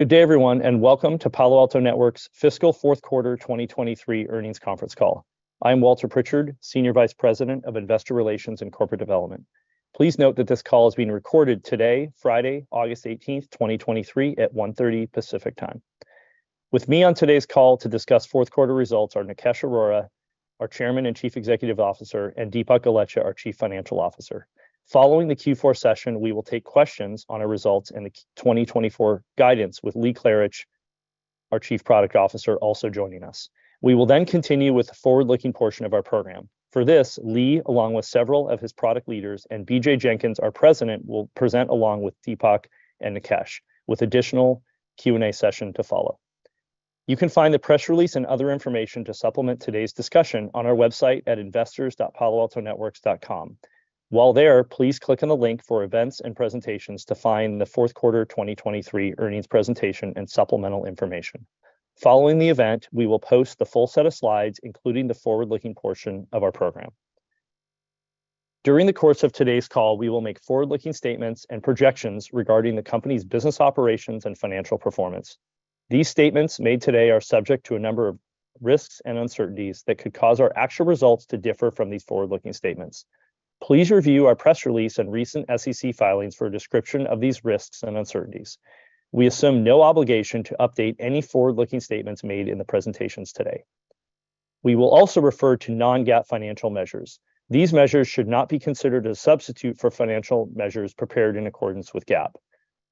Good day everyone, welcome to Palo Alto Networks' Fiscal Fourth Quarter 2023 Earnings Conference Call. I'm Walter Pritchard, Senior Vice President of Investor Relations and Corporate Development. Please note that this call is being recorded today, Friday, August 18th, 2023, at 1:30 P.M. Pacific Time. With me on today's call to discuss fourth quarter results are Nikesh Arora, our Chairman and Chief Executive Officer, and Dipak Golechha, our Chief Financial Officer. Following the Q4 session, we will take questions on our results and the Q 2024 guidance with Lee Klarich, our Chief Product Officer, also joining us. We will continue with the forward-looking portion of our program. For this, Lee, along with several of his product leaders, and BJ Jenkins, our president, will present along with Dipak and Nikesh, with additional Q&A session to follow. You can find the press release and other information to supplement today's discussion on our website at investors.paloaltonetworks.com. While there, please click on the link for events and presentations to find the fourth quarter 2023 earnings presentation and supplemental information. Following the event, we will post the full set of slides, including the forward-looking portion of our program. During the course of today's call, we will make forward-looking statements and projections regarding the company's business operations and financial performance. These statements made today are subject to a number of risks and uncertainties that could cause our actual results to differ from these forward-looking statements. Please review our press release and recent SEC filings for a description of these risks and uncertainties. We assume no obligation to update any forward-looking statements made in the presentations today. We will also refer to non-GAAP financial measures. These measures should not be considered a substitute for financial measures prepared in accordance with GAAP.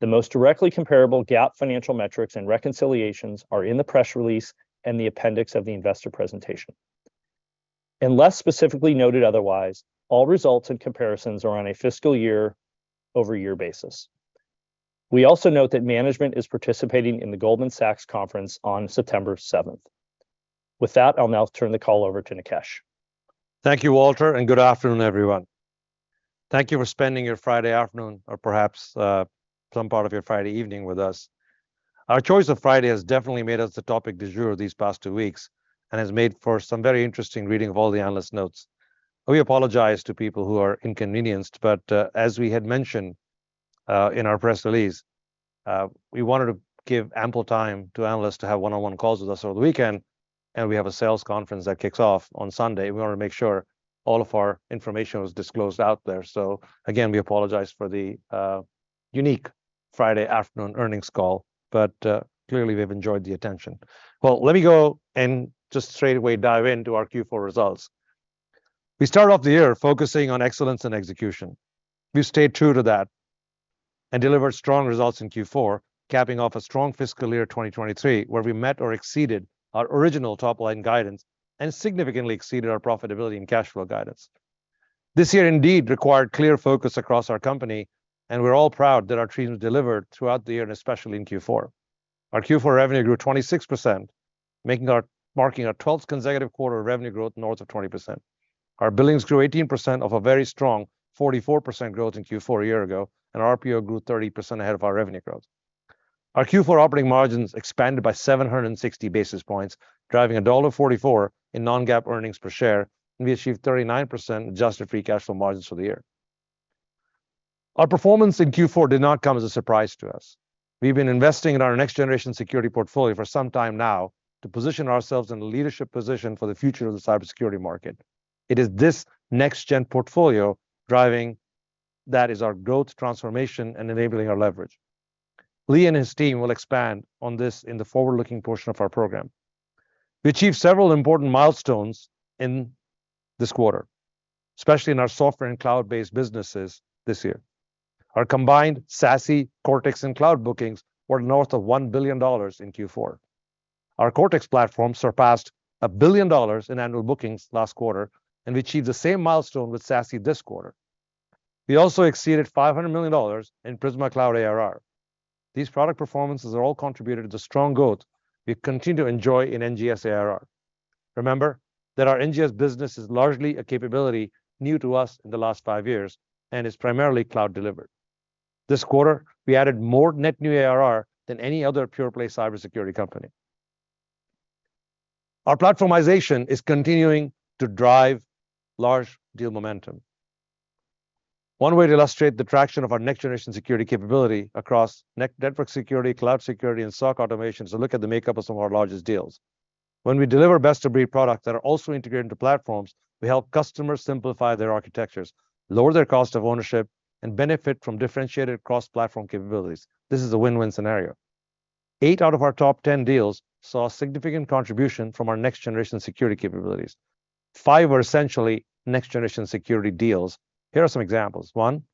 The most directly comparable GAAP financial metrics and reconciliations are in the press release and the appendix of the investor presentation. Unless specifically noted otherwise, all results and comparisons are on a fiscal year-over-year basis. We also note that management is participating in the Goldman Sachs conference on September seventh. With that, I'll now turn the call over to Nikesh. Thank you, Walter. Good afternoon, everyone. Thank you for spending your Friday afternoon, or perhaps, some part of your Friday evening with us. Our choice of Friday has definitely made us the topic du jour these past two weeks, and has made for some very interesting reading of all the analyst notes. We apologize to people who are inconvenienced, but, as we had mentioned in our press release, we wanted to give ample time to analysts to have 1-on-1 calls with us over the weekend, and we have a sales conference that kicks off on Sunday. We wanted to make sure all of our information was disclosed out there. Again, we apologize for the unique Friday afternoon earnings call, but clearly we've enjoyed the attention. Well, let me go and just straightaway dive into our Q4 results. We started off the year focusing on excellence and execution. We stayed true to that and delivered strong results in Q4, capping off a strong fiscal year 2023, where we met or exceeded our original top-line guidance and significantly exceeded our profitability and cash flow guidance. This year indeed required clear focus across our company. We're all proud that our teams delivered throughout the year, and especially in Q4. Our Q4 revenue grew 26%, marking our 12th consecutive quarter of revenue growth north of 20%. Our billings grew 18% off a very strong 44% growth in Q4 a year ago. Our RPO grew 30% ahead of our revenue growth. Our Q four operating margins expanded by 760 basis points, driving $1.44 in non-GAAP earnings per share. We achieved 39% adjusted free cash flow margins for the year. Our performance in Q four did not come as a surprise to us. We've been investing in our next-generation security portfolio for some time now to position ourselves in a leadership position for the future of the Cider Security market. It is this next-gen portfolio that is our growth transformation and enabling our leverage. Lee and his team will expand on this in the forward-looking portion of our program. We achieved several important milestones in this quarter, especially in our software and cloud-based businesses this year. Our combined SASE, Cortex, and Cloud bookings were north of $1 billion in Q four. Our Cortex platform surpassed $1 billion in annual bookings last quarter, and we achieved the same milestone with SASE this quarter. We also exceeded $500 million in Prisma Cloud ARR. These product performances are all contributed to strong growth we continue to enjoy in NGS ARR. Remember that our NGS business is largely a capability new to us in the last five years and is primarily cloud delivered. This quarter, we added more net new ARR than any other pure play Cider Security company. Our platformization is continuing to drive large deal momentum. One way to illustrate the traction of our next-generation security capability across network security, cloud security, and SOC automation, is to look at the makeup of some of our largest deals. When we deliver best-of-breed products that are also integrated into platforms, we help customers simplify their architectures, lower their cost of ownership, and benefit from differentiated cross-platform capabilities. This is a win-win scenario. Eigh out of our top 10 deals saw significant contribution from our next-generation security capabilities. Five were essentially next-generation security deals. Here are some examples: One,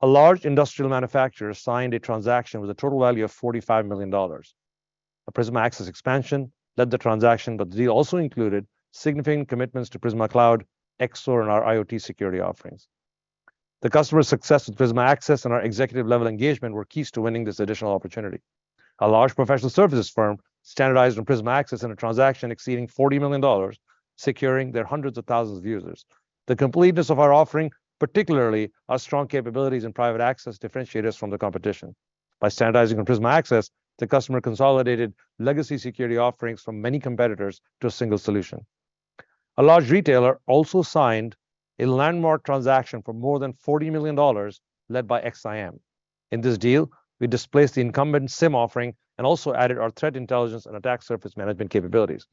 a large industrial manufacturer signed a transaction with a total value of $45 million. A Prisma Access expansion led the transaction, but the deal also included significant commitments to Prisma Cloud, XSOAR, and our IoT Security offerings. The customer's success with Prisma Access and our executive-level engagement were keys to winning this additional opportunity. A large professional services firm standardized on Prisma Access in a transaction exceeding $40 million, securing their hundreds of thousands of users. The completeness of our offering, particularly our strong capabilities in private access, differentiate us from the competition. By standardizing on Prisma Access, the customer consolidated legacy security offerings from many competitors to a single solution. A large retailer also signed a landmark transaction for more than $40 million led by XSIAM. In this deal, we displaced the incumbent SIEM offering and also added our threat intelligence and attack surface management capabilities.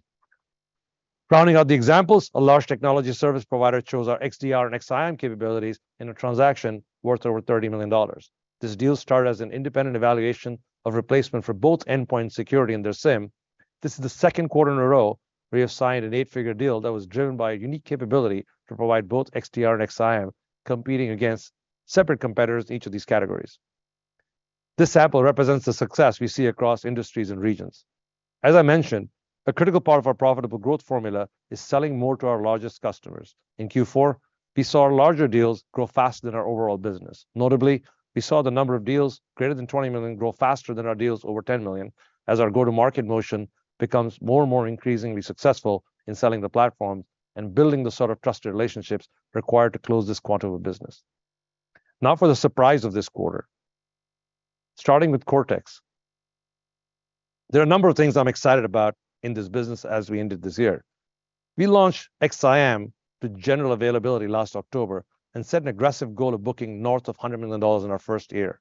Rounding out the examples, a large technology service provider chose our XDR and XSIAM capabilities in a transaction worth over $30 million. This deal started as an independent evaluation of replacement for both endpoint security and their SIEM. This is the second quarter in a row we have signed an eight-figure deal that was driven by a unique capability to provide both XDR and XSIAM, competing against separate competitors in each of these categories. This sample represents the success we see across industries and regions. As I mentioned, a critical part of our profitable growth formula is selling more to our largest customers. In Q4, we saw our larger deals grow faster than our overall business. Notably, we saw the number of deals greater than $20 million grow faster than our deals over $10 million, as our go-to-market motion becomes more and more increasingly successful in selling the platform and building the sort of trusted relationships required to close this quantum of business. Now for the surprise of this quarter, starting with Cortex. There are a number of things I'm excited about in this business as we ended this year. We launched XSIAM to general availability last October and set an aggressive goal of booking north of $100 million in our first year.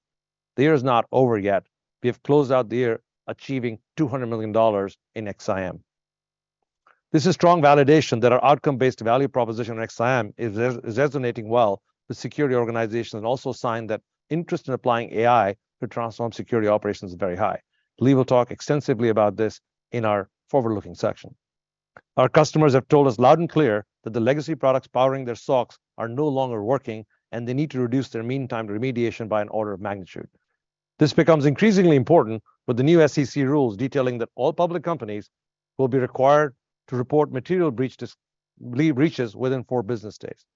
The year is not over yet. We have closed out the year achieving $200 million in XSIAM. This is strong validation that our outcome-based value proposition in XSIAM is resonating well with security organizations, and also a sign that interest in applying AI to transform security operations is very high. Lee will talk extensively about this in our forward-looking section. Our customers have told us loud and clear that the legacy products powering their SOCs are no longer working, and they need to reduce their meantime to remediation by an order of magnitude. This becomes increasingly important with the new SEC rules detailing that all public companies will be required to report material breach Lee breaches within four business days.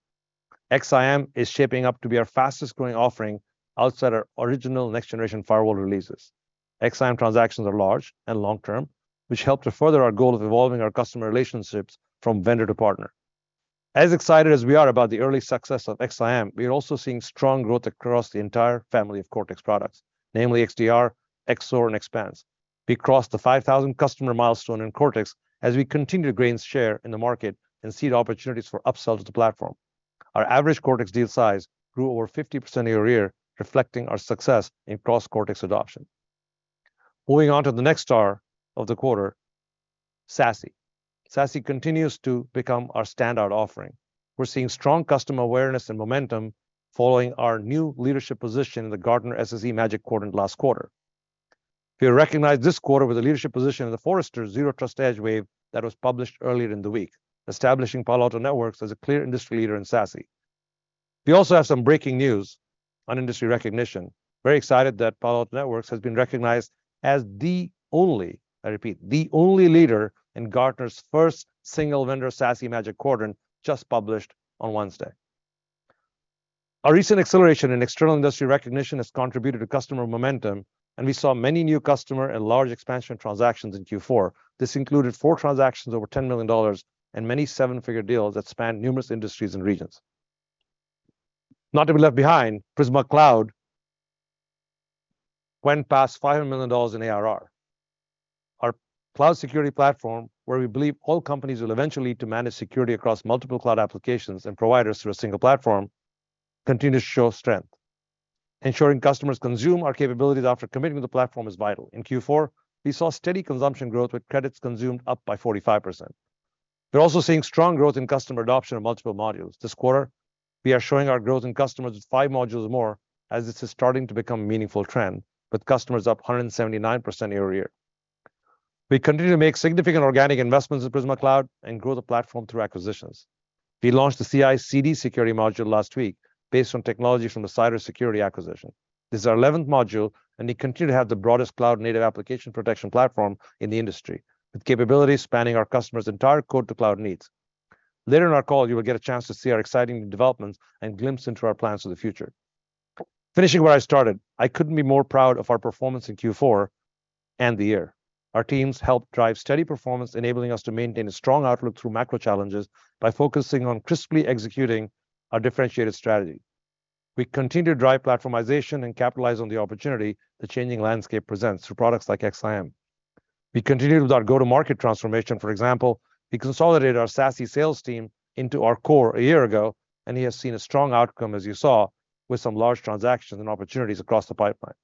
XSIAM is shaping up to be our fastest-growing offering outside our original Next-Generation Firewall releases. XSIAM transactions are large and long term, which help to further our goal of evolving our customer relationships from vendor to partner. As excited as we are about the early success of XSIAM, we are also seeing strong growth across the entire family of Cortex products, namely XDR, XSOAR, and Expanse. We crossed the 5,000 customer milestone in Cortex as we continue to gain share in the market and see the opportunities for upsell to the platform. Our average Cortex deal size grew over 50% year-over-year, reflecting our success in cross-Cortex adoption. Moving on to the next star of the quarter, SASE. SASE continues to become our standout offering. We're seeing strong customer awareness and momentum following our new leadership position in the Gartner SSE Magic Quadrant last quarter. We were recognized this quarter with a leadership position in the Forrester's Zero Trust Edge Wave that was published earlier in the week, establishing Palo Alto Networks as a clear industry leader in SASE. We also have some breaking news on industry recognition. Very excited that Palo Alto Networks has been recognized as the only, I repeat, the only leader in Gartner's first single-vendor SASE Magic Quadrant, just published on Wednesday. Our recent acceleration in external industry recognition has contributed to customer momentum, and we saw many new customer and large expansion transactions in Q4. This included four transactions over $10 million and many seven-figure deals that spanned numerous industries and regions. Not to be left behind, Prisma Cloud went past $500 million in ARR. Our cloud security platform, where we believe all companies will eventually need to manage security across multiple cloud applications and providers through a single platform, continue to show strength. Ensuring customers consume our capabilities after committing to the platform is vital. In Q4, we saw steady consumption growth, with credits consumed up by 45%. We're also seeing strong growth in customer adoption of multiple modules. This quarter, we are showing our growth in customers with five modules more, as this is starting to become a meaningful trend, with customers up 179% year-over-year. We continue to make significant organic investments in Prisma Cloud and grow the platform through acquisitions. We launched the CI/CD security module last week based on technology from the Cider Security acquisition. This is our eleventh module. We continue to have the broadest Cloud-Native Application Protection Platform in the industry, with capabilities spanning our customers' entire Code-to-Cloud needs. Later in our call, you will get a chance to see our exciting developments and glimpse into our plans for the future. Finishing where I started, I couldn't be more proud of our performance in Q4 and the year. Our teams helped drive steady performance, enabling us to maintain a strong outlook through macro challenges by focusing on crisply executing our differentiated strategy. We continue to drive platformization and capitalize on the opportunity the changing landscape presents through products like XSIAM. We continued with our go-to-market transformation. For example, we consolidated our SASE sales team into our core a year ago, and we have seen a strong outcome, as you saw, with some large transactions and opportunities across the pipeline.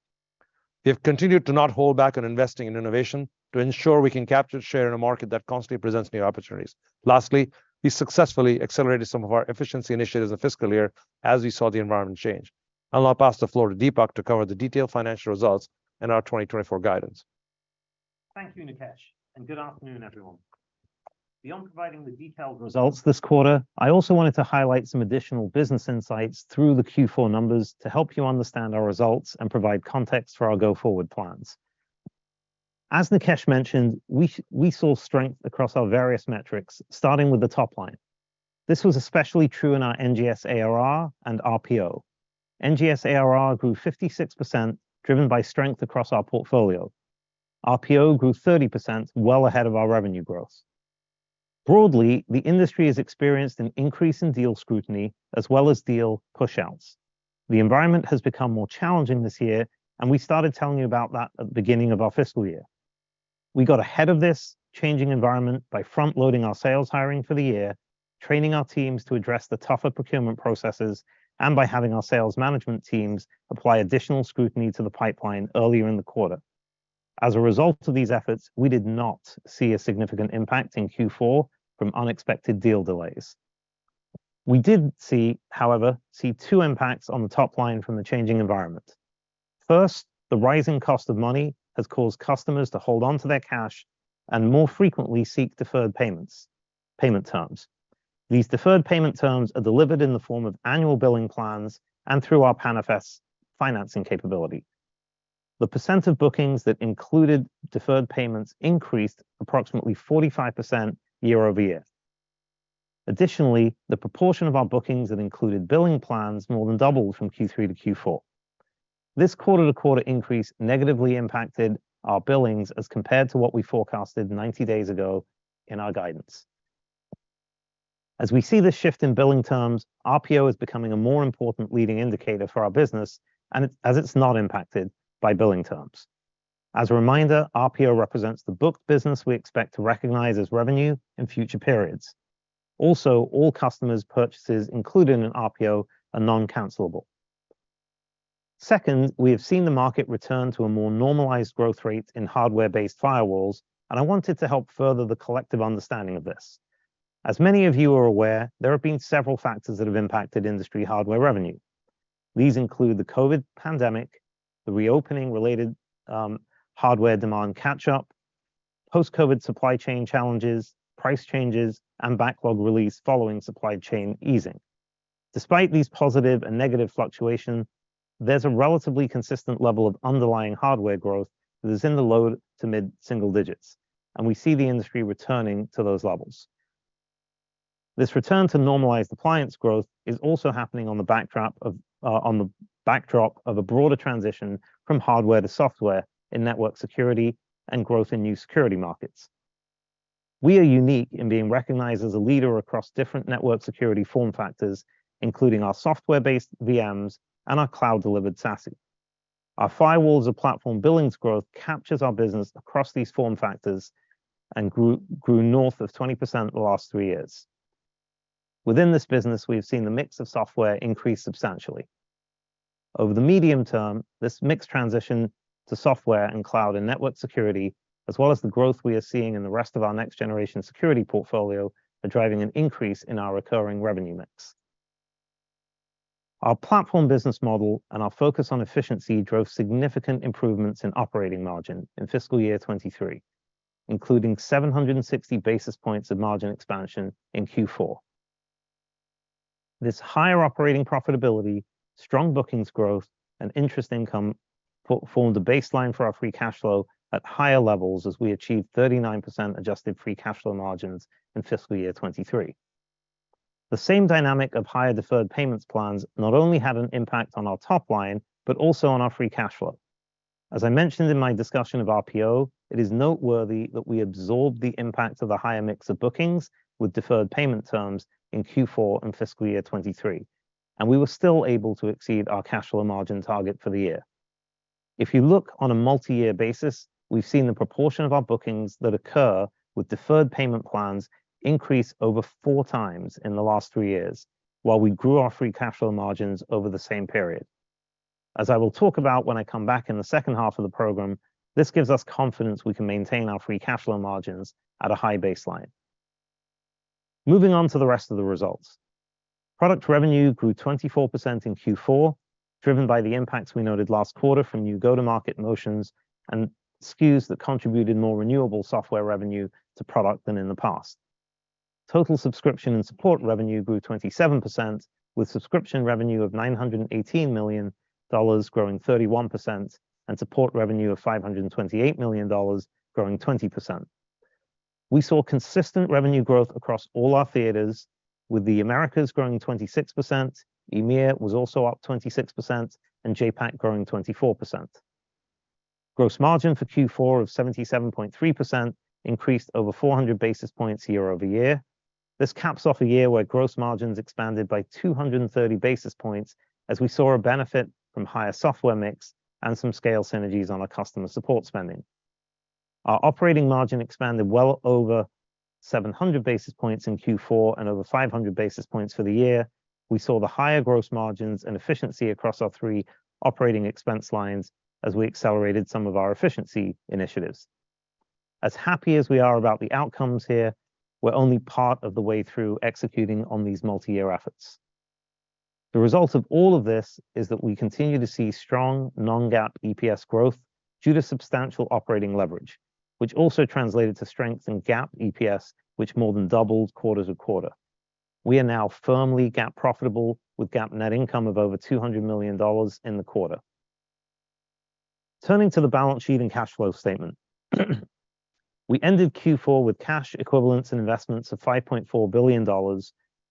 We have continued to not hold back on investing in innovation to ensure we can capture share in a market that constantly presents new opportunities. Lastly, we successfully accelerated some of our efficiency initiatives this fiscal year as we saw the environment change. I'll now pass the floor to Dipak to cover the detailed financial results and our 2024 guidance. Thank you, Nikesh, and good afternoon, everyone. Beyond providing the detailed results this quarter, I also wanted to highlight some additional business insights through the Q4 numbers to help you understand our results and provide context for our go-forward plans. As Nikesh mentioned, we saw strength across our various metrics, starting with the top line. This was especially true in our NGS ARR and RPO. NGS ARR grew 56%, driven by strength across our portfolio. RPO grew 30%, well ahead of our revenue growth. Broadly, the industry has experienced an increase in deal scrutiny as well as deal pushouts. The environment has become more challenging this year, and we started telling you about that at the beginning of our fiscal year. We got ahead of this changing environment by front-loading our sales hiring for the year, training our teams to address the tougher procurement processes, and by having our sales management teams apply additional scrutiny to the pipeline earlier in the quarter. As a result of these efforts, we did not see a significant impact in Q4 from unexpected deal delays. We did see, however, see two impacts on the top line from the changing environment. First, the rising cost of money has caused customers to hold on to their cash and more frequently seek deferred payments, payment terms. These deferred payment terms are delivered in the form of annual billing plans and through our PANFS financing capability. The percent of bookings that included deferred payments increased approximately 45% year-over-year. Additionally, the proportion of our bookings that included billing plans more than doubled from Q3 to Q4. This quarter-to-quarter increase negatively impacted our billings as compared to what we forecasted 90 days ago in our guidance. As we see this shift in billing terms, RPO is becoming a more important leading indicator for our business and as it's not impacted by billing terms. As a reminder, RPO represents the booked business we expect to recognize as revenue in future periods. All customers' purchases included in an RPO are non-cancelable. Second, we have seen the market return to a more normalized growth rate in hardware-based firewalls, and I wanted to help further the collective understanding of this. As many of you are aware, there have been several factors that have impacted industry hardware revenue. These include the COVID pandemic, the reopening related hardware demand catch-up, post-COVID supply chain challenges, price changes, and backlog release following supply chain easing. Despite these positive and negative fluctuations, there's a relatively consistent level of underlying hardware growth that is in the low to mid-single digits, and we see the industry returning to those levels. This return to normalized appliance growth is also happening on the backdrop of on the backdrop of a broader transition from hardware to software in network security and growth in new security markets. We are unique in being recognized as a leader across different network security form factors, including our software-based VMs and our cloud-delivered SASE. Our firewalls and platform billings growth captures our business across these form factors and grew north of 20% in the last 3 years. Within this business, we've seen the mix of software increase substantially. Over the medium term, this mix transition to software and cloud and network security, as well as the growth we are seeing in the rest of our next-generation security portfolio, are driving an increase in our recurring revenue mix. Our platform business model and our focus on efficiency drove significant improvements in operating margin in fiscal year 2023, including 760 basis points of margin expansion in Q4. This higher operating profitability, strong bookings growth, and interest income formed a baseline for our free cash flow at higher levels as we achieved 39% adjusted free cash flow margins in fiscal year 2023. The same dynamic of higher deferred payments plans not only had an impact on our top line, but also on our free cash flow. As I mentioned in my discussion of RPO, it is noteworthy that we absorbed the impact of the higher mix of bookings with deferred payment terms in Q4 and fiscal year 2023. We were still able to exceed our cash flow margin target for the year. If you look on a multi-year basis, we've seen the proportion of our bookings that occur with deferred payment plans increase over 4x in the last 3 years, while we grew our free cash flow margins over the same period. As I will talk about when I come back in the second half of the program, this gives us confidence we can maintain our free cash flow margins at a high baseline. Moving on to the rest of the results. Product revenue grew 24% in Q4, driven by the impacts we noted last quarter from new go-to-market motions and SKUs that contributed more renewable software revenue to product than in the past. Total subscription and support revenue grew 27%, with subscription revenue of $918 million growing 31% and support revenue of $528 million growing 20%. We saw consistent revenue growth across all our theaters, with the Americas growing 26%, EMEA was also up 26%, and JAPAC growing 24%. Gross margin for Q4 of 77.3% increased over 400 basis points year-over-year. This caps off a year where gross margins expanded by 230 basis points as we saw a benefit from higher software mix and some scale synergies on our customer support spending. Our operating margin expanded well over 700 basis points in Q4 and over 500 basis points for the year. We saw the higher gross margins and efficiency across our three operating expense lines as we accelerated some of our efficiency initiatives. As happy as we are about the outcomes here, we're only part of the way through executing on these multi-year efforts. The result of all of this is that we continue to see strong non-GAAP EPS growth due to substantial operating leverage, which also translated to strength in GAAP EPS, which more than doubled quarter-to-quarter. We are now firmly GAAP profitable, with GAAP net income of over $200 million in the quarter. Turning to the balance sheet and cash flow statement. We ended Q4 with cash equivalents and investments of $5.4 billion.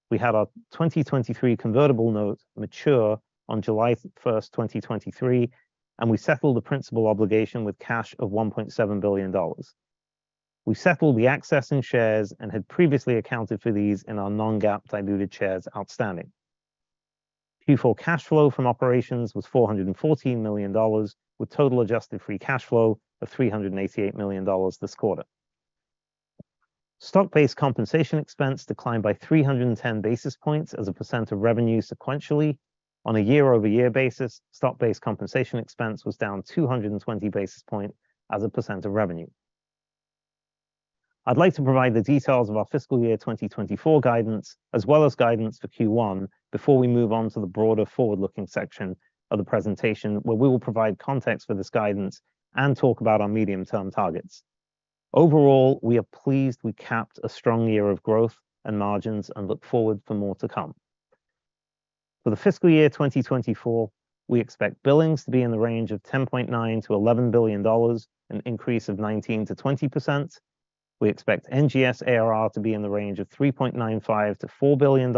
We had our 2023 convertible note mature on July 1, 2023, and we settled the principal obligation with cash of $1.7 billion. We settled the access in shares and had previously accounted for these in our non-GAAP diluted shares outstanding. Q4 cash flow from operations was $414 million, with total adjusted free cash flow of $388 million this quarter. Stock-based compensation expense declined by 310 basis points as a percent of revenue sequentially. On a year-over-year basis, stock-based compensation expense was down 220 basis points as a percent of revenue. I'd like to provide the details of our fiscal year 2024 guidance, as well as guidance for Q1, before we move on to the broader forward-looking section of the presentation, where we will provide context for this guidance and talk about our medium-term targets. Overall, we are pleased we capped a strong year of growth and margins and look forward for more to come. For the fiscal year 2024, we expect billings to be in the range of $10.9 billion-$11 billion, an increase of 19%-20%. We expect NGS ARR to be in the range of $3.95 billion-$4 billion,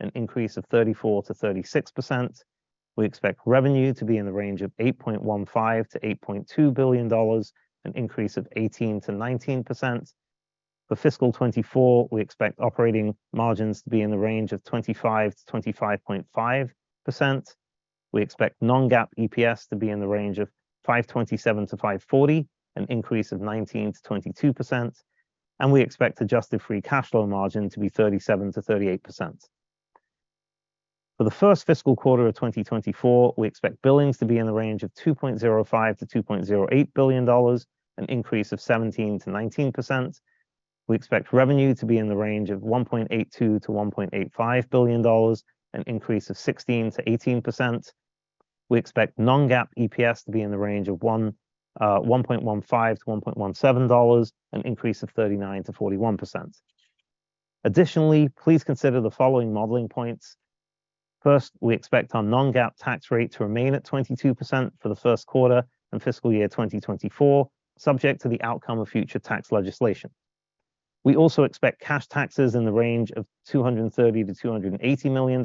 an increase of 34%-36%. We expect revenue to be in the range of $8.15 billion-$8.2 billion, an increase of 18%-19%. For fiscal 2024, we expect operating margins to be in the range of 25%-25.5%. We expect non-GAAP EPS to be in the range of $5.27-$5.40, an increase of 19%-22%, and we expect adjusted free cash flow margin to be 37%-38%. For the 1st fiscal quarter of 2024, we expect billings to be in the range of $2.05 billion-$2.08 billion, an increase of 17%-19%. We expect revenue to be in the range of $1.82 billion-$1.85 billion, an increase of 16%-18%. We expect non-GAAP EPS to be in the range of $1.15-$1.17, an increase of 39%-41%. Additionally, please consider the following modeling points. First, we expect our non-GAAP tax rate to remain at 22% for the first quarter and fiscal year 2024, subject to the outcome of future tax legislation. We also expect cash taxes in the range of $230 million-$280 million.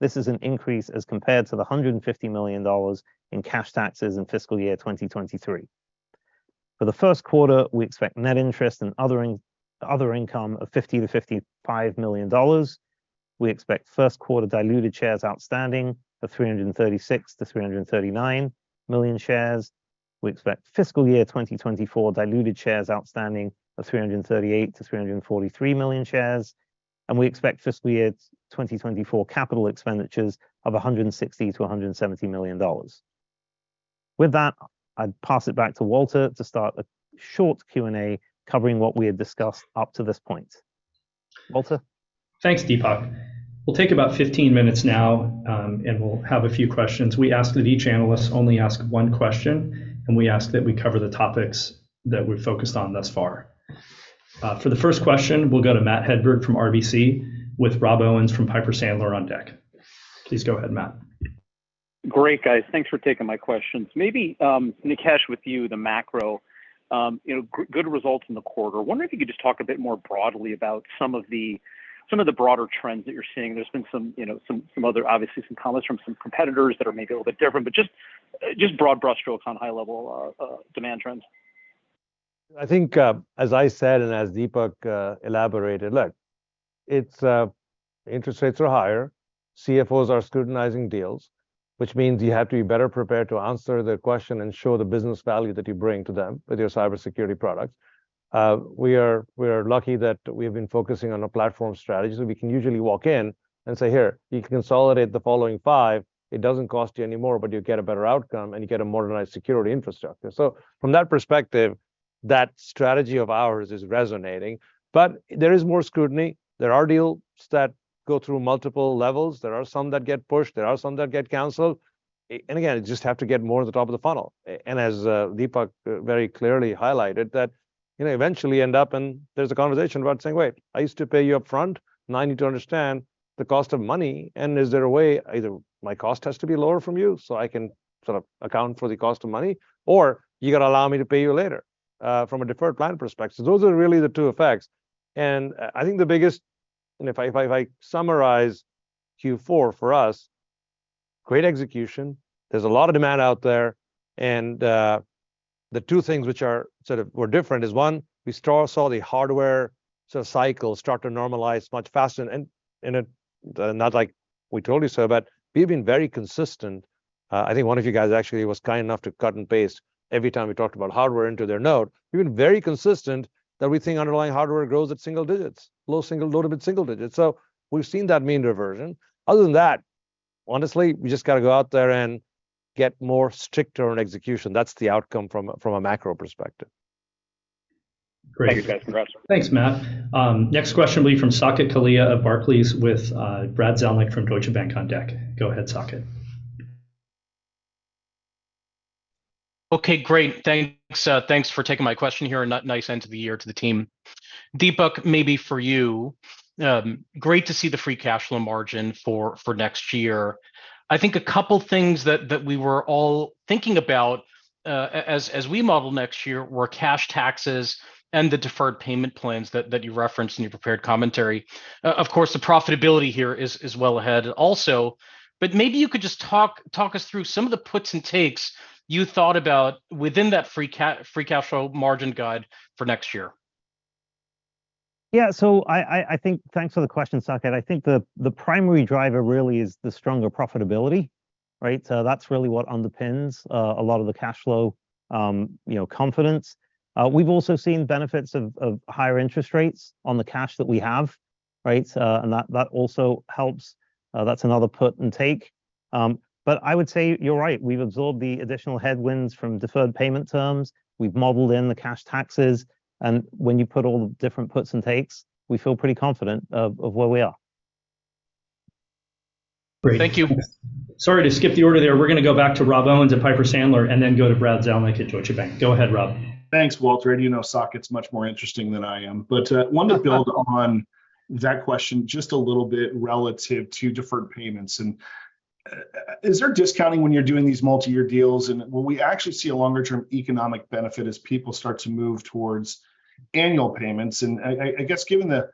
This is an increase as compared to the $150 million in cash taxes in fiscal year 2023. For the first quarter, we expect net interest and other income of $50 million-$55 million. We expect first quarter diluted shares outstanding of 336 million-339 million shares. We expect fiscal year 2024 diluted shares outstanding of 338 million-343 million shares, and we expect fiscal year 2024 capital expenditures of $160 million-$170 million. With that, I'd pass it back to Walter to start a short Q&A, covering what we have discussed up to this point. Walter? Thanks, Dipak. We'll take about 15 minutes now, and we'll have a few questions. We ask that each analyst only ask 1 question, and we ask that we cover the topics that we've focused on thus far. For the first question, we'll go to Matthew Hedberg from RBC, with Rob Owens from Piper Sandler on deck. Please go ahead, Matt. Great, guys. Thanks for taking my questions. Maybe, Nikesh, with you, the macro, you know, good results in the quarter. I wonder if you could just talk a bit more broadly about some of the, some of the broader trends that you're seeing. There's been some, you know, some, some other, obviously some comments from some competitors that are maybe a little bit different, but just, just broad brushstrokes on high level, demand trends? I think, as I said, and as Dipak elaborated, look, it's interest rates are higher. CFOs are scrutinizing deals, which means you have to be better prepared to answer their question and show the business value that you bring to them with your Cider Security products. We are, we are lucky that we have been focusing on a platform strategy, so we can usually walk in and say, "Here, you can consolidate the following five. It doesn't cost you any more, but you get a better outcome, and you get a modernized security infrastructure." From that perspective, that strategy of ours is resonating. There is more scrutiny. There are deals that go through multiple levels. There are some that get pushed, there are some that get canceled. Again, you just have to get more to the top of the funnel. As Dipak very clearly highlighted, that, you know, eventually end up and there's a conversation about saying: "Wait, I used to pay you upfront, now I need to understand the cost of money, and is there a way either my cost has to be lower from you, so I can sort of account for the cost of money, or you got to allow me to pay you later from a deferred plan perspective?" Those are really the two effects, and I, I think if I summarize Q4 for us, great execution. There's a lot of demand out there, and the two things which are sort of were different is, one, we saw the hardware sort of cycle start to normalize much faster and it not like we told you so, but we've been very consistent. I think one of you guys actually was kind enough to cut and paste every time we talked about hardware into their note. We've been very consistent that we think underlying hardware grows at single digits, low single- low double to single digits. We've seen that mean reversion. Other than that, honestly, we just got to go out there and get more stricter on execution. That's the outcome from a, from a macro perspective. Great. Thank you, guys. Congrats. Thanks, Matt. Next question will be from Saket Kalia of Barclays with, Brad Zelnick from Deutsche Bank on deck. Go ahead, Saket. Okay, great. Thanks, thanks for taking my question here, and nice end to the year to the team. Dipak, maybe for you, great to see the free cash flow margin for next year. I think a couple things that we were all thinking about as we model next year, were cash taxes and the deferred payment plans that you referenced in your prepared commentary. Of course, the profitability here is well ahead also, but maybe you could just talk, talk us through some of the puts and takes you thought about within that free cash flow margin guide for next year. Yeah, I think thanks for the question, Saket. I think the primary driver really is the stronger profitability, right? That's really what underpins a lot of the cash flow, you know, confidence. We've also seen benefits of, of higher interest rates on the cash that we have, right? That, that also helps. That's another put and take. I would say you're right, we've absorbed the additional headwinds from deferred payment terms. We've modeled in the cash taxes, and when you put all the different puts and takes, we feel pretty confident of, of where we are. Great. Thank you. Sorry to skip the order there. We're gonna go back to Rob Owens at Piper Sandler, and then go to Brad Zelnick at Deutsche Bank. Go ahead, Rob. Thanks, Walter. You know Saket's much more interesting than I am. But, wanted to build on that question just a little bit relative to deferred payments. Is there discounting when you're doing these multi-year deals? Will we actually see a longer-term economic benefit as people start to move towards annual payments? I, I, I guess given the,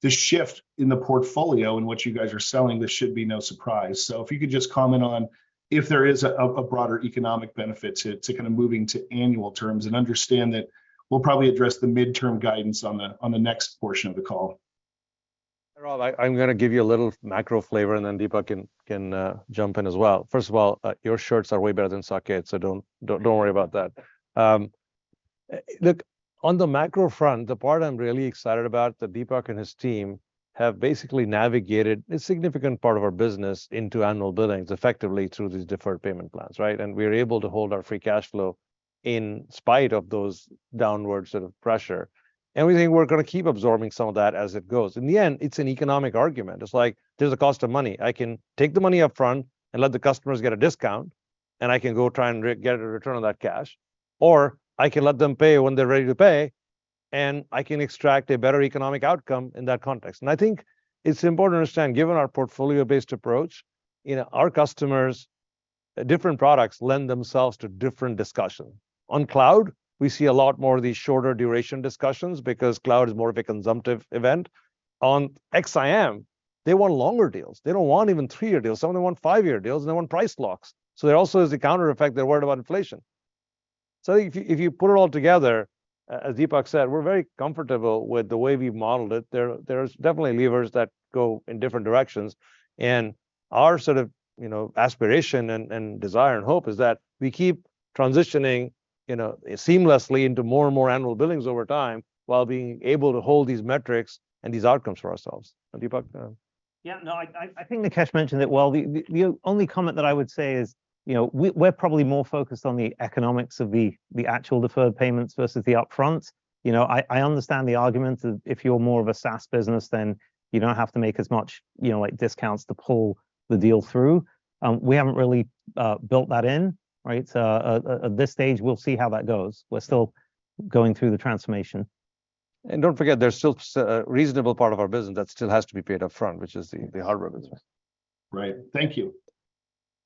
the shift in the portfolio and what you guys are selling, this should be no surprise. If you could just comment on if there is a, a, a broader economic benefit to, to kind of moving to annual terms. Understand that we'll probably address the midterm guidance on the, on the next portion of the call. Rob, I, I'm gonna give you a little macro flavor, and then Dipak can, can jump in as well. First of all, your shorts are way better than Saket's, so don't, don't, don't worry about that. Look, on the macro front, the part I'm really excited about, that Dipak and his team have basically navigated a significant part of our business into annual billings effectively through these deferred payment plans, right? We're able to hold our free cash flow in spite of those downward sort of pressure, and we think we're gonna keep absorbing some of that as it goes. In the end, it's an economic argument. It's like there's a cost of money. I can take the money upfront and let the customers get a discount, and I can go try and re- get a return on that cash, or I can let them pay when they're ready to pay, and I can extract a better economic outcome in that context. I think it's important to understand, given our portfolio-based approach, you know, our customers, different products lend themselves to different discussion. On cloud, we see a lot more of these shorter duration discussions because cloud is more of a consumptive event. On XSIAM, they want longer deals. They don't want even three-year deals. Some of them want five-year deals, and they want price locks. There also is a countereffect. They're worried about inflation. If you, if you put it all together, as Dipak said, we're very comfortable with the way we've modeled it. There, there's definitely levers that go in different directions, and our sort of, you know, aspiration and, and desire and hope is that we keep transitioning, you know, seamlessly into more and more annual billings over time, while being able to hold these metrics and these outcomes for ourselves. Dipak. Yeah, no, I, I, I think Nikesh mentioned it well. The, the, the only comment that I would say is, you know, we, we're probably more focused on the economics of the, the actual deferred payments versus the upfront. You know, I, I understand the argument that if you're more of a SaaS business, then you don't have to make as much, you know, like, discounts to pull the deal through. We haven't really built that in, right? At, at this stage, we'll see how that goes. We're still going through the transformation. Don't forget, there's still a reasonable part of our business that still has to be paid upfront, which is the hardware business. Right. Thank you.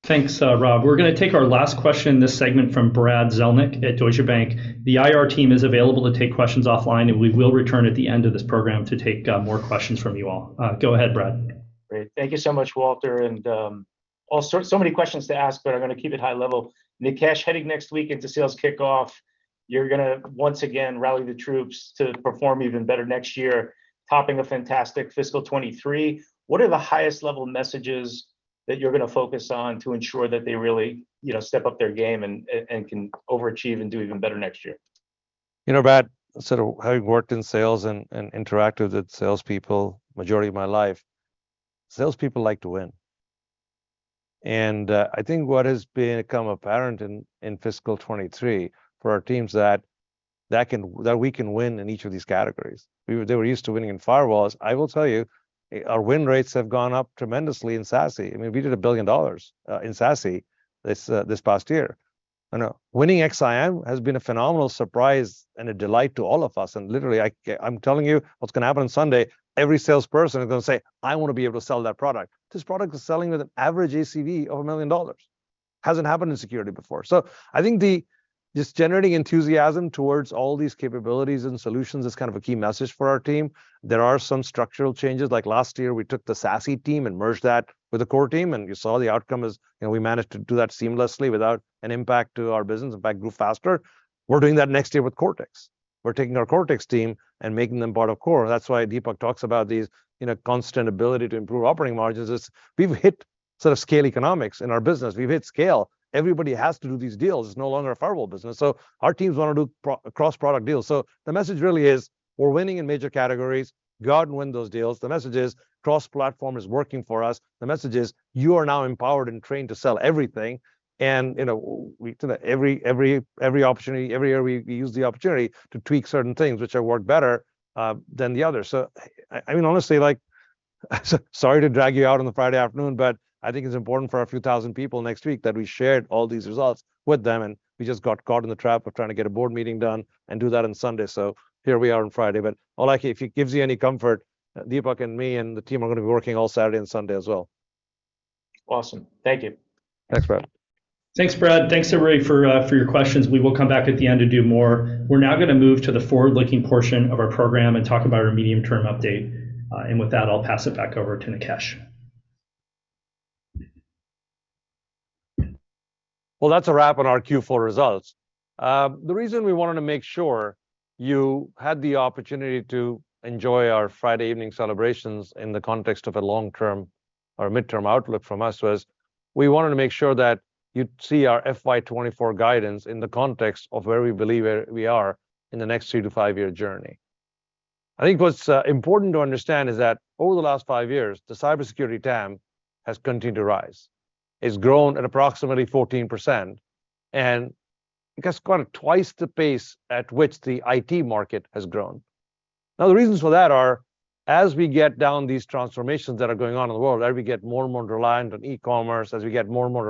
Thanks, Rob. We're gonna take our last question, this segment from Brad Zelnick at Deutsche Bank. The IR team is available to take questions offline. We will return at the end of this program to take more questions from you all. Go ahead, Brad. Great. Thank you so much, Walter, and also so many questions to ask, but I'm gonna keep it high level. Nikesh, heading next week into sales kickoff, you're gonna once again rally the troops to perform even better next year, topping a fantastic fiscal 2023. What are the highest level messages that you're gonna focus on to ensure that they really, you know, step up their game and, and, and can overachieve and do even better next year? You know, Brad, sort of having worked in sales and, and interacted with salespeople majority of my life, salespeople like to win. And, I think what has become apparent in fiscal 2023 for our teams that we can win in each of these categories. They were used to winning in firewalls. I will tell you, our win rates have gone up tremendously in SASE. I mean, we did $1 billion in SASE this past year. And, winning XSIAM has been a phenomenal surprise and a delight to all of us, and literally, I'm telling you, what's gonna happen on Sunday, every salesperson is gonna say, "I want to be able to sell that product." This product is selling with an average ACV of $1 million. Hasn't happened in security before. I think the just generating enthusiasm towards all these capabilities and solutions is kind of a key message for our team. There are some structural changes. Last year, we took the SASE team and merged that with the Core team, and you saw the outcome as, you know, we managed to do that seamlessly without an impact to our business. In fact, grew faster. We're doing that next year with Cortex. We're taking our Cortex team and making them part of Core. That's why Dipak talks about these, you know, constant ability to improve operating margins is, we've hit sort of scale economics in our business. We've hit scale. Everybody has to do these deals. It's no longer a firewall business, so our teams want to do cross-product deals. The message really is, we're winning in major categories. Go out and win those deals. The message is, cross-platform is working for us. The message is, you are now empowered and trained to sell everything, and, you know. That every, every, every opportunity, every year, we, we use the opportunity to tweak certain things, which have worked better than the others. I, I mean, honestly, like, sorry to drag you out on a Friday afternoon, but I think it's important for our few thousand people next week that we shared all these results with them, and we just got caught in the trap of trying to get a board meeting done and do that on Sunday. Here we are on Friday. Unlikely, if it gives you any comfort, Dipak and me and the team are gonna be working all Saturday and Sunday as well. Awesome. Thank you. Thanks, Brad. Thanks, Brad. Thanks, everybody, for your questions. We will come back at the end to do more. We're now gonna move to the forward-looking portion of our program and talk about our medium-term update. With that, I'll pass it back over to Nikesh.... Well, that's a wrap on our Q4 results. The reason we wanted to make sure you had the opportunity to enjoy our Friday evening celebrations in the context of a long-term or a mid-term outlook from us, was we wanted to make sure that you'd see our FY24 guidance in the context of where we believe where we are in the next 3-5-year journey. I think what's important to understand is that over the last five years, the Cider Security TAM has continued to rise. It's grown at approximately 14%, I guess kind of twice the pace at which the IT market has grown. The reasons for that are, as we get down these transformations that are going on in the world, as we get more and more reliant on e-commerce, as we get more and more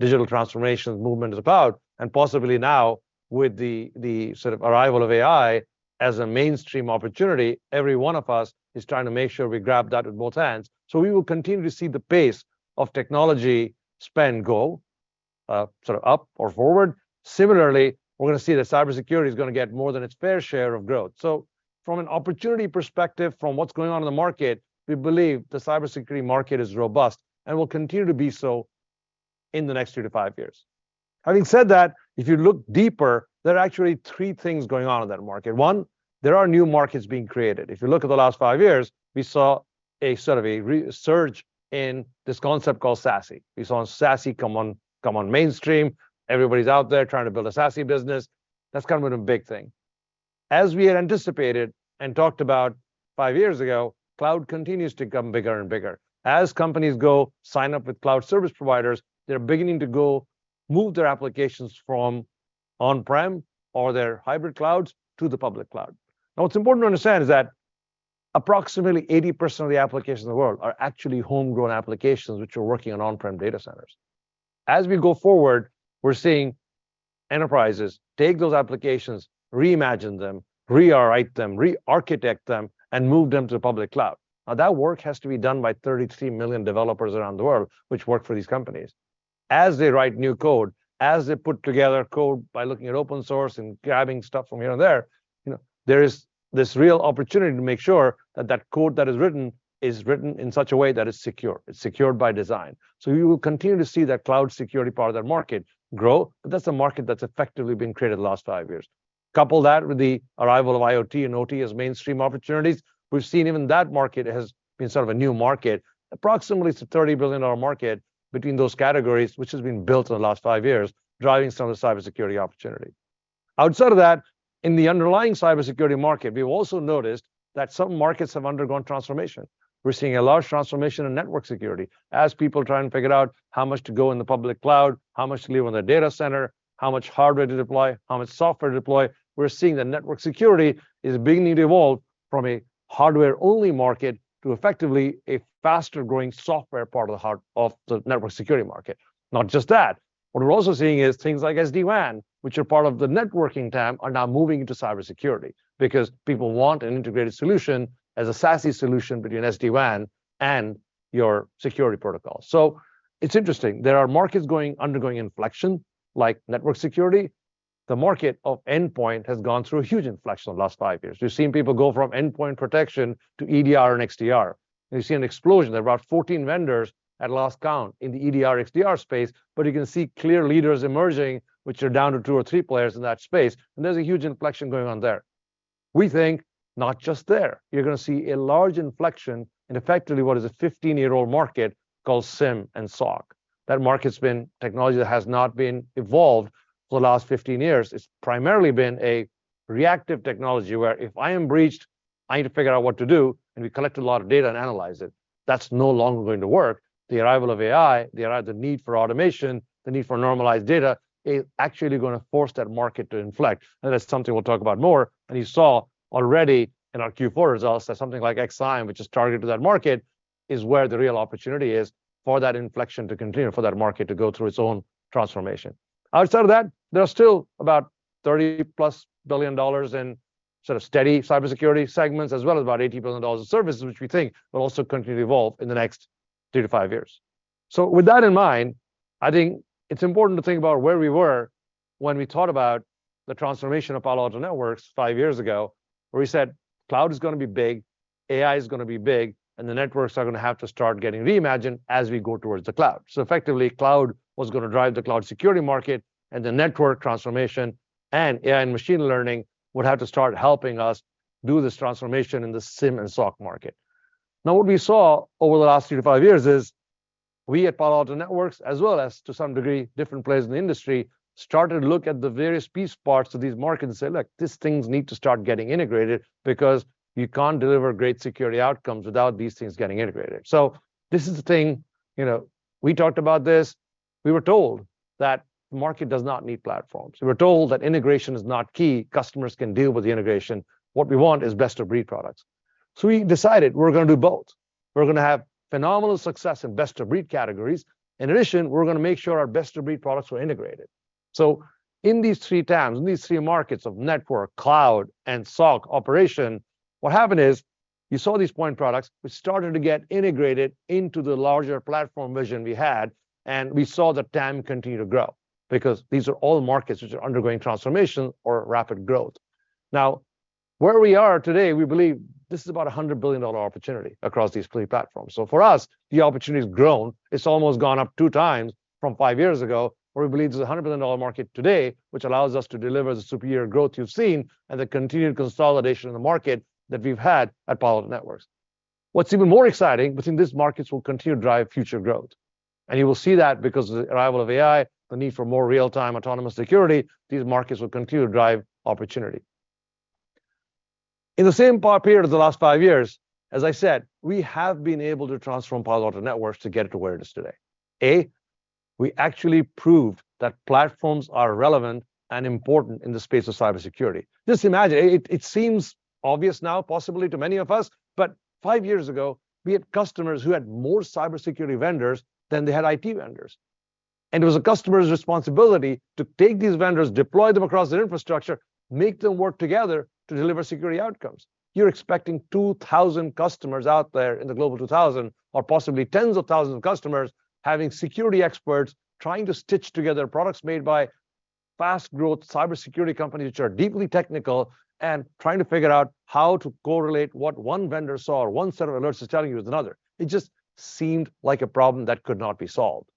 reliant on digital transformation, movement is about, and possibly now with the, the sort of arrival of AI as a mainstream opportunity, every one of us is trying to make sure we grab that with both hands. We will continue to see the pace of technology spend go, sort of up or forward. Similarly, we're gonna see that Cider Security is gonna get more than its fair share of growth. From an opportunity perspective, from what's going on in the market, we believe the Cider Security market is robust and will continue to be so in the next three to five years. Having said that, if you look deeper, there are actually three things going on in that market. One, there are new markets being created. If you look at the last five years, we saw a sort of a resurge in this concept called SASE. We saw SASE come on, come on mainstream. Everybody's out there trying to build a SASE business. That's kind of a big thing. As we had anticipated and talked about 5 years ago, cloud continues to become bigger and bigger. As companies go sign up with cloud service providers, they're beginning to go move their applications from on-prem or their hybrid clouds to the public cloud. What's important to understand is that approximately 80% of the applications in the world are actually homegrown applications which are working on on-prem data centers. As we go forward, we're seeing enterprises take those applications, reimagine them, rewrite them, re-architect them, and move them to the public cloud. Now, that work has to be done by 33 million developers around the world, which work for these companies. As they write new code, as they put together code by looking at open source and grabbing stuff from here and there, you know, there is this real opportunity to make sure that that code that is written is written in such a way that is secure. It's secured by design. We will continue to see that cloud security part of that market grow, but that's a market that's effectively been created the last five years. Couple that with the arrival of IoT and OT as mainstream opportunities, we've seen even that market has been sort of a new market. Approximately it's a $30 billion market between those categories, which has been built in the last five years, driving some of the Cider Security opportunity. Outside of that, in the underlying Cider Security market, we've also noticed that some markets have undergone transformation. We're seeing a large transformation in network security as people try and figure out how much to go in the public cloud, how much to leave in the data center, how much hardware to deploy, how much software to deploy. We're seeing that network security is beginning to evolve from a hardware-only market to effectively a faster-growing software part of the network security market. Not just that, what we're also seeing is things like SD-WAN, which are part of the networking TAM, are now moving into Cider Security because people want an integrated solution as a SASE solution between SD-WAN and your security protocol. It's interesting, there are markets undergoing inflection, like network security. The market of endpoint has gone through a huge inflection the last 5 years. We've seen people go from endpoint protection to EDR and XDR, and we've seen an explosion. There are about 14 vendors at last count in the EDR, XDR space, but you can see clear leaders emerging, which are down to two or three players in that space, and there's a huge inflection going on there. We think not just there. You're gonna see a large inflection in effectively what is a 15-year-old market called SIEM and SOC. That market's been technology that has not been evolved for the last 15 years. It's primarily been a reactive technology, where if I am breached, I need to figure out what to do, and we collect a lot of data and analyze it. That's no longer going to work. The arrival of AI, the arrival, the need for automation, the need for normalized data, is actually gonna force that market to inflect, and that's something we'll talk about more. And you saw already in our Q4 results that something like XSIAM, which is targeted to that market, is where the real opportunity is for that inflection to continue and for that market to go through its own transformation. Outside of that, there are still about $30+ billion in sort of steady Cider Security segments, as well as about $80 billion in services, which we think will also continue to evolve in the next three to five years. With that in mind, I think it's important to think about where we were when we thought about the transformation of Palo Alto Networks five years ago, where we said, "Cloud is gonna be big, AI is gonna be big, and the networks are gonna have to start getting reimagined as we go towards the cloud." Effectively, cloud was gonna drive the cloud security market, and the network transformation and AI and machine learning would have to start helping us do this transformation in the SIEM and SOC market. What we saw over the last three to five years is we at Palo Alto Networks, as well as to some degree, different players in the industry, started to look at the various piece parts of these markets and say, "Look, these things need to start getting integrated because you can't deliver great security outcomes without these things getting integrated." This is the thing. You know, we talked about this. We were told that the market does not need platforms. We were told that integration is not key, customers can deal with the integration. What we want is best-of-breed products. We decided we're gonna do both. We're gonna have phenomenal success in best-of-breed categories. In addition, we're gonna make sure our best-of-breed products are integrated. In these three TAMs, in these three markets of network, cloud, and SOC operation, what happened is you saw these point products, which started to get integrated into the larger platform vision we had, and we saw the TAM continue to grow, because these are all markets which are undergoing transformation or rapid growth. Where we are today, we believe this is about a $100 billion opportunity across these three platforms. For us, the opportunity has grown. It's almost gone up two years from five years ago, where we believe there's a $100 billion market today, which allows us to deliver the superior growth you've seen and the continued consolidation in the market that we've had at Palo Alto Networks. What's even more exciting within these markets will continue to drive future growth, and you will see that because of the arrival of AI, the need for more real-time autonomous security, these markets will continue to drive opportunity. In the same time period of the last five years, as I said, we have been able to transform Palo Alto Networks to get it to where it is today. A, we actually proved that platforms are relevant and important in the space of Cider Security. Just imagine, it seems obvious now, possibly to many of us, but five years ago, we had customers who had more Cider Security vendors than they had IT vendors. It was a customer's responsibility to take these vendors, deploy them across their infrastructure, make them work together to deliver security outcomes. You're expecting 2,000 customers out there in the Global 2000 or possibly tens of thousands of customers, having security experts trying to stitch together products made by fast growth Cider Security companies, which are deeply technical, and trying to figure out how to correlate what one vendor saw or one set of alerts is telling you with another. It just seemed like a problem that could not be solved.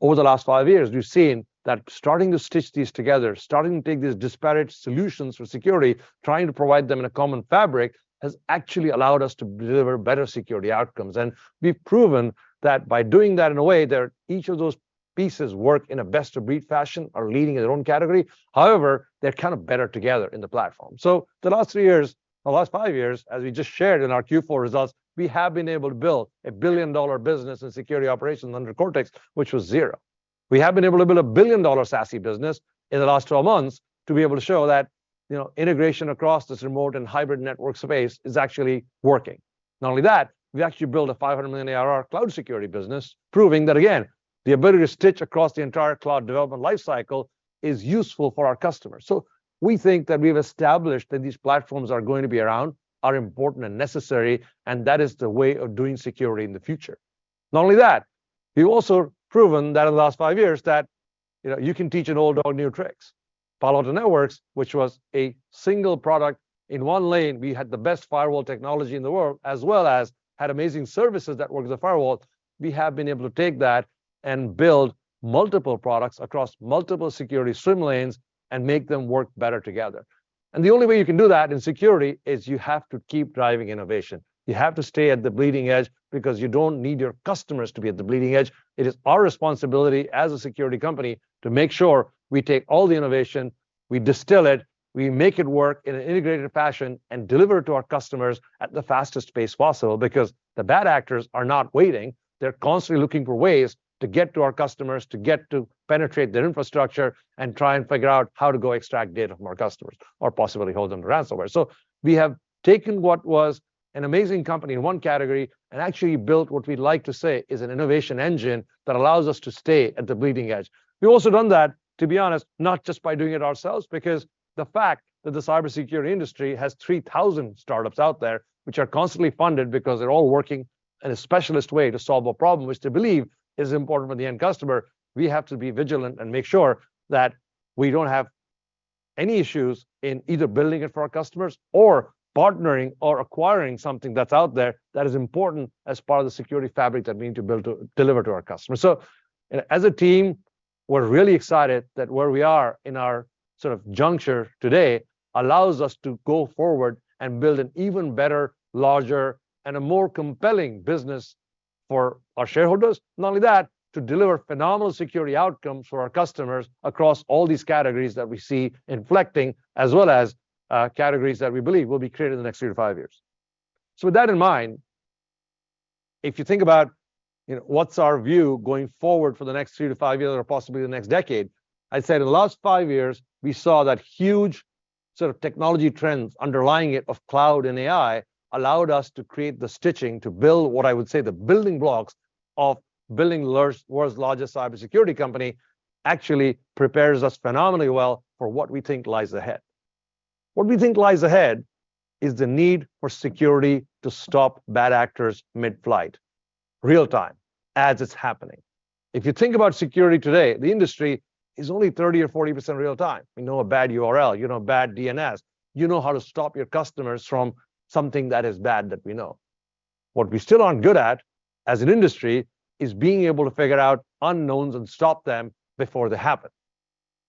Over the last five years, we've seen that starting to stitch these together, starting to take these disparate solutions for security, trying to provide them in a common fabric, has actually allowed us to deliver better security outcomes. We've proven that by doing that, in a way, each of those pieces work in a best-of-breed fashion, are leading in their own category. However, they're kind of better together in the platform. The last three years, the last five years, as we just shared in our Q4 results, we have been able to build a billion-dollar business in security operations under Cortex, which was zero. We have been able to build a billion-dollar SASE business in the last 12 months to be able to show that, you know, integration across this remote and hybrid network space is actually working. Not only that, we actually built a $500 million ARR cloud security business, proving that, again, the ability to stitch across the entire cloud development life cycle is useful for our customers. We think that we've established that these platforms are going to be around, are important and necessary, and that is the way of doing security in the future. Not only that, we've also proven that in the last five years that, you know, you can teach an old dog new tricks. Palo Alto Networks, which was a single product in one lane, we had the best firewall technology in the world, as well as had amazing services that work as a firewall. We have been able to take that and build multiple products across multiple security swim lanes and make them work better together. The only way you can do that in security is you have to keep driving innovation. You have to stay at the bleeding edge because you don't need your customers to be at the bleeding edge. It is our responsibility as a security company to make sure we take all the innovation, we distill it, we make it work in an integrated fashion, and deliver it to our customers at the fastest pace possible. Because the bad actors are not waiting. They're constantly looking for ways to get to our customers, to get to penetrate their infrastructure and try and figure out how to go extract data from our customers or possibly hold them to ransomware. We have taken what was an amazing company in one category and actually built what we like to say is an innovation engine that allows us to stay at the bleeding edge. We've also done that, to be honest, not just by doing it ourselves, because the fact that the Cider Security industry has 3,000 startups out there, which are constantly funded because they're all working in a specialist way to solve a problem, which they believe is important for the end customer. We have to be vigilant and make sure that we don't have any issues in either building it for our customers or partnering or acquiring something that's out there that is important as part of the security fabric that we need to build to deliver to our customers. As a team, we're really excited that where we are in our sort of juncture today allows us to go forward and build an even better, larger, and a more compelling business for our shareholders. Not only that, to deliver phenomenal security outcomes for our customers across all these categories that we see inflecting, as well as categories that we believe will be created in the next three to five years. With that in mind, if you think about, you know, what's our view going forward for the next three to five years or possibly the next decade? I'd say in the last five years, we saw that huge sort of technology trends underlying it of cloud and AI allowed us to create the stitching to build what I would say the building blocks of building world's largest Cider Security company, actually prepares us phenomenally well for what we think lies ahead. What we think lies ahead is the need for security to stop bad actors mid-flight, real time, as it's happening. If you think about security today, the industry is only 30% or 40% real time. We know a bad URL, you know a bad DNS. You know how to stop your customers from something that is bad, that we know. What we still aren't good at as an industry is being able to figure out unknowns and stop them before they happen.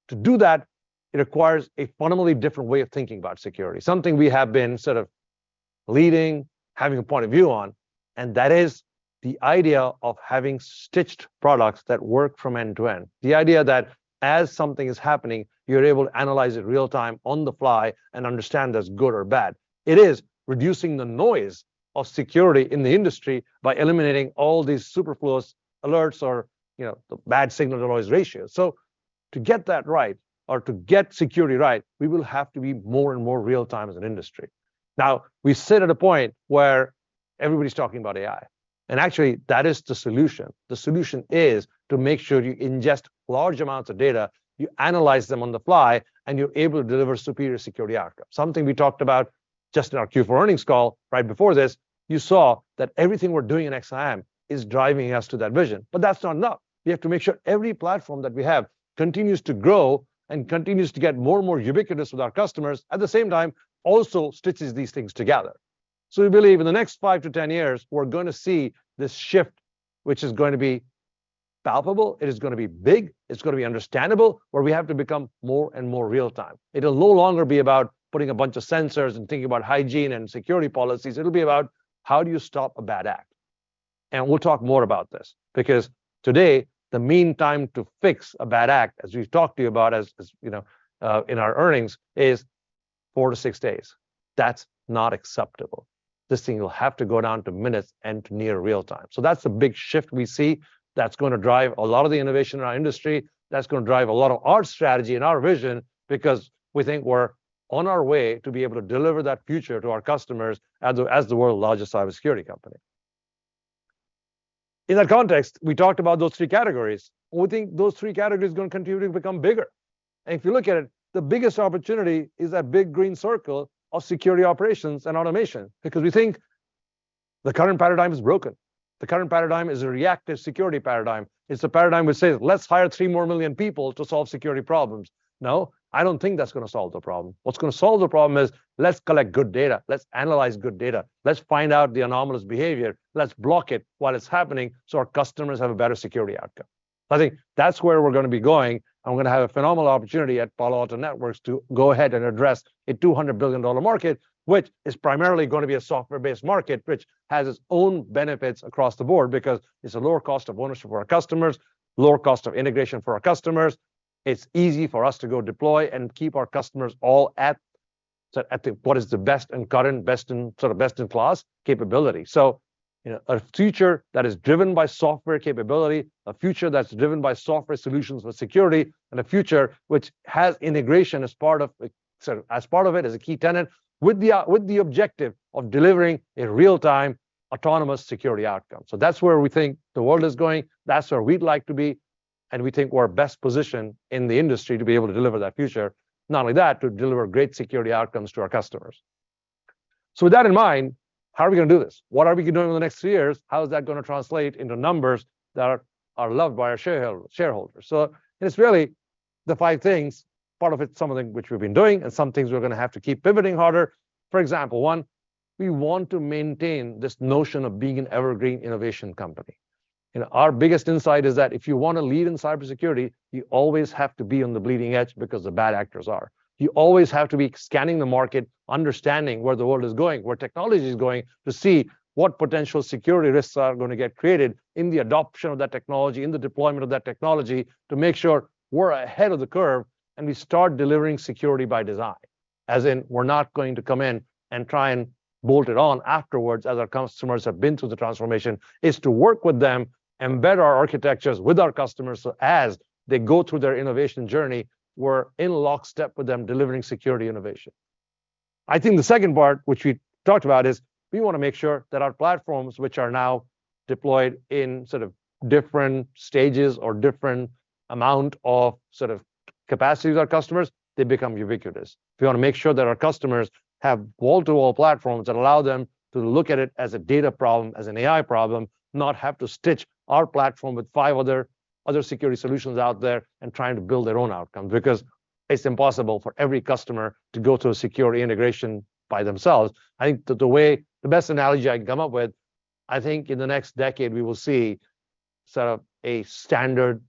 To do that, it requires a fundamentally different way of thinking about security, something we have been sort of leading, having a point of view on, and that is the idea of having stitched products that work from end to end. The idea that as something is happening, you're able to analyze it real time on the fly and understand that's it good or bad. It is reducing the noise of security in the industry by eliminating all these superfluous alerts or, you know, the bad signal-to-noise ratio. To get that right or to get security right, we will have to be more and more real-time as an industry. Now, we sit at a point where everybody's talking about AI, and actually, that is the solution. The solution is to make sure you ingest large amounts of data, you analyze them on the fly, and you're able to deliver superior security outcomes. Something we talked about..., just in our Q4 earnings call right before this, you saw that everything we're doing in XSIAM is driving us to that vision. That's not enough. We have to make sure every platform that we have continues to grow and continues to get more and more ubiquitous with our customers, at the same time, also stitches these things together. We believe in the next 5 years-10 years, we're gonna see this shift, which is going to be palpable, it is gonna be big, it's gonna be understandable, where we have to become more and more real time. It'll no longer be about putting a bunch of sensors and thinking about hygiene and security policies. It'll be about, how do you stop a bad act? We'll talk more about this, because today, the mean time to fix a bad act, as we've talked to you about as, as you know, in our earnings, is four days to six days. That's not acceptable. This thing will have to go down to minutes and to near real time. That's a big shift we see that's going to drive a lot of the innovation in our industry, that's going to drive a lot of our strategy and our vision, because we think we're on our way to be able to deliver that future to our customers as the, as the world's largest Cider Security company. In that context, we talked about those three categories. We think those three categories are going to continue to become bigger. If you look at it, the biggest opportunity is that big green circle of security operations and automation, because we think the current paradigm is broken. The current paradigm is a reactive security paradigm. It's a paradigm which says, "Let's hire 3 more million people to solve security problems." No, I don't think that's going to solve the problem. What's gonna solve the problem is, let's collect good data, let's analyze good data, let's find out the anomalous behavior, let's block it while it's happening so our customers have a better security outcome. I think that's where we're gonna be going, and we're gonna have a phenomenal opportunity at Palo Alto Networks to go ahead and address a $200 billion market, which is primarily gonna be a software-based market, which has its own benefits across the board because it's a lower cost of ownership for our customers, lower cost of integration for our customers. It's easy for us to go deploy and keep our customers all at the, what is the best and current, best and sort of best-in-class capability. You know, a future that is driven by software capability, a future that's driven by software solutions with security, and a future which has integration as part of it, so as part of it, as a key tenet, with the objective of delivering a real-time autonomous security outcome. That's where we think the world is going, that's where we'd like to be, and we think we're best positioned in the industry to be able to deliver that future. Not only that, to deliver great security outcomes to our customers. With that in mind, how are we gonna do this? What are we gonna do in the next few years? How is that gonna translate into numbers that are loved by our shareholders? It's really the five things. Part of it's some of the things which we've been doing, and some things we're gonna have to keep pivoting harder. For example, 1, we want to maintain this notion of being an evergreen innovation company. You know, our biggest insight is that if you want to lead in Cider Security, you always have to be on the bleeding edge because the bad actors are. You always have to be scanning the market, understanding where the world is going, where technology is going, to see what potential security risks are gonna get created in the adoption of that technology, in the deployment of that technology, to make sure we're ahead of the curve and we start delivering security by design. As in, we're not going to come in and try and bolt it on afterwards, as our customers have been through the transformation. It's to work with them, embed our architectures with our customers so as they go through their innovation journey, we're in lockstep with them, delivering security innovation. I think the second part, which we talked about, is we wanna make sure that our platforms, which are now deployed in sort of different stages or different amount of sort of capacities of our customers, they become ubiquitous. We wanna make sure that our customers have wall-to-wall platforms that allow them to look at it as a data problem, as an AI problem, not have to stitch our platform with five other security solutions out there and trying to build their own outcomes, because it's impossible for every customer to go through a security integration by themselves. I think that the best analogy I can come up with, I think in the next decade we will see sort of a standard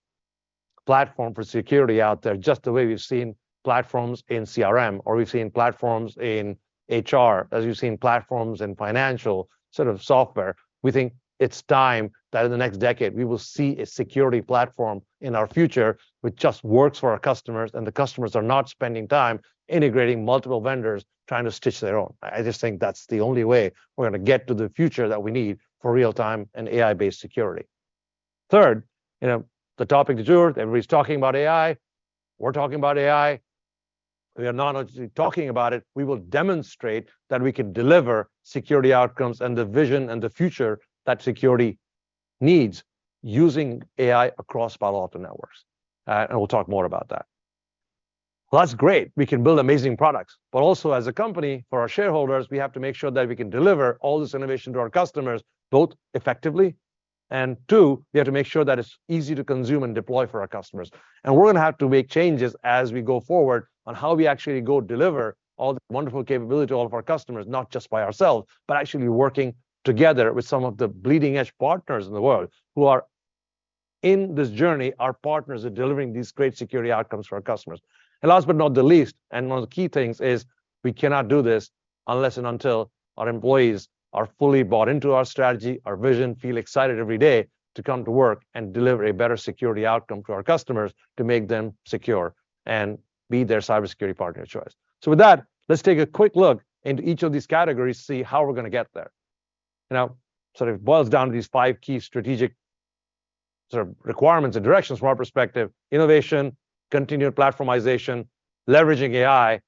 platform for security out there, just the way we've seen platforms in CRM or we've seen platforms in HR, as we've seen platforms in financial sort of software. We think it's time that in the next decade, we will see a security platform in our future, which just works for our customers, and the customers are not spending time integrating multiple vendors, trying to stitch their own. I just think that's the only way we're gonna get to the future that we need for real-time and AI-based security. Third, you know, the topic du jour, everybody's talking about AI, we're talking about AI. We are not only just talking about it, we will demonstrate that we can deliver security outcomes and the vision and the future that security needs, using AI across Palo Alto Networks. Well, that's great. We can build amazing products, but also as a company, for our shareholders, we have to make sure that we can deliver all this innovation to our customers, both effectively, and two, we have to make sure that it's easy to consume and deploy for our customers. We're gonna have to make changes as we go forward on how we actually go deliver all the wonderful capability to all of our customers, not just by ourselves, but actually working together with some of the bleeding-edge partners in the world, who are in this journey, our partners are delivering these great security outcomes for our customers. Last but not the least, and one of the key things is we cannot do this unless and until our employees are fully bought into our strategy, our vision, feel excited every day to come to work and deliver a better security outcome to our customers to make them secure and be their Cider Security partner of choice. With that, let's take a quick look into each of these categories to see how we're gonna get there. It boils down to these five key strategic sort of requirements and directions from our perspective: innovation, continued platformization, leveraging AI,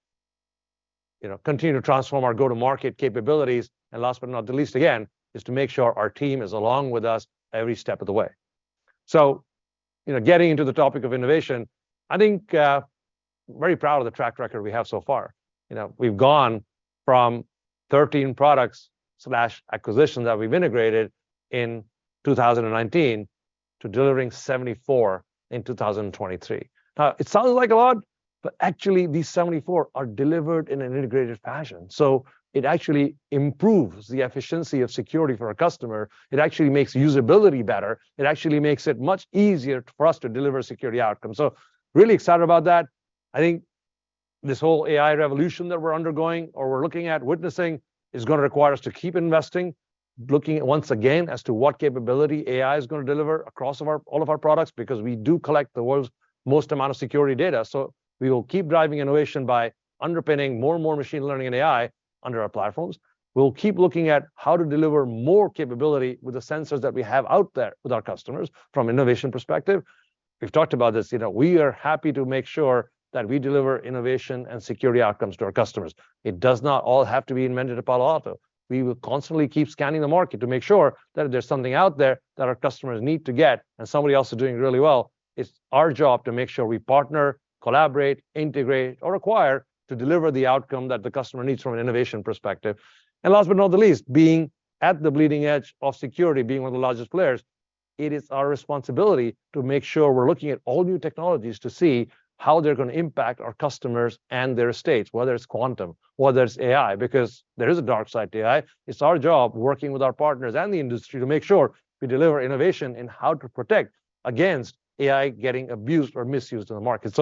you know, continue to transform our go-to-market capabilities, and last but not the least, again, is to make sure our team is along with us every step of the way. You know, getting into the topic of innovation, I think, very proud of the track record we have so far. You know, we've gone from 13 products/acquisitions that we've integrated in 2019 to delivering 74 in 2023. Now, it sounds like a lot, but actually these 74 are delivered in an integrated fashion. It actually improves the efficiency of security for our customer. It actually makes usability better. It actually makes it much easier for us to deliver security outcomes. Really excited about that. I think this whole AI revolution that we're undergoing or we're looking at witnessing, is gonna require us to keep investing, looking once again, as to what capability AI is gonna deliver all of our products, because we do collect the world's most amount of security data. We will keep driving innovation by underpinning more and more machine learning and AI under our platforms. We'll keep looking at how to deliver more capability with the sensors that we have out there with our customers from innovation perspective. We've talked about this. You know, we are happy to make sure that we deliver innovation and security outcomes to our customers. It does not all have to be invented at Palo Alto. We will constantly keep scanning the market to make sure that if there's something out there that our customers need to get and somebody else is doing really well, it's our job to make sure we partner, collaborate, integrate, or acquire to deliver the outcome that the customer needs from an innovation perspective. Last but not the least, being at the bleeding edge of security, being one of the largest players, it is our responsibility to make sure we're looking at all new technologies to see how they're gonna impact our customers and their estates, whether it's quantum, whether it's AI, because there is a dark side to AI. It's our job working with our partners and the industry to make sure we deliver innovation in how to protect against AI getting abused or misused in the market.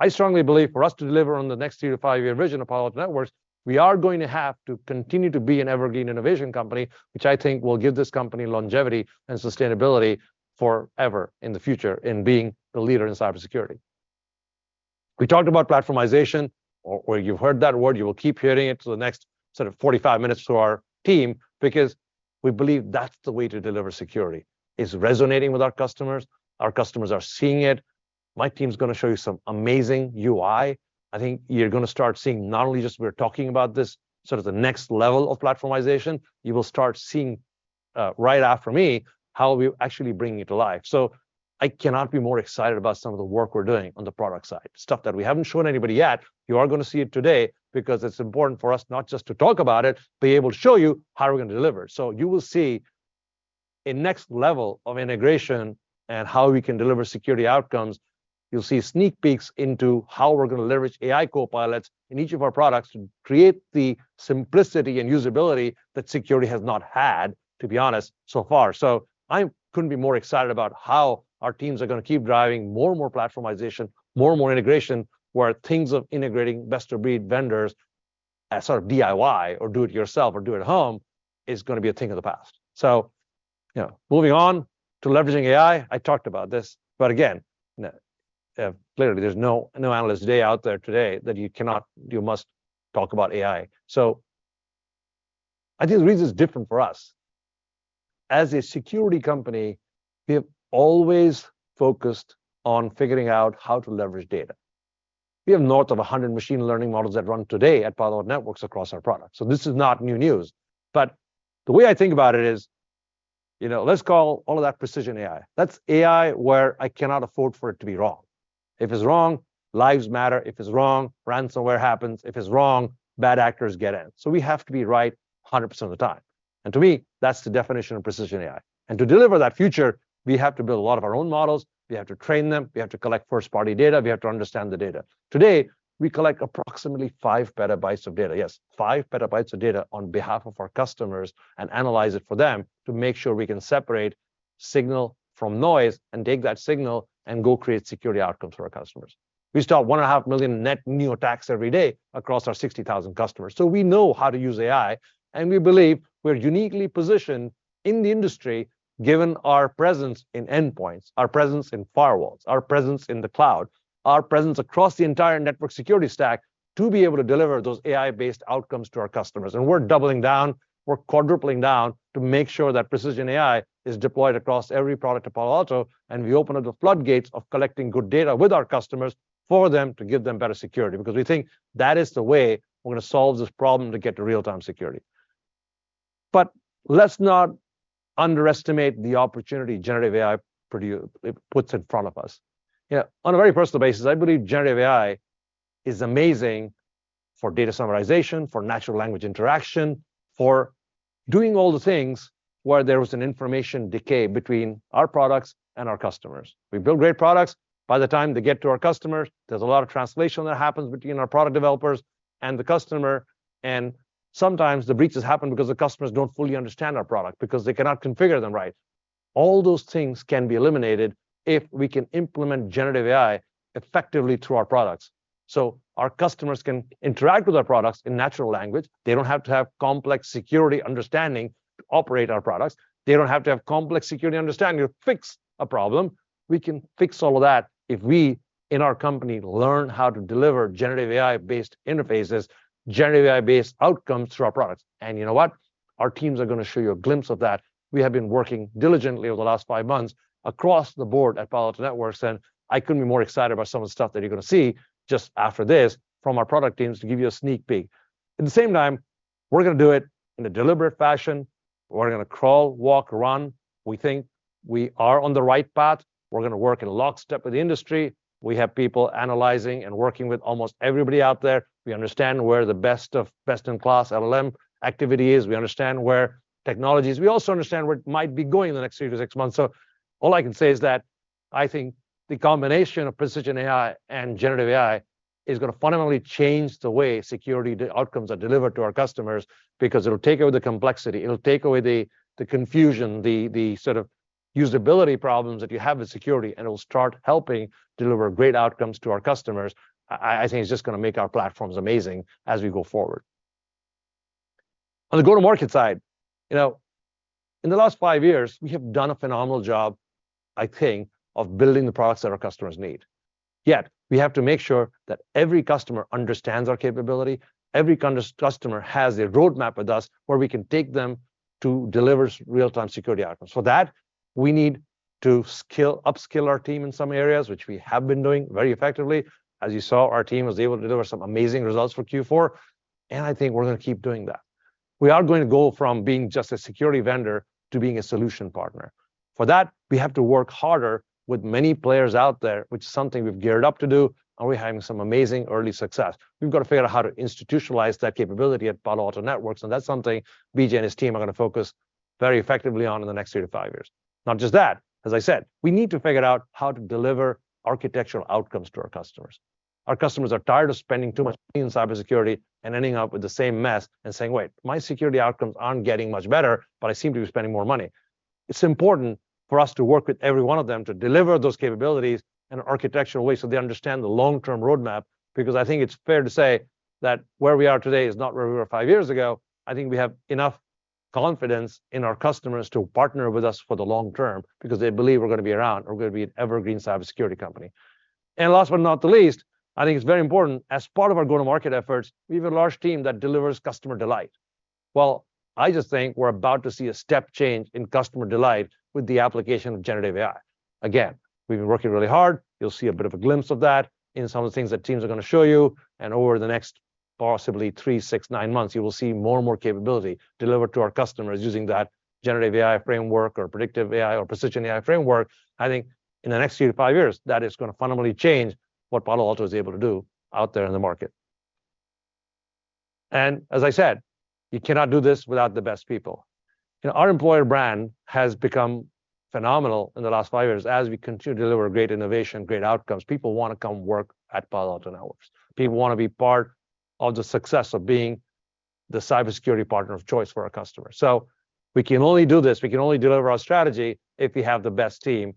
I strongly believe for us to deliver on the next three- to five-year vision of Palo Alto Networks, we are going to have to continue to be an evergreen innovation company, which I think will give this company longevity and sustainability forever in the future in being the leader in Cider Security. We talked about platformization, or, or you've heard that word, you will keep hearing it for the next sort of 45 minutes through our team because we believe that's the way to deliver security. It's resonating with our customers, our customers are seeing it. My team's gonna show you some amazing UI. I think you're gonna start seeing not only just we're talking about this, sort of the next level of platformization, you will start seeing right after me how we actually bring it to life. I cannot be more excited about some of the work we're doing on the product side, stuff that we haven't shown anybody yet. You are gonna see it today because it's important for us not just to talk about it, but be able to show you how we're gonna deliver. You will see a next level of integration and how we can deliver security outcomes. You'll see sneak peeks into how we're gonna leverage AI Copilots in each of our products to create the simplicity and usability that security has not had, to be honest, so far. I couldn't be more excited about how our teams are gonna keep driving more and more platformization, more and more integration, where things of integrating best-of-breed vendors as sort of DIY, or do it yourself, or do it at home, is gonna be a thing of the past. You know, moving on to leveraging AI. I talked about this, but again, clearly there's no, no Analyst Day out there today that you cannot-- you must talk about AI. I think the reason is different for us. As a security company, we have always focused on figuring out how to leverage data. We have north of 100 machine learning models that run today at Palo Alto Networks across our products. This is not new news, the way I think about it is, you know, let's call all of that Precision AI. That's AI, where I cannot afford for it to be wrong. If it's wrong, lives matter. If it's wrong, ransomware happens. If it's wrong, bad actors get in. We have to be right 100% of the time. To me, that's the definition of Precision AI. To deliver that future, we have to build a lot of our own models, we have to train them, we have to collect first-party data, we have to understand the data. Today, we collect approximately five petabytes of data. Yes, 5 petabytes of data on behalf of our customers and analyze it for them to make sure we can separate signal from noise and take that signal and go create security outcomes for our customers. We stop 1.5 million net new attacks every day across our 60,000 customers. We know how to use AI, and we believe we're uniquely positioned in the industry, given our presence in endpoints, our presence in firewalls, our presence in the cloud, our presence across the entire network security stack, to be able to deliver those AI-based outcomes to our customers. We're doubling down, we're quadrupling down to make sure that Precision AI is deployed across every product at Palo Alto, and we open up the floodgates of collecting good data with our customers for them to give them better security, because we think that is the way we're gonna solve this problem to get to real-time security. Let's not underestimate the opportunity generative AI it puts in front of us. Yeah, on a very personal basis, I believe generative AI is amazing for data summarization, for natural language interaction, for doing all the things where there was an information decay between our products and our customers. We build great products. By the time they get to our customers, there's a lot of translation that happens between our product developers and the customer, and sometimes the breaches happen because the customers don't fully understand our product, because they cannot configure them right. All those things can be eliminated if we can implement generative AI effectively through our products. Our customers can interact with our products in natural language. They don't have to have complex security understanding to operate our products. They don't have to have complex security understanding to fix a problem. We can fix all of that if we, in our company, learn how to deliver generative AI-based interfaces, generative AI-based outcomes through our products. You know what? Our teams are gonna show you a glimpse of that. We have been working diligently over the last five months across the board at Palo Alto Networks, and I couldn't be more excited about some of the stuff that you're gonna see just after this from our product teams to give you a sneak peek. We're gonna do it in a deliberate fashion. We're gonna crawl, walk, run. We think we are on the right path. We're gonna work in lockstep with the industry. We have people analyzing and working with almost everybody out there. We understand where the best of best-in-class LLM activity is. We understand where technology is. We also understand where it might be going in the next two to six months. All I can say is that I think the combination of Precision AI and generative AI is gonna fundamentally change the way security outcomes are delivered to our customers, because it'll take away the complexity, it'll take away the, the confusion, the, the sort of usability problems that you have with security, and it'll start helping deliver great outcomes to our customers. I, I think it's just gonna make our platforms amazing as we go forward. On the go-to-market side, you know, in the last five years, we have done a phenomenal job, I think, of building the products that our customers need. Yet, we have to make sure that every customer understands our capability, every customer has a roadmap with us, where we can take them to deliver real-time security outcomes. For that, we need to upskill our team in some areas, which we have been doing very effectively. As you saw, our team was able to deliver some amazing results for Q4, and I think we're gonna keep doing that. We are going to go from being just a security vendor to being a solution partner. For that, we have to work harder with many players out there, which is something we've geared up to do, and we're having some amazing early success. We've got to figure out how to institutionalize that capability at Palo Alto Networks, and that's something B.J. and his team are gonna focus very effectively on in the next three to five years. Not just that, as I said, we need to figure out how to deliver architectural outcomes to our customers. Our customers are tired of spending too much money in Cider Security and ending up with the same mess and saying, "Wait, my security outcomes aren't getting much better, but I seem to be spending more money." It's important for us to work with every one of them to deliver those capabilities in an architectural way so they understand the long-term roadmap, because I think it's fair to say that where we are today is not where we were five years ago. I think we have enough confidence in our customers to partner with us for the long term because they believe we're gonna be around, or we're gonna be an evergreen Cider Security company. Last but not the least, I think it's very important, as part of our go-to-market efforts, we have a large team that delivers customer delight. Well, I just think we're about to see a step change in customer delight with the application of generative AI. We've been working really hard. You'll see a bit of a glimpse of that in some of the things that teams are gonna show you. Over the next possibly 3 months, 6 months, 9 months, you will see more and more capability delivered to our customers using that generative AI framework or predictive AI or Precision AI framework. I think in the next 3 years-5 years, that is gonna fundamentally change what Palo Alto is able to do out there in the market. As I said, you cannot do this without the best people. You know, our employer brand has become phenomenal in the last 5 years as we continue to deliver great innovation, great outcomes. People wanna come work at Palo Alto Networks. People wanna be part of the success of being the Cider Security partner of choice for our customers. We can only do this, we can only deliver our strategy if we have the best team.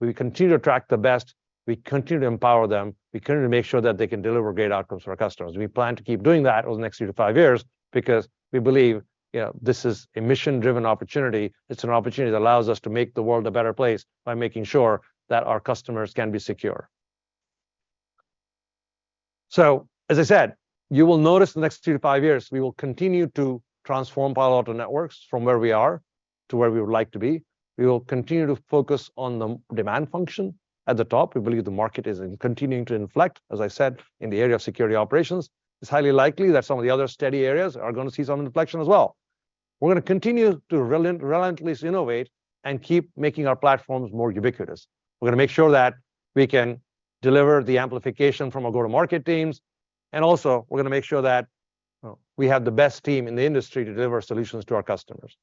We continue to attract the best, we continue to empower them, we continue to make sure that they can deliver great outcomes for our customers. We plan to keep doing that over the next 3 years-5 years because we believe, you know, this is a mission-driven opportunity. It's an opportunity that allows us to make the world a better place by making sure that our customers can be secure. As I said, you will notice in the next 3 years-5 years, we will continue to transform Palo Alto Networks from where we are to where we would like to be. We will continue to focus on the demand function. At the top, we believe the market is continuing to inflect, as I said, in the area of security operations. It's highly likely that some of the other steady areas are gonna see some inflection as well. We're gonna continue to relentlessly innovate and keep making our platforms more ubiquitous. We're gonna make sure that we can deliver the amplification from our go-to-market teams, and also, we're gonna make sure that we have the best team in the industry to deliver solutions to our customers.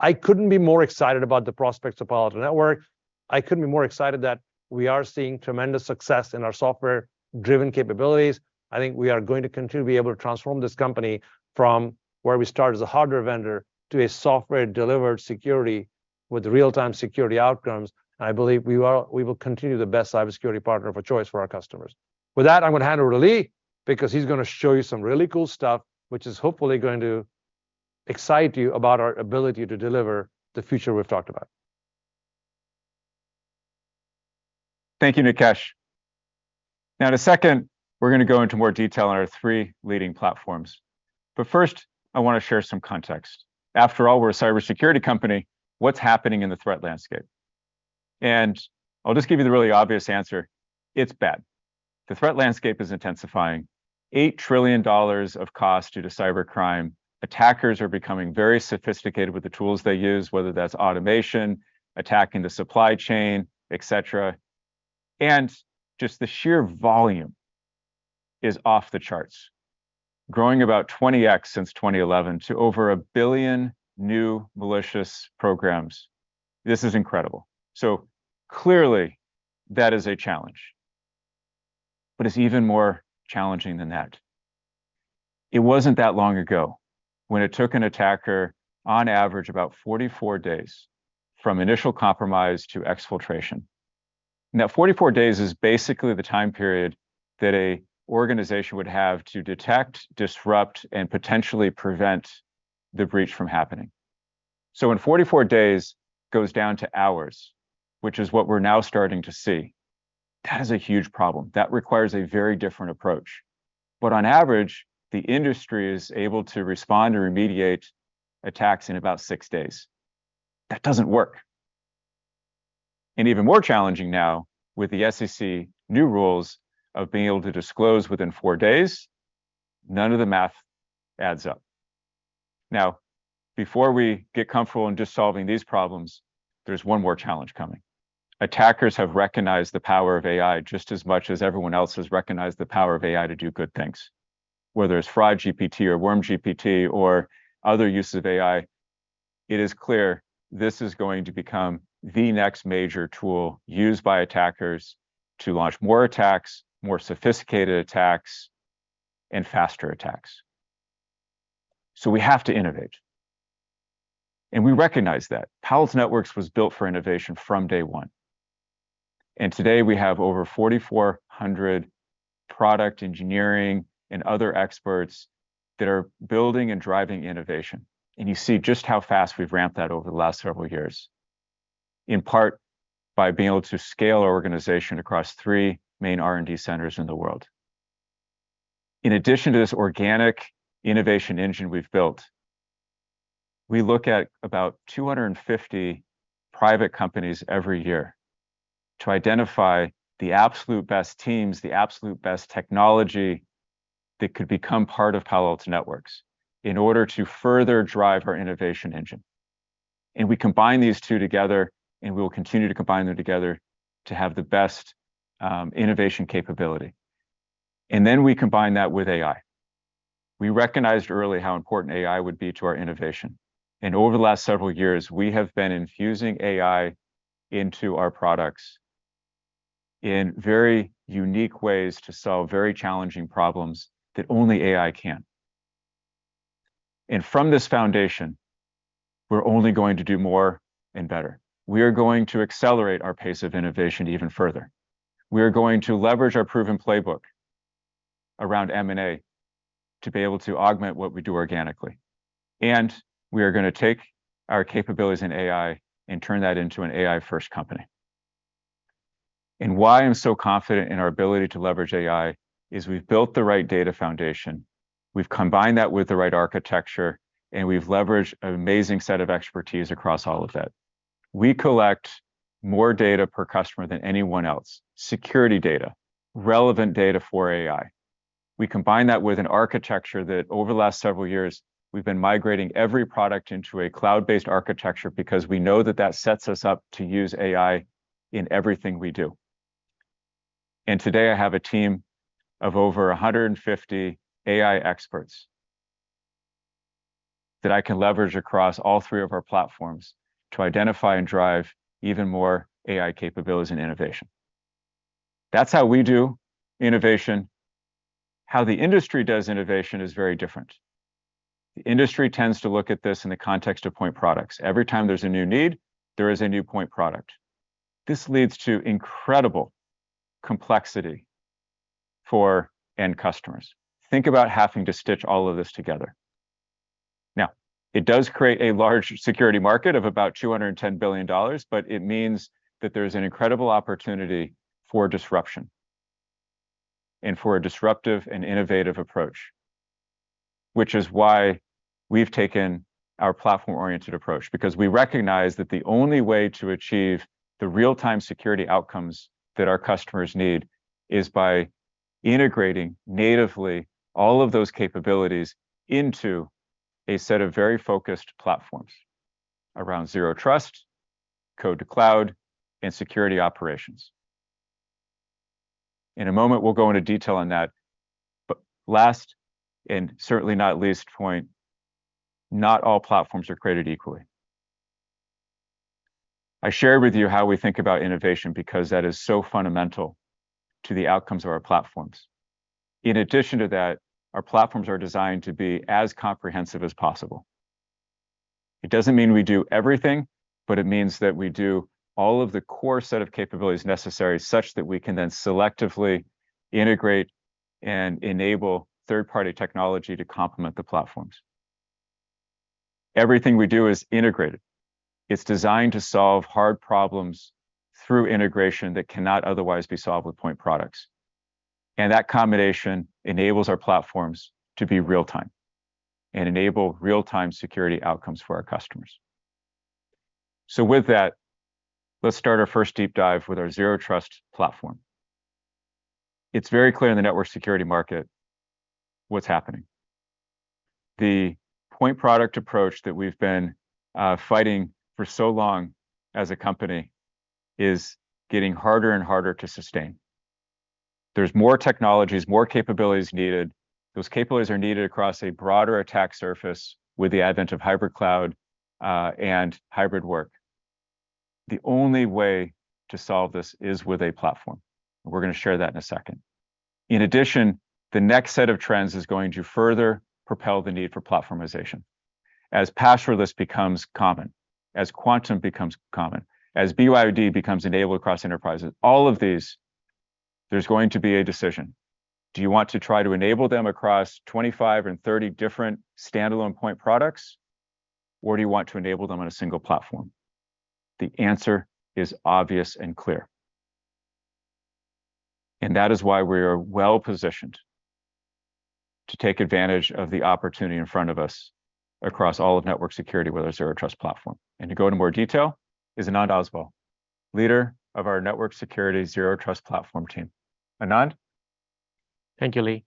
I couldn't be more excited about the prospects of Palo Alto Networks. I couldn't be more excited that we are seeing tremendous success in our software-driven capabilities. I think we are going to continue to be able to transform this company from where we started as a hardware vendor to a software-delivered security with real-time security outcomes. I believe we will continue the best Cider Security partner of choice for our customers. With that, I'm gonna hand over to Lee, because he's gonna show you some really cool stuff, which is hopefully going to excite you about our ability to deliver the future we've talked about. Thank you, Nikesh. In a second, we're gonna go into more detail on our three leading platforms. First, I wanna share some context. After all, we're a Cider Security company. What's happening in the threat landscape? I'll just give you the really obvious answer: It's bad. The threat landscape is intensifying. $8 trillion of cost due to cybercrime. Attackers are becoming very sophisticated with the tools they use, whether that's automation, attacking the supply chain, et cetera. Just the sheer volume is off the charts, growing about 20x since 2011 to over 1 billion new malicious programs. This is incredible. Clearly, that is a challenge. It's even more challenging than that. It wasn't that long ago when it took an attacker, on average, about 44 days from initial compromise to exfiltration. 44 days is basically the time period that an organization would have to detect, disrupt, and potentially prevent the breach from happening. When 44 days goes down to hours, which is what we're now starting to see, that is a huge problem. That requires a very different approach. On average, the industry is able to respond to remediate attacks in about six days. That doesn't work. Even more challenging now with the SEC new rules of being able to disclose within four days, none of the math adds up. Before we get comfortable in just solving these problems, there's one more challenge coming. Attackers have recognized the power of AI just as much as everyone else has recognized the power of AI to do good things. Whether it's FraudGPT or WormGPT or other uses of AI, it is clear this is going to become the next major tool used by attackers to launch more attacks, more sophisticated attacks, and faster attacks. We have to innovate, and we recognize that. Palo Alto Networks was built for innovation from day one, and today we have over 4,400 product engineering and other experts that are building and driving innovation. You see just how fast we've ramped that over the last several years, in part by being able to scale our organization across three main R&D centers in the world. In addition to this organic innovation engine we've built, we look at about 250 private companies every year to identify the absolute best teams, the absolute best technology that could become part of Palo Alto Networks in order to further drive our innovation engine. We combine these two together, and we will continue to combine them together to have the best innovation capability. Then we combine that with AI. We recognized early how important AI would be to our innovation, and over the last several years, we have been infusing AI into our products in very unique ways to solve very challenging problems that only AI can. From this foundation, we're only going to do more and better. We are going to accelerate our pace of innovation even further. We are going to leverage our proven playbook around M&A to be able to augment what we do organically, and we are gonna take our capabilities in AI and turn that into an AI-first company. Why I'm so confident in our ability to leverage AI, is we've built the right data foundation, we've combined that with the right architecture, and we've leveraged an amazing set of expertise across all of that. We collect more data per customer than anyone else, security data, relevant data for AI. We combine that with an architecture that over the last several years, we've been migrating every product into a cloud-based architecture because we know that that sets us up to use AI in everything we do. Today, I have a team of over 150 AI experts that I can leverage across all three of our platforms to identify and drive even more AI capabilities and innovation. That's how we do innovation. How the industry does innovation is very different. The industry tends to look at this in the context of point products. Every time there's a new need, there is a new point product. This leads to incredible complexity for end customers. Think about having to stitch all of this together. It does create a large security market of about $210 billion, but it means that there's an incredible opportunity for disruption and for a disruptive and innovative approach, which is why we've taken our platform-oriented approach. We recognize that the only way to achieve the real-time security outcomes that our customers need is by integrating natively all of those capabilities into a set of very focused platforms around Zero Trust, Code-to-Cloud, and security operations. In a moment, we'll go into detail on that, but last, and certainly not least point, not all platforms are created equally. I shared with you how we think about innovation because that is so fundamental to the outcomes of our platforms. In addition to that, our platforms are designed to be as comprehensive as possible. It doesn't mean we do everything, but it means that we do all of the core set of capabilities necessary, such that we can then selectively integrate and enable third-party technology to complement the platforms. Everything we do is integrated. It's designed to solve hard problems through integration that cannot otherwise be solved with point products. That combination enables our platforms to be real time and enable real-time security outcomes for our customers. With that, let's start our first deep dive with our Zero Trust platform. It's very clear in the network security market what's happening. The point product approach that we've been fighting for so long as a company is getting harder and harder to sustain. There's more technologies, more capabilities needed. Those capabilities are needed across a broader attack surface with the advent of hybrid cloud and hybrid work. The only way to solve this is with a platform. We're gonna share that in a second. In addition, the next set of trends is going to further propel the need for platformization. As passwordless becomes common, as quantum becomes common, as BYOD becomes enabled across enterprises, all of these, there's going to be a decision. Do you want to try to enable them across 25 and 30 different standalone point products, or do you want to enable them on a single platform? The answer is obvious and clear. That is why we are well-positioned to take advantage of the opportunity in front of us across all of network security with our Zero Trust platform. To go into more detail is Anand Oswal, leader of our network security Zero Trust platform team. Anand? Thank you, Lee.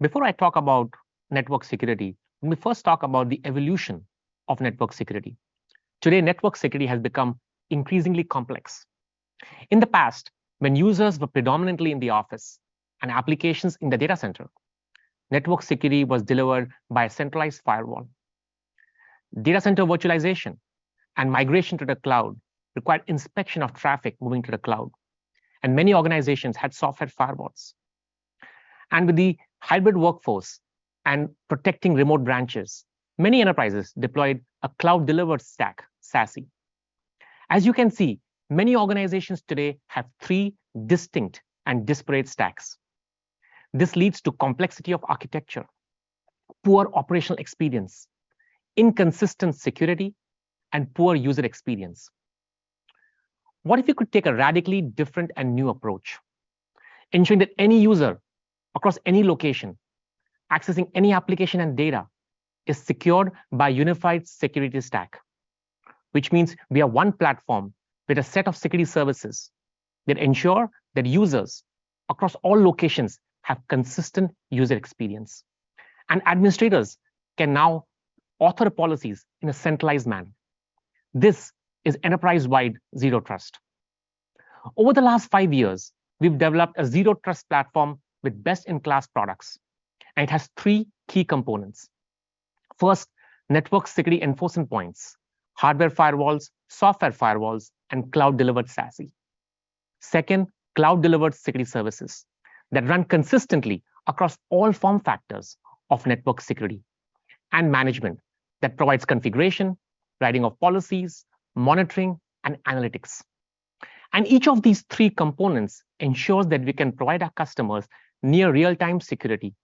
Before I talk about network security, let me first talk about the evolution of network security. Today, network security has become increasingly complex. In the past, when users were predominantly in the office and applications in the data center, network security was delivered by a centralized firewall. Data center virtualization and migration to the cloud required inspection of traffic moving to the cloud, and many organizations had software firewalls. With the hybrid workforce and protecting remote branches, many enterprises deployed a cloud-delivered stack, SASE. As you can see, many organizations today have three distinct and disparate stacks. This leads to complexity of architecture, poor operational experience, inconsistent security, and poor user experience. What if you could take a radically different and new approach, ensuring that any user across any location, accessing any application and data, is secured by unified security stack? Which means we are one platform with a set of security services that ensure that users across all locations have consistent user experience, and administrators can now author policies in a centralized manner. This is enterprise-wide Zero Trust. Over the last five years, we've developed a Zero Trust platform with best-in-class products. It has three key components. First, network security enforcement points, hardware firewalls, software firewalls, and cloud-delivered SASE. Second, cloud-delivered security services that run consistently across all form factors of network security. Management that provides configuration, writing of policies, monitoring, and analytics. Each of these three components ensures that we can provide our customers near real-time security,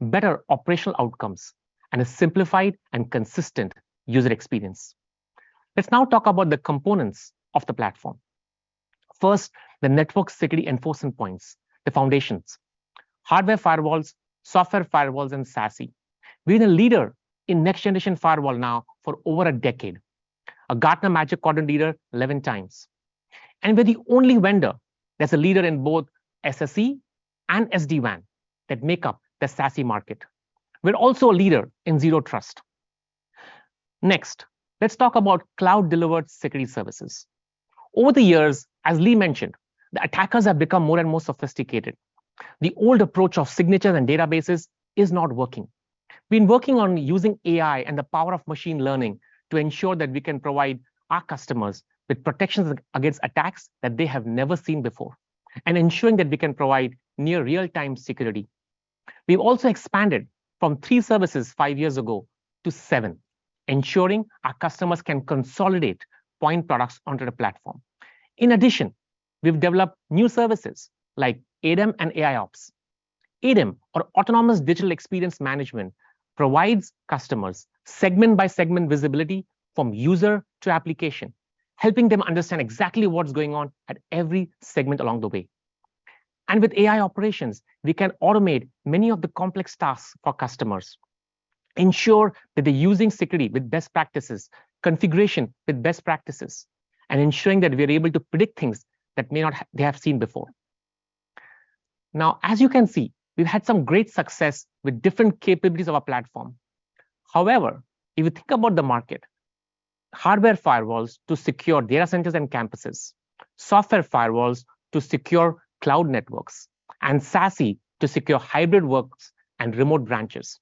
better operational outcomes, and a simplified and consistent user experience. Let's now talk about the components of the platform. First, the network security enforcement points, the foundations: hardware firewalls, software firewalls, and SASE. We're the leader in Next-Generation Firewall now for over a decade, a Gartner Magic Quadrant leader 11 times, we're the only vendor that's a leader in both SSE and SD-WAN that make up the SASE market. We're also a leader in Zero Trust. Next, let's talk about cloud-delivered security services. Over the years, as Lee mentioned, the attackers have become more and more sophisticated. The old approach of signatures and databases is not working. We've been working on using AI and the power of machine learning to ensure that we can provide our customers with protections against attacks that they have never seen before and ensuring that we can provide near real-time security. We've also expanded from three services 5 years ago to 7 years, ensuring our customers can consolidate point products onto the platform. In addition, we've developed new services like ADEM and AIOps. ADEM, or Autonomous Digital Experience Management, provides customers segment-by-segment visibility from user to application, helping them understand exactly what's going on at every segment along the way. With AI operations, we can automate many of the complex tasks for customers, ensure that they're using security with best practices, configuration with best practices, and ensuring that we are able to predict things that they have seen before. As you can see, we've had some great success with different capabilities of our platform. However, if you think about the market, Hardware firewalls to secure data centers and campuses, Software firewalls to secure cloud networks, and SASE to secure hybrid works and remote branches,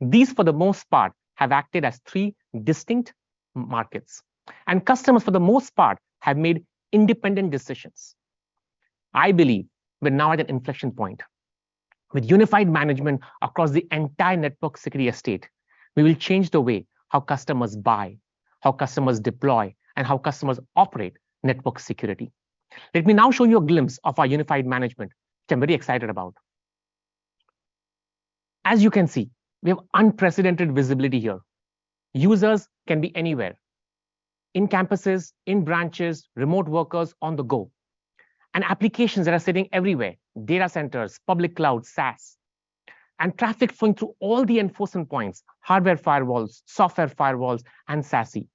these, for the most part, have acted as three distinct markets, and customers, for the most part, have made independent decisions. I believe we're now at an inflection point. With unified management across the entire network security estate, we will change the way how customers buy, how customers deploy, and how customers operate network security. Let me now show you a glimpse of our unified management, which I'm very excited about. As you can see, we have unprecedented visibility here. Users can be anywhere, in campuses, in branches, remote workers on the go, and applications are sitting everywhere, data centers, public cloud, SaaS. Traffic flowing through all the enforcement points, hardware firewalls, software firewalls, and SASE.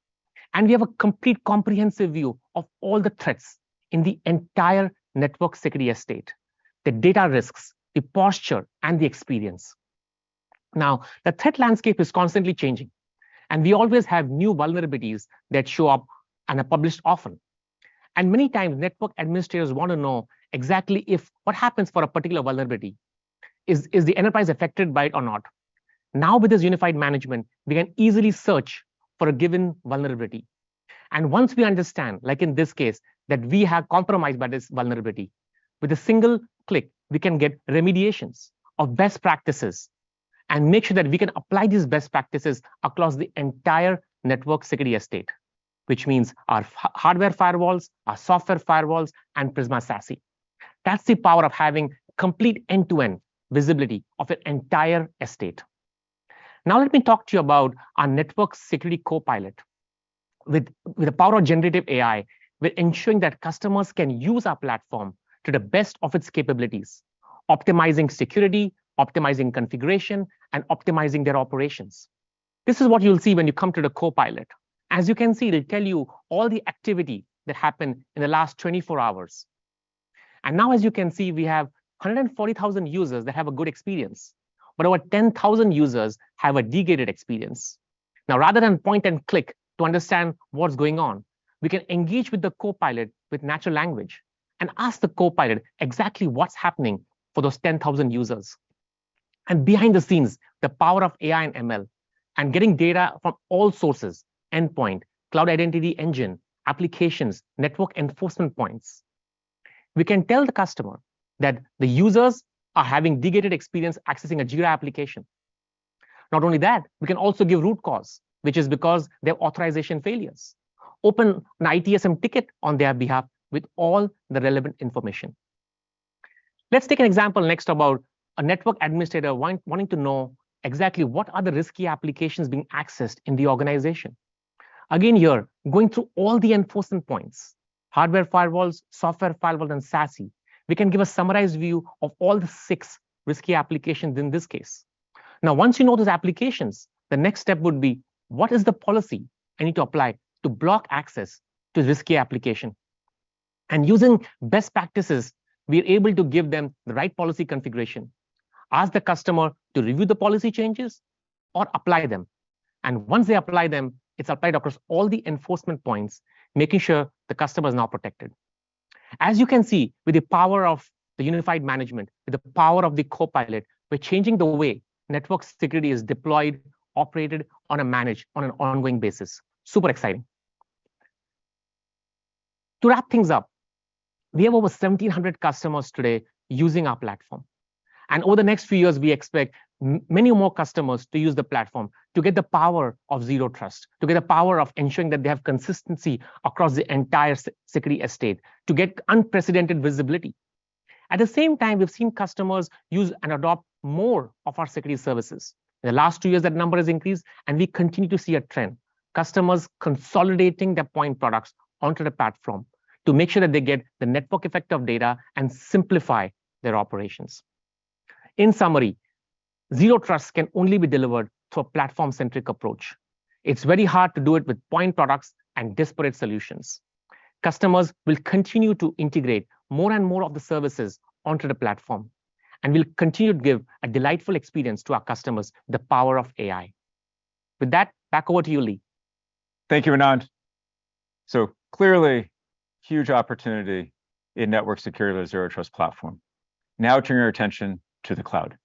We have a complete, comprehensive view of all the threats in the entire network security estate, the data risks, the posture, and the experience. The threat landscape is constantly changing, and we always have new vulnerabilities that show up and are published often. Many times, network administrators want to know exactly what happens for a particular vulnerability. Is, is the enterprise affected by it or not? Now, with this unified management, we can easily search for a given vulnerability, and once we understand, like in this case, that we are compromised by this vulnerability, with a single click, we can get remediations of best practices and make sure that we can apply these best practices across the entire network security estate, which means our h-hardware firewalls, our software firewalls, and Prisma SASE. That's the power of having complete end-to-end visibility of an entire estate. Now let me talk to you about our network security Copilot. With, with the power of generative AI, we're ensuring that customers can use our platform to the best of its capabilities, optimizing security, optimizing configuration, and optimizing their operations. This is what you'll see when you come to the Copilot. You can see, they tell you all the activity that happened in the last 24 hours. Now, as you can see, we have 140,000 users that have a good experience, but over 10,000 users have a degraded experience. Now, rather than point and click to understand what's going on, we can engage with the Copilot with natural language and ask the Copilot exactly what's happening for those 10,000 users. Behind the scenes, the power of AI and ML, and getting data from all sources, endpoint, Cloud Identity Engine, applications, network enforcement points. We can tell the customer that the users are having degraded experience accessing a Jira application. Not only that, we can also give root cause, which is because there are authorization failures. Open an ITSM ticket on their behalf with all the relevant information. Let's take an example next about a network administrator wanting to know exactly what are the risky applications being accessed in the organization? Again, here, going through all the enforcement points, hardware firewalls, software firewalls, and SASE, we can give a summarized view of all the six risky applications in this case. Now, once you know those applications, the next step would be: what is the policy I need to apply to block access to risky application? Using best practices, we're able to give them the right policy configuration, ask the customer to review the policy changes or apply them, and once they apply them, it's applied across all the enforcement points, making sure the customer is now protected. As you can see, with the power of the unified management, with the power of the Copilot, we're changing the way network security is deployed, operated on a manage... on an ongoing basis. Super exciting! To wrap things up, we have over 1,700 customers today using our platform, over the next few years, we expect many more customers to use the platform to get the power of Zero Trust, to get the power of ensuring that they have consistency across the entire security estate, to get unprecedented visibility. At the same time, we've seen customers use and adopt more of our security services. In the last years years, that number has increased, We continue to see a trend, customers consolidating their point products onto the platform to make sure that they get the network effect of data and simplify their operations. In summary, Zero Trust can only be delivered through a platform-centric approach. It's very hard to do it with point products and disparate solutions. Customers will continue to integrate more and more of the services onto the platform. We'll continue to give a delightful experience to our customers, the power of AI. With that, back over to you, Lee. Thank you, Anand. Clearly, huge opportunity in network security with Zero Trust platform. Now, turning our attention to the cloud.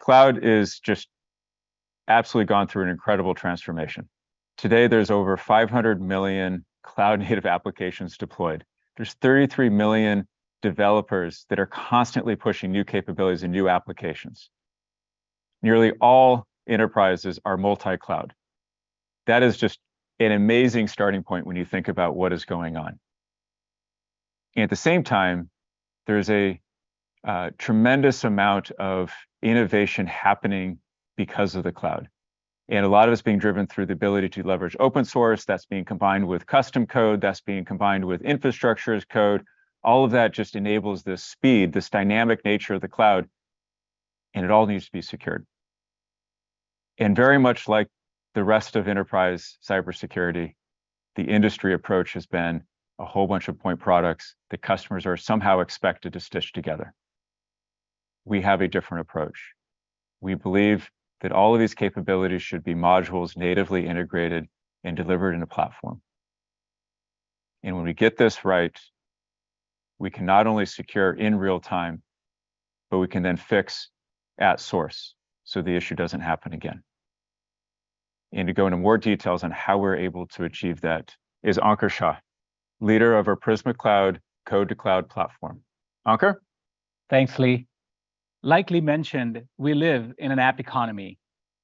Cloud is just absolutely gone through an incredible transformation. Today, there's over 500 million cloud-native applications deployed. There's 33 million developers that are constantly pushing new capabilities and new applications. Nearly all enterprises are multi-cloud. That is just an amazing starting point when you think about what is going on. At the same time, there's a tremendous amount of innovation happening because of the cloud, and a lot of it's being driven through the ability to leverage open source, that's being combined with custom code, that's being combined with Infrastructure as Code. All of that just enables this speed, this dynamic nature of the cloud, and it all needs to be secured. Very much like the rest of enterprise Cider Security, the industry approach has been a whole bunch of point products that customers are somehow expected to stitch together. We have a different approach. We believe that all of these capabilities should be modules natively integrated and delivered in a platform. When we get this right, we can not only secure in real time, but we can then fix at source, so the issue doesn't happen again. To go into more details on how we're able to achieve that is Ankur Shah, leader of our Prisma Cloud Code-to-Cloud platform. Ankur? Thanks, Lee. Like Lee mentioned, we live in an app economy.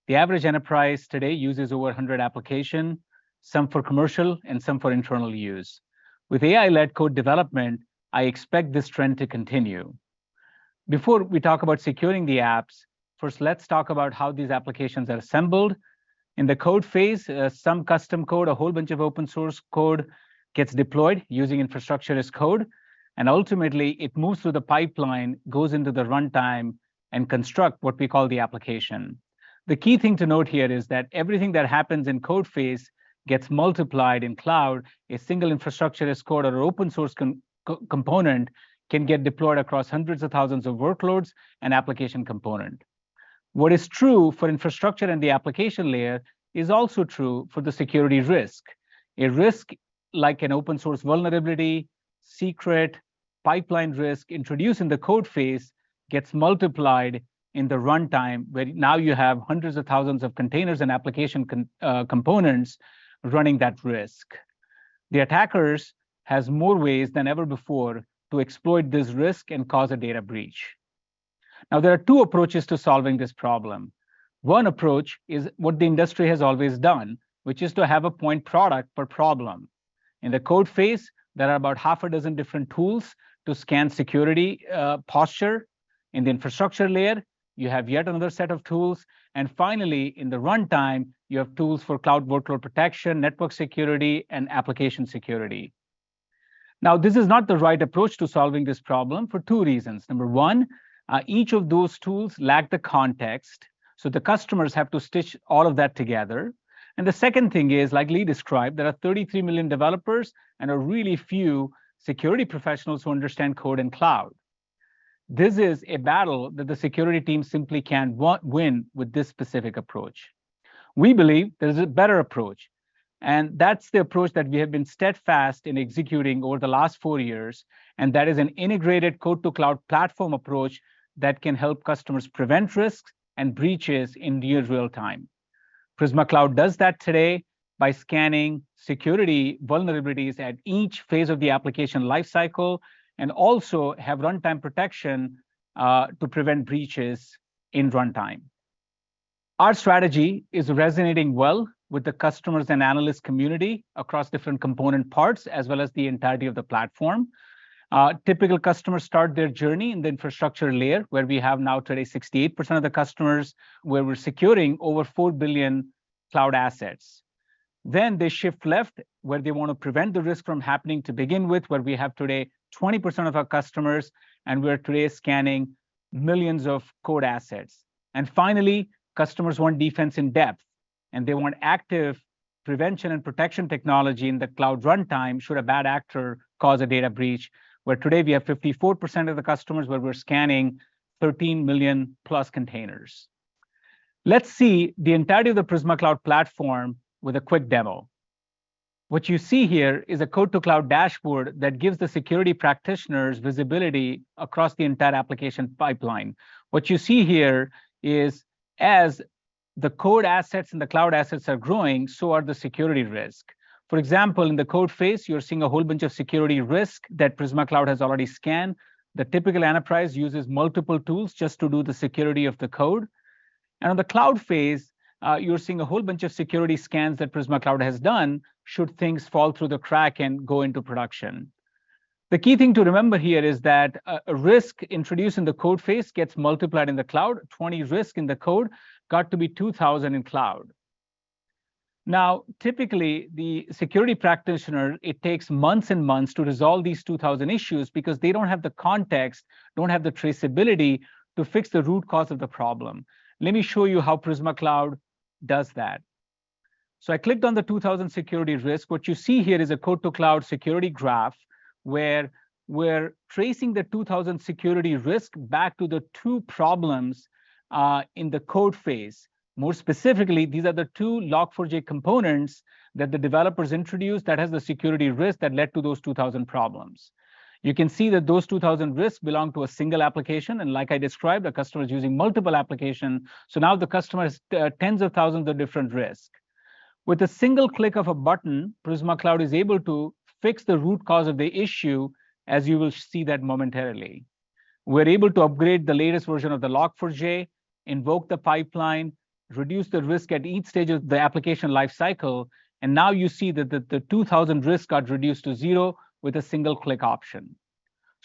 The average enterprise today uses over 100 application, some for commercial and some for internal use. With AI-led code development, I expect this trend to continue. Before we talk about securing the apps, first, let's talk about how these applications are assembled. In the code phase, some custom code, a whole bunch of open source code gets deployed using infrastructure as code, and ultimately, it moves through the pipeline, goes into the runtime, and construct what we call the application. The key thing to note here is that everything that happens in code phase gets multiplied in cloud. A single infrastructure as code or open source component can get deployed across hundreds of thousands of workloads and application component. What is true for infrastructure and the application layer is also true for the security risk. A risk, like an open source vulnerability, secret, pipeline risk, introduced in the code phase, gets multiplied in the runtime, where now you have hundreds of thousands of containers and application components running that risk. The attackers has more ways than ever before to exploit this risk and cause a data breach. Now, there are two approaches to solving this problem. One approach is what the industry has always done, which is to have a point product per problem. In the code phase, there are about half a dozen different tools to scan security, posture. In the infrastructure layer, you have yet another set of tools. Finally, in the runtime, you have tools for cloud workload protection, network security, and application security. Now, this is not the right approach to solving this problem for two reasons. Number one, each of those tools lack the context, so the customers have to stitch all of that together. The second thing is, like Lee described, there are 33 million developers and a really few security professionals who understand code and cloud. This is a battle that the security team simply can't win with this specific approach. We believe there is a better approach, and that's the approach that we have been steadfast in executing over the last four years, and that is an integrated Code-to-Cloud platform approach that can help customers prevent risks and breaches in near real time. Prisma Cloud does that today by scanning security vulnerabilities at each phase of the application lifecycle, and also have runtime protection to prevent breaches in runtime. Our strategy is resonating well with the customers and analyst community across different component parts, as well as the entirety of the platform. Typical customers start their journey in the infrastructure layer, where we have now today 68% of the customers, where we're securing over 4 billion cloud assets. They shift left, where they want to prevent the risk from happening to begin with, where we have today 20% of our customers, we're today scanning millions of code assets. Finally, customers want defense in depth, they want active prevention and protection technology in the cloud runtime, should a bad actor cause a data breach, where today we have 54% of the customers where we're scanning 13 million+ containers. Let's see the entirety of the Prisma Cloud platform with a quick demo. What you see here is a Code-to-Cloud dashboard that gives the security practitioners visibility across the entire application pipeline. What you see here is as the code assets and the cloud assets are growing, so are the security risk. For example, in the code phase, you're seeing a whole bunch of security risk that Prisma Cloud has already scanned. The typical enterprise uses multiple tools just to do the security of the code. On the cloud phase, you're seeing a whole bunch of security scans that Prisma Cloud has done, should things fall through the crack and go into production. The key thing to remember here is that a, a risk introduced in the code phase gets multiplied in the cloud. 20 risk in the code got to be 2,000 in cloud. Typically, the security practitioner, it takes months and months to resolve these 2,000 issues because they don't have the context, don't have the traceability to fix the root cause of the problem. Let me show you how Prisma Cloud does that. I clicked on the 2,000 security risk. What you see here is a Code-to-Cloud security graph, where we're tracing the 2,000 security risk back to the 2 problems, in the code phase. More specifically, these are the 2 Log4j components that the developers introduced that has the security risk that led to those 2,000 problems. You can see that those 2,000 risks belong to a single application, and like I described, a customer is using multiple application, so now the customer has, tens of thousands of different risk. With a single click of a button, Prisma Cloud is able to fix the root cause of the issue, as you will see that momentarily. We're able to upgrade the latest version of the Log4j, invoke the pipeline, reduce the risk at each stage of the application lifecycle. Now you see that the 2,000 risk got reduced to zero with a single-click option.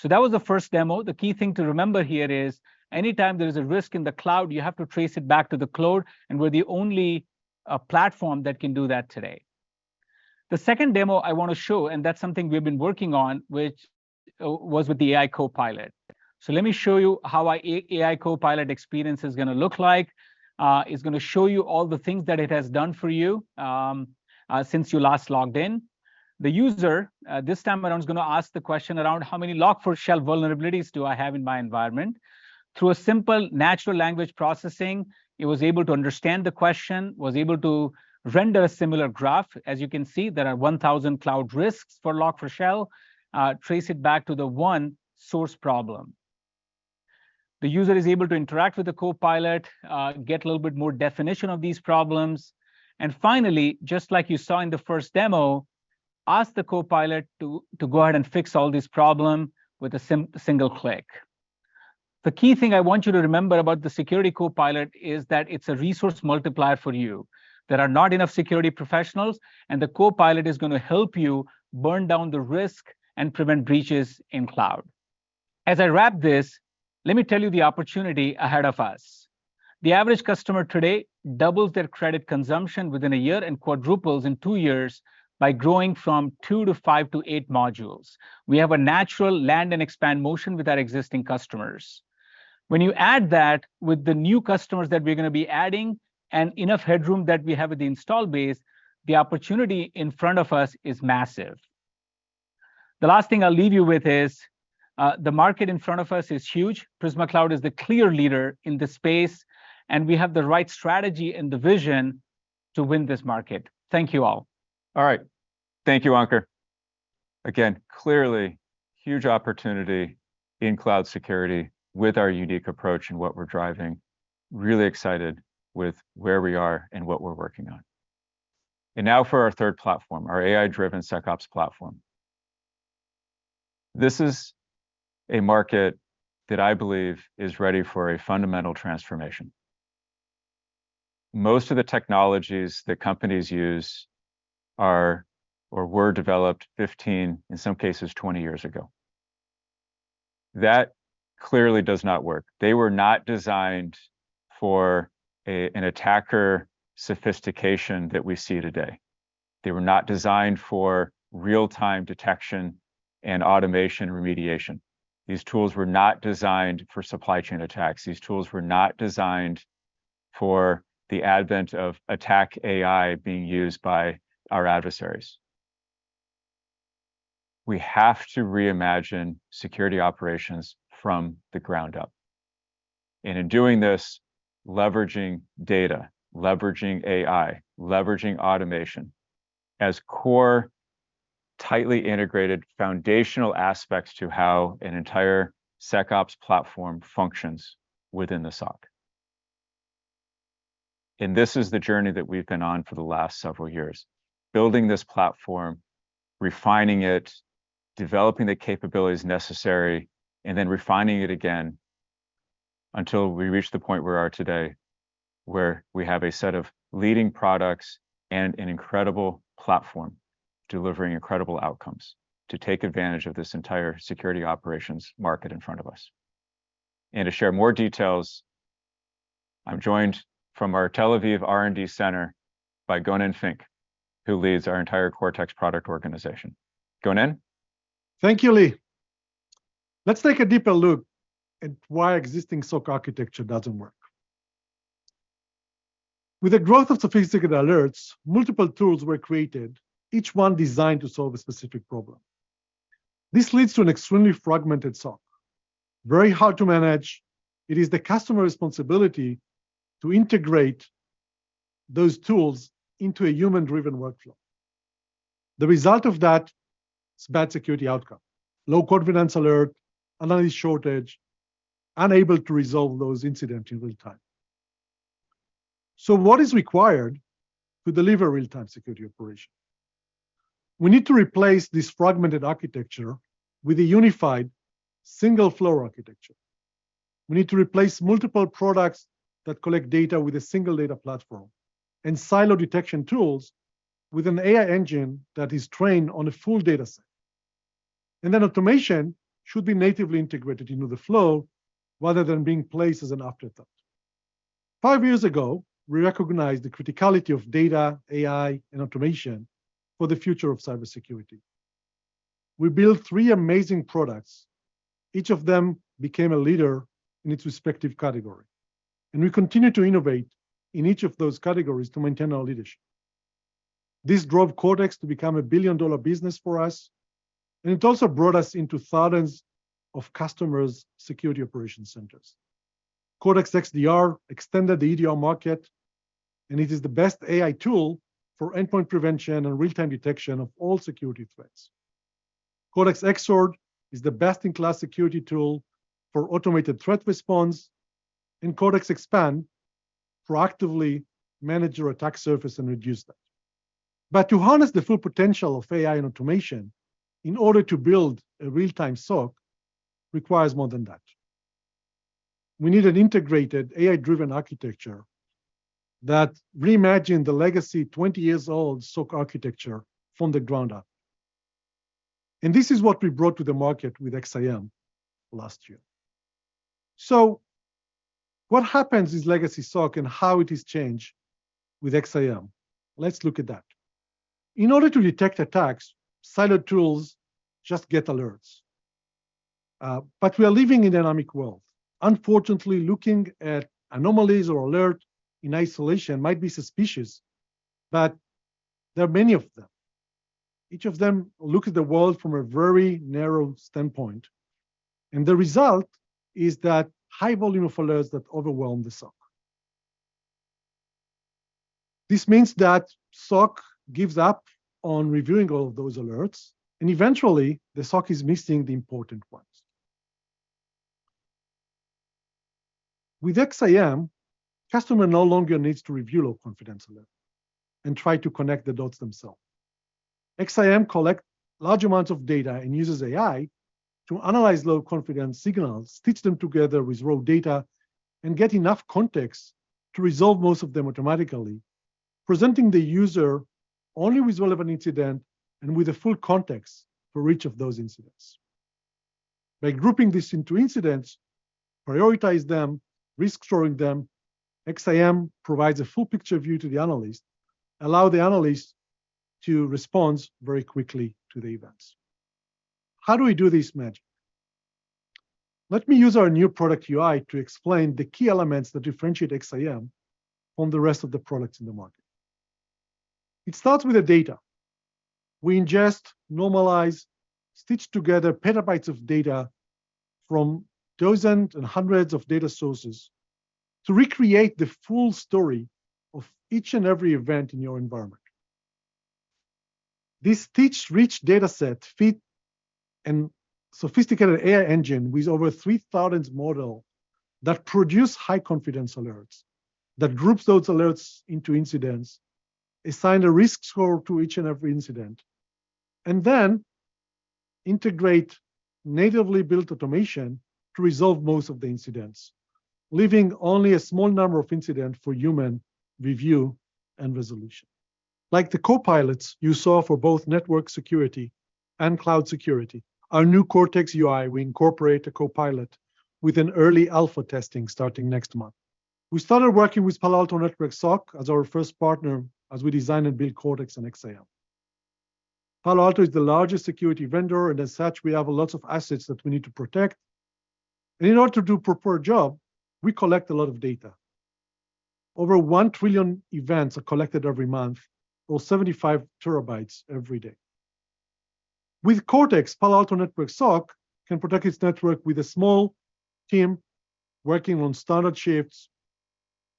That was the first demo. The key thing to remember here is anytime there is a risk in the cloud, you have to trace it back to the cloud. We're the only platform that can do that today. The second demo I want to show. That's something we've been working on, which was with the AI Copilot. Let me show you how our AI Copilot experience is gonna look like. It's gonna show you all the things that it has done for you since you last logged in. The user, this time around is gonna ask the question around, "How many Log4Shell vulnerabilities do I have in my environment?" Through a simple natural language processing, it was able to understand the question, was able to render a similar graph. As you can see, there are 1,000 cloud risks for Log4Shell. Trace it back to the one source problem. The user is able to interact with the copilot, get a little bit more definition of these problems. Finally, just like you saw in the first demo, ask the copilot to, to go ahead and fix all this problem with a single click. The key thing I want you to remember about the Security Copilot is that it's a resource multiplier for you. There are not enough security professionals, and the Copilot is gonna help you burn down the risk and prevent breaches in cloud. As I wrap this, let me tell you the opportunity ahead of us. The average customer today doubles their credit consumption within one year and quadruples in two years by growing from 2 modules to 5 modules to 8 modules. We have a natural land and expand motion with our existing customers. When you add that with the new customers that we're gonna be adding and enough headroom that we have with the install base, the opportunity in front of us is massive. The last thing I'll leave you with is, the market in front of us is huge. Prisma Cloud is the clear leader in this space, and we have the right strategy and the vision to win this market. Thank you, all. All right. Thank you, Ankur. Clearly, huge opportunity in cloud security with our unique approach and what we're driving. Really excited with where we are and what we're working on. Now for our third platform, our AI-driven SecOps platform. This is a market that I believe is ready for a fundamental transformation. Most of the technologies that companies use are or were developed 15, in some cases, 20 years ago. That clearly does not work. They were not designed for an attacker sophistication that we see today. They were not designed for real-time detection and automation remediation. These tools were not designed for supply chain attacks. These tools were not designed for the advent of attack AI being used by our adversaries. We have to reimagine security operations from the ground up. In doing this, leveraging data, leveraging AI, leveraging automation as core, tightly integrated, foundational aspects to how an entire SecOps platform functions within the SOC. This is the journey that we've been on for the last several years, building this platform, refining it, developing the capabilities necessary, and then refining it again until we reach the point we are today, where we have a set of leading products and an incredible platform delivering incredible outcomes to take advantage of this entire security operations market in front of us. To share more details, I'm joined from our Tel Aviv R&D center by Gonen Fink, who leads our entire Cortex product organization. Gonen? Thank you, Lee. Let's take a deeper look at why existing SOC architecture doesn't work. With the growth of sophisticated alerts, multiple tools were created, each one designed to solve a specific problem. This leads to an extremely fragmented SOC, very hard to manage. It is the customer responsibility to integrate those tools into a human-driven workflow. The result of that is bad security outcome, low confidence alert, analysis shortage, unable to resolve those incident in real time. What is required to deliver real-time security operation? We need to replace this fragmented architecture with a unified single-flow architecture. We need to replace multiple products that collect data with a single data platform and silo detection tools with an AI engine that is trained on a full data set. Automation should be natively integrated into the flow rather than being placed as an afterthought. Five years ago, we recognized the criticality of data, AI, and automation for the future of Cider Security. We built three amazing products. Each of them became a leader in its respective category, and we continue to innovate in each of those categories to maintain our leadership. This drove Cortex to become a billion-dollar business for us, and it also brought us into thousands of customers' security operations centers. Cortex XDR extended the EDR market, and it is the best AI tool for endpoint prevention and real-time detection of all security threats. Cortex XSOAR is the best-in-class security tool for automated threat response, and Cortex Xpanse proactively manage your attack surface and reduce that. To harness the full potential of AI and automation in order to build a real-time SOC requires more than that. We need an integrated, AI-driven architecture that reimagine the legacy 20-year-old SOC architecture from the ground up. This is what we brought to the market with XSIAM last year. What happens with legacy SOC and how it is changed with XSIAM? Let's look at that. In order to detect attacks, siloed tools just get alerts, but we are living in a dynamic world. Unfortunately, looking at anomalies or alert in isolation might be suspicious, but there are many of them. Each of them look at the world from a very narrow standpoint, and the result is that high volume of alerts that overwhelm the SOC. This means that SOC gives up on reviewing all of those alerts, and eventually, the SOC is missing the important ones. With XSIAM, customer no longer needs to review low confidence alert and try to connect the dots themselves. XSIAM collect large amounts of data and uses AI to analyze low-confidence signals, stitch them together with raw data, and get enough context to resolve most of them automatically, presenting the user only with relevant incident and with a full context for each of those incidents. By grouping this into incidents, prioritize them, risk scoring them, XSIAM provides a full picture view to the analyst, allow the analyst to respond very quickly to the events. How do we do this magic? Let me use our new product UI to explain the key elements that differentiate XSIAM from the rest of the products in the market. It starts with the data. We ingest, normalize, stitch together petabytes of data from dozens and hundreds of data sources to recreate the full story of each and every event in your environment. This stitch-rich dataset feed and sophisticated AI engine with over 3,000 model that produce high-confidence alerts, that groups those alerts into incidents, assign a risk score to each and every incident, and then integrate natively built automation to resolve most of the incidents, leaving only a small number of incident for human review and resolution. Like the copilots you saw for both network security and cloud security, our new Cortex UI, we incorporate a copilot with an early alpha testing starting next month. We started working with Palo Alto Networks SOC as our first partner, as we design and build Cortex and XSIAM. Palo Alto is the largest security vendor, and as such, we have a lot of assets that we need to protect. In order to do proper job, we collect a lot of data. Over 1 trillion events are collected every month, or 75 terabytes every day. With Cortex, Palo Alto Networks SOC can protect its network with a small team working on standard shifts,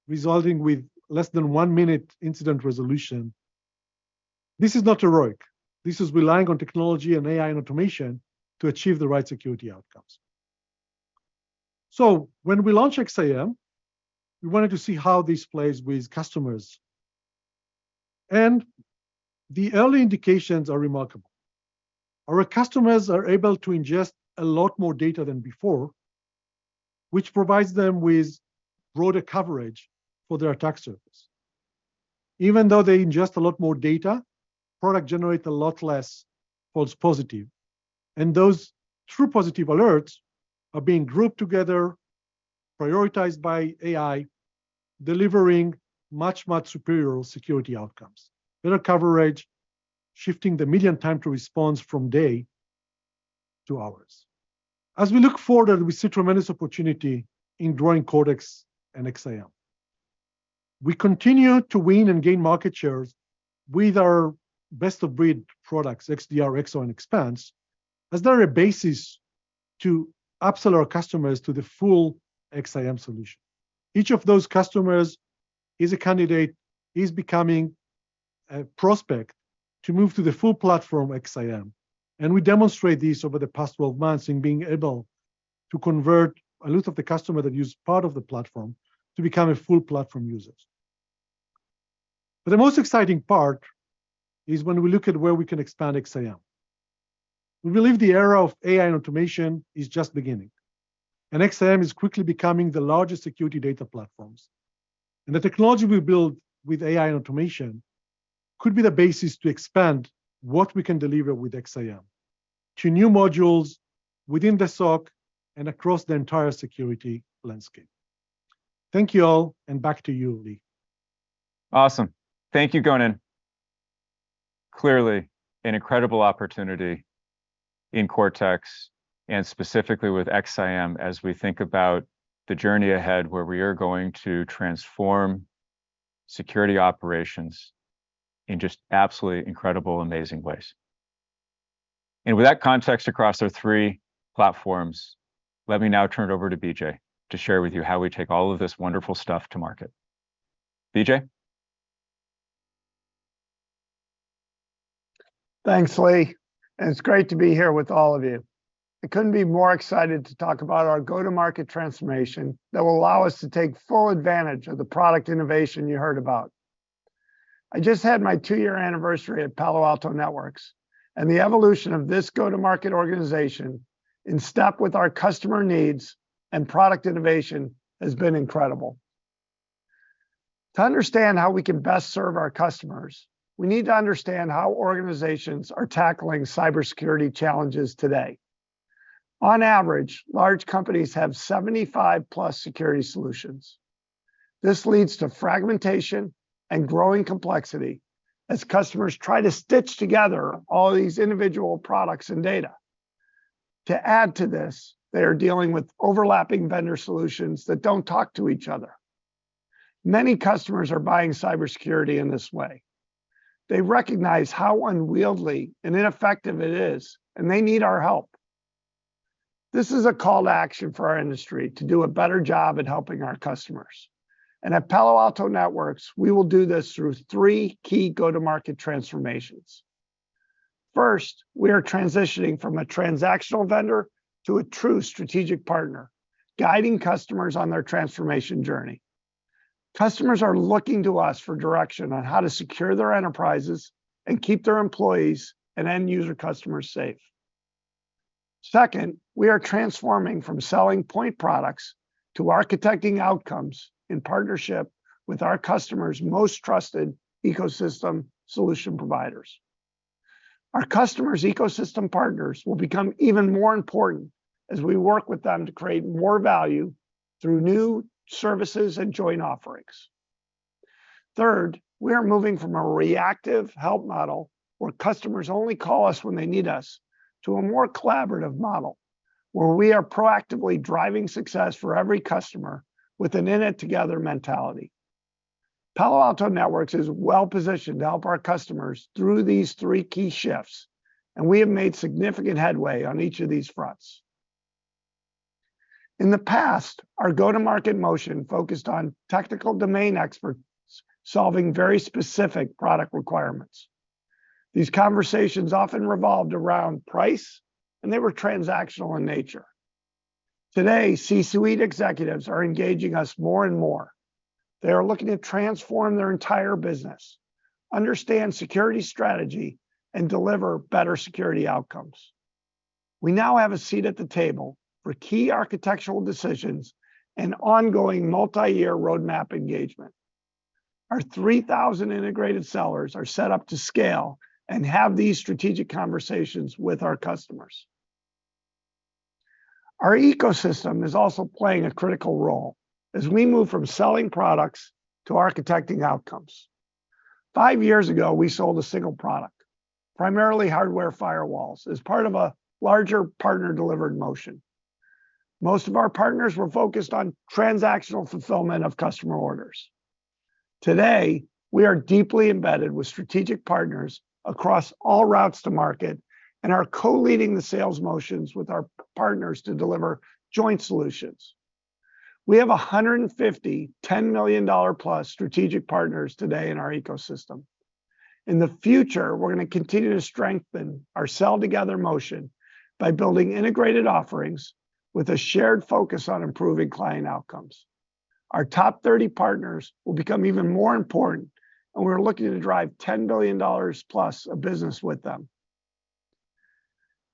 resolving with less than 1 minute incident resolution. This is not heroic. This is relying on technology and AI and automation to achieve the right security outcomes. When we launch XSIAM, we wanted to see how this plays with customers, and the early indications are remarkable. Our customers are able to ingest a lot more data than before, which provides them with broader coverage for their attack surface. Even though they ingest a lot more data, product generate a lot less false positive, and those true positive alerts are being grouped together, prioritized by AI, delivering much, much superior security outcomes, better coverage, shifting the median time to response from day to hours. As we look forward, we see tremendous opportunity in growing Cortex and XSIAM. We continue to win and gain market shares with our best-of-breed products, XDR, XSOAR, and Expanse, as they are a basis to upsell our customers to the full XSIAM solution. Each of those customers is a candidate, is becoming a prospect to move to the full platform, XSIAM, and we demonstrate this over the past 12 months in being able to convert a lot of the customer that use part of the platform to become a full platform users. The most exciting part is when we look at where we can expand XSIAM. We believe the era of AI and automation is just beginning, and XSIAM is quickly becoming the largest security data platforms. The technology we build with AI and automation could be the basis to expand what we can deliver with XSIAM to new modules within the SOC and across the entire security landscape. Thank you all, and back to you, Lee. Awesome. Thank you, Gonen. Clearly, an incredible opportunity in Cortex, and specifically with XSIAM, as we think about the journey ahead, where we are going to transform security operations in just absolutely incredible, amazing ways. With that context across our three platforms, let me now turn it over to BJ to share with you how we take all of this wonderful stuff to market. BJ? Thanks, Lee. It's great to be here with all of you. I couldn't be more excited to talk about our go-to-market transformation that will allow us to take full advantage of the product innovation you heard about. I just had my two-year anniversary at Palo Alto Networks, and the evolution of this go-to-market organization in step with our customer needs and product innovation has been incredible. To understand how we can best serve our customers, we need to understand how organizations are tackling Cider Security challenges today. On average, large companies have 75+ security solutions. This leads to fragmentation and growing complexity as customers try to stitch together all these individual products and data. To add to this, they are dealing with overlapping vendor solutions that don't talk to each other. Many customers are buying Cider Security in this way. They recognize how unwieldy and ineffective it is, and they need our help. This is a call to action for our industry to do a better job at helping our customers. And at Palo Alto Networks, we will do this through three key go-to-market transformations. First, we are transitioning from a transactional vendor to a true strategic partner, guiding customers on their transformation journey. Customers are looking to us for direction on how to secure their enterprises and keep their employees and end-user customers safe. Second, we are transforming from selling point products to architecting outcomes in partnership with our customers' most trusted ecosystem solution providers. Our customers' ecosystem partners will become even more important as we work with them to create more value through new services and joint offerings. Third, we are moving from a reactive help model, where customers only call us when they need us, to a more collaborative model, where we are proactively driving success for every customer with an in-it-together mentality. Palo Alto Networks is well positioned to help our customers through these three key shifts, and we have made significant headway on each of these fronts. In the past, our go-to-market motion focused on technical domain experts solving very specific product requirements. These conversations often revolved around price, and they were transactional in nature. Today, C-suite executives are engaging us more and more. They are looking to transform their entire business, understand security strategy, and deliver better security outcomes. We now have a seat at the table for key architectural decisions and ongoing multi-year roadmap engagement. Our 3,000 integrated sellers are set up to scale and have these strategic conversations with our customers. Our ecosystem is also playing a critical role as we move from selling products to architecting outcomes. 5 years ago, we sold a single product, primarily hardware firewalls, as part of a larger partner-delivered motion. Most of our partners were focused on transactional fulfillment of customer orders. Today, we are deeply embedded with strategic partners across all routes to market and are co-leading the sales motions with our partners to deliver joint solutions. We have 150, $10 million+ strategic partners today in our ecosystem. In the future, we're going to continue to strengthen our sell together motion by building integrated offerings with a shared focus on improving client outcomes. Our top 30 partners will become even more important, and we're looking to drive $10 billion+ of business with them.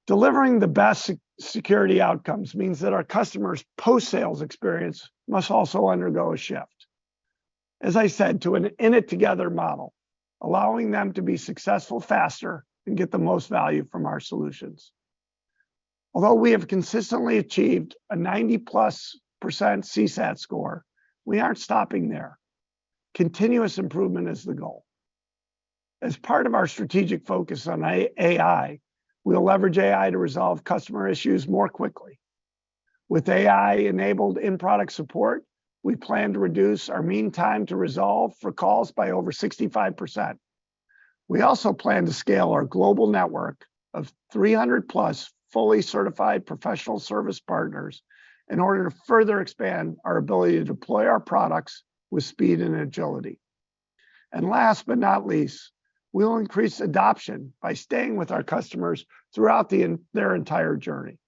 Delivering the best security outcomes means that our customers' post-sales experience must also undergo a shift. As I said, to an in-it-together model, allowing them to be successful faster and get the most value from our solutions. Although we have consistently achieved a 90%+ CSAT score, we aren't stopping there. Continuous improvement is the goal. As part of our strategic focus on AI, we'll leverage AI to resolve customer issues more quickly. With AI-enabled in-product support, we plan to reduce our mean time to resolve for calls by over 65%. We also plan to scale our global network of 300+ fully certified professional service partners in order to further expand our ability to deploy our products with speed and agility. Last but not least, we'll increase adoption by staying with our customers throughout their entire journey.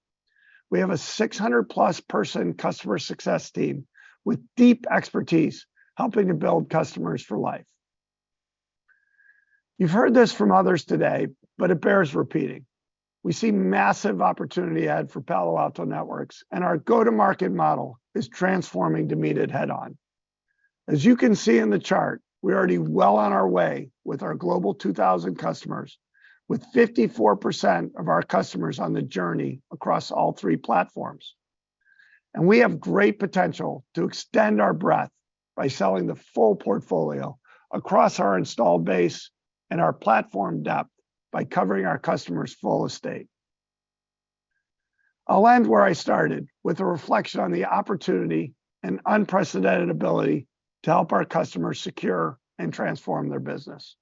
We have a 600+ person customer success team with deep expertise, helping to build customers for life. You've heard this from others today, but it bears repeating. We see massive opportunity ahead for Palo Alto Networks. Our go-to-market model is transforming to meet it head on. As you can see in the chart, we're already well on our way with our global 2,000 customers, with 54% of our customers on the journey across all three platforms. We have great potential to extend our breadth by selling the full portfolio across our installed base and our platform depth by covering our customers' full estate. I'll end where I started, with a reflection on the opportunity and unprecedented ability to help our customers secure and transform their business.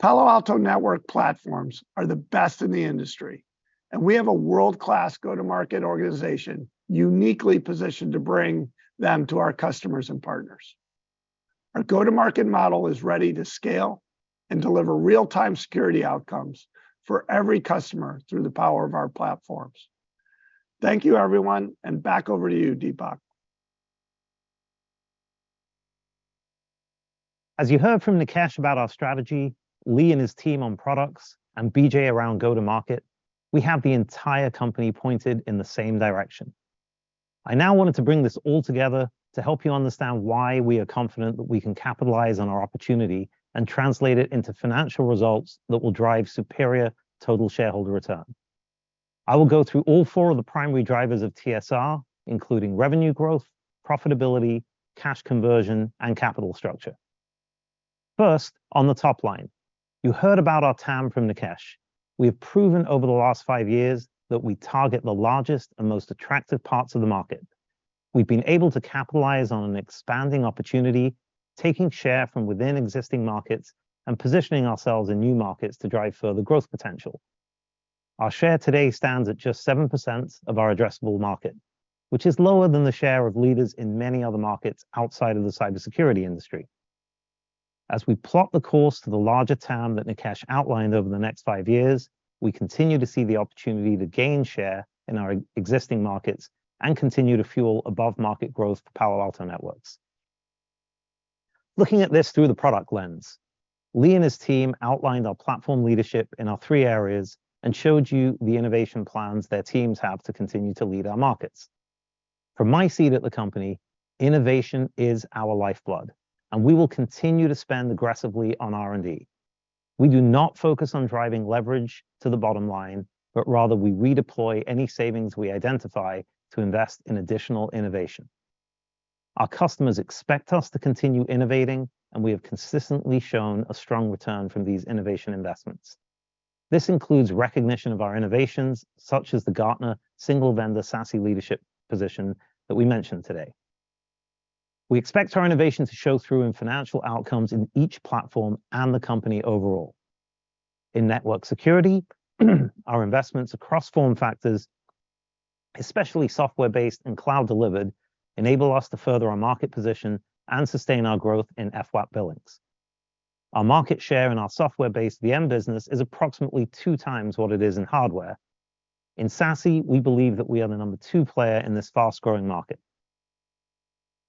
Palo Alto Networks platforms are the best in the industry, and we have a world-class go-to-market organization, uniquely positioned to bring them to our customers and partners. Our go-to-market model is ready to scale and deliver real-time security outcomes for every customer through the power of our platforms. Thank you, everyone, and back over to you, Dipak. As you heard from Nikesh Arora about our strategy, Lee Klarich and his team on products, and B.J. Jenkins around go-to-market, we have the entire company pointed in the same direction. I now wanted to bring this all together to help you understand why we are confident that we can capitalize on our opportunity and translate it into financial results that will drive superior total shareholder return. I will go through all four of the primary drivers of TSR, including revenue growth, profitability, cash conversion, and capital structure. First, on the top line, you heard about our TAM from Nikesh Arora. We have proven over the last five years that we target the largest and most attractive parts of the market. We've been able to capitalize on an expanding opportunity, taking share from within existing markets and positioning ourselves in new markets to drive further growth potential. Our share today stands at just 7% of our addressable market, which is lower than the share of leaders in many other markets outside of the Cider Security industry. As we plot the course to the larger TAM that Nikesh outlined over the next five years, we continue to see the opportunity to gain share in our existing markets and continue to fuel above-market growth for Palo Alto Networks. Looking at this through the product lens, Lee and his team outlined our platform leadership in our three areas and showed you the innovation plans their teams have to continue to lead our markets. From my seat at the company, innovation is our lifeblood, and we will continue to spend aggressively on R&D. We do not focus on driving leverage to the bottom line, but rather we redeploy any savings we identify to invest in additional innovation. Our customers expect us to continue innovating. We have consistently shown a strong return from these innovation investments. This includes recognition of our innovations, such as the Gartner Single Vendor SASE Leadership position that we mentioned today. We expect our innovation to show through in financial outcomes in each platform and the company overall. In network security, our investments across form factors, especially software-based and cloud-delivered, enable us to further our market position and sustain our growth in FWaaP billings. Our market share and our software-based, VM business, is approximately 2x what it is in hardware. In SASE, we believe that we are the number two player in this fast-growing market.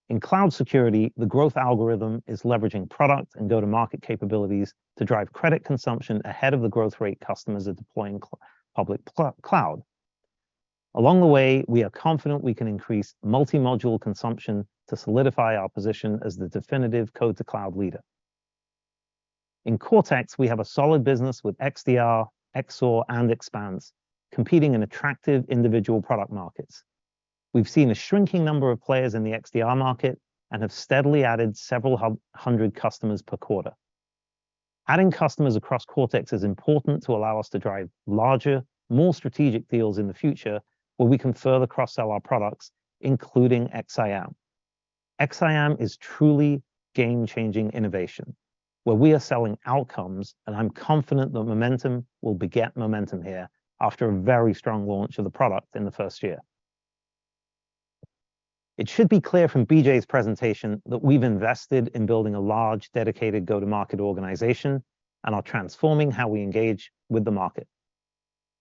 In cloud security, the growth algorithm is leveraging product and go-to-market capabilities to drive credit consumption ahead of the growth rate customers are deploying public cloud. Along the way, we are confident we can increase multi-module consumption to solidify our position as the definitive Code-to-Cloud leader. In Cortex, we have a solid business with XDR, XSOAR, and Xpanse, competing in attractive individual product markets. We've seen a shrinking number of players in the XDR market and have steadily added several hundred customers per quarter. Adding customers across Cortex is important to allow us to drive larger, more strategic deals in the future, where we can further cross-sell our products, including XSIAM. XSIAM is truly game-changing innovation, where we are selling outcomes, and I'm confident the momentum will beget momentum here after a very strong launch of the product in the first year. It should be clear from B.J.'s presentation that we've invested in building a large, dedicated go-to-market organization and are transforming how we engage with the market.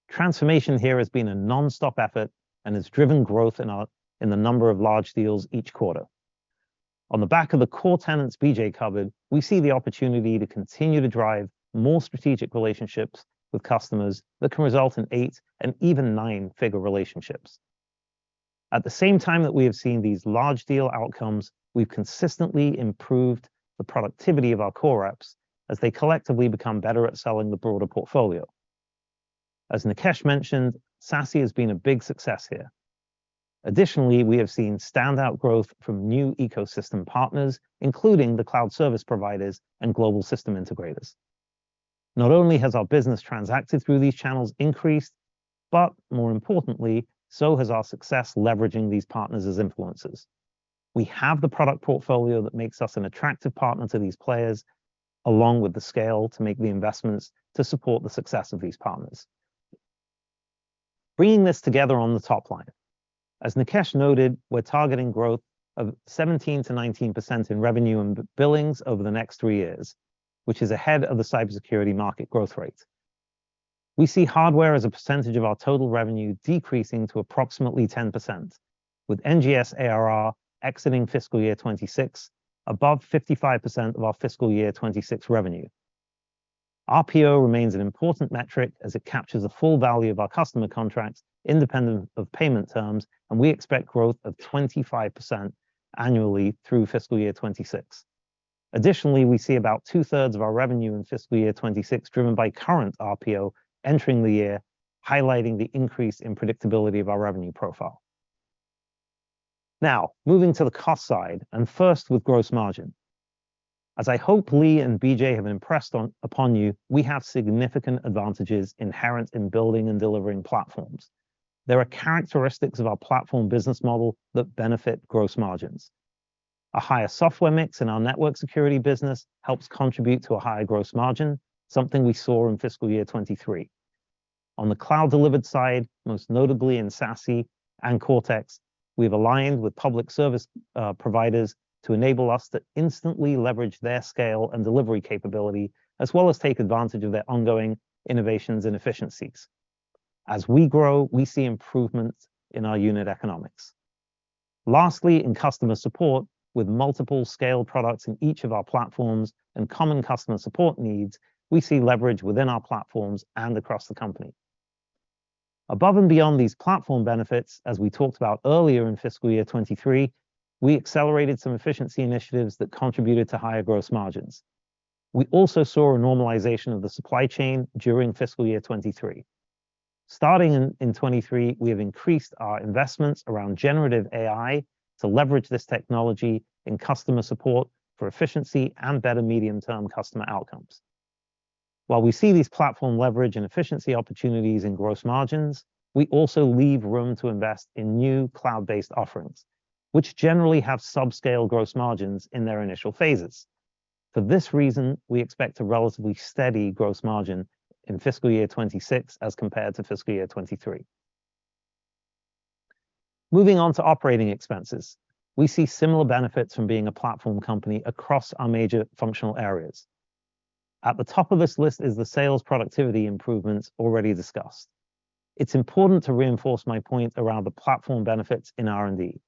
Transformation here has been a nonstop effort and has driven growth in the number of large deals each quarter. On the back of the core tenets B.J. covered, we see the opportunity to continue to drive more strategic relationships with customers that can result in eight and even nine-figure relationships. At the same time that we have seen these large deal outcomes, we've consistently improved the productivity of our core reps as they collectively become better at selling the broader portfolio. As Nikesh mentioned, SASE has been a big success here. Additionally, we have seen standout growth from new ecosystem partners, including the cloud service providers and global system integrators. Not only has our business transacted through these channels increased, but more importantly, so has our success leveraging these partners as influencers. We have the product portfolio that makes us an attractive partner to these players, along with the scale to make the investments to support the success of these partners. Bringing this together on the top line. As Nikesh noted, we're targeting growth of 17%-19% in revenue and billings over the next three years, which is ahead of the Cider Security market growth rate. We see hardware as a percentage of our total revenue decreasing to approximately 10%, with NGS ARR exiting fiscal year 2026 above 55% of our fiscal year 2026 revenue. RPO remains an important metric as it captures the full value of our customer contracts independent of payment terms. We expect growth of 25% annually through fiscal year 2026. Additionally, we see about 2/3 of our revenue in fiscal year 2026 driven by current RPO entering the year, highlighting the increase in predictability of our revenue profile. Now, moving to the cost side, and first with gross margin. As I hope Lee and BJ have impressed on, upon you, we have significant advantages inherent in building and delivering platforms. There are characteristics of our platform business model that benefit gross margins. A higher software mix in our network security business helps contribute to a higher gross margin, something we saw in fiscal year 2023. On the cloud-delivered side, most notably in SASE and Cortex, we've aligned with public service providers to enable us to instantly leverage their scale and delivery capability, as well as take advantage of their ongoing innovations and efficiencies. As we grow, we see improvements in our unit economics. Lastly, in customer support, with multiple scale products in each of our platforms and common customer support needs, we see leverage within our platforms and across the company. Above and beyond these platform benefits, as we talked about earlier in fiscal year 23, we accelerated some efficiency initiatives that contributed to higher gross margins. We also saw a normalization of the supply chain during fiscal year 23. Starting in 23, we have increased our investments around generative AI to leverage this technology in customer support for efficiency and better medium-term customer outcomes. While we see these platform leverage and efficiency opportunities in gross margins, we also leave room to invest in new cloud-based offerings, which generally have subscale gross margins in their initial phases. For this reason, we expect a relatively steady gross margin in fiscal year 26 as compared to fiscal year 23. Moving on to operating expenses. We see similar benefits from being a platform company across our major functional areas. At the top of this list is the sales productivity improvements already discussed. It's important to reinforce my point around the platform benefits in R&D.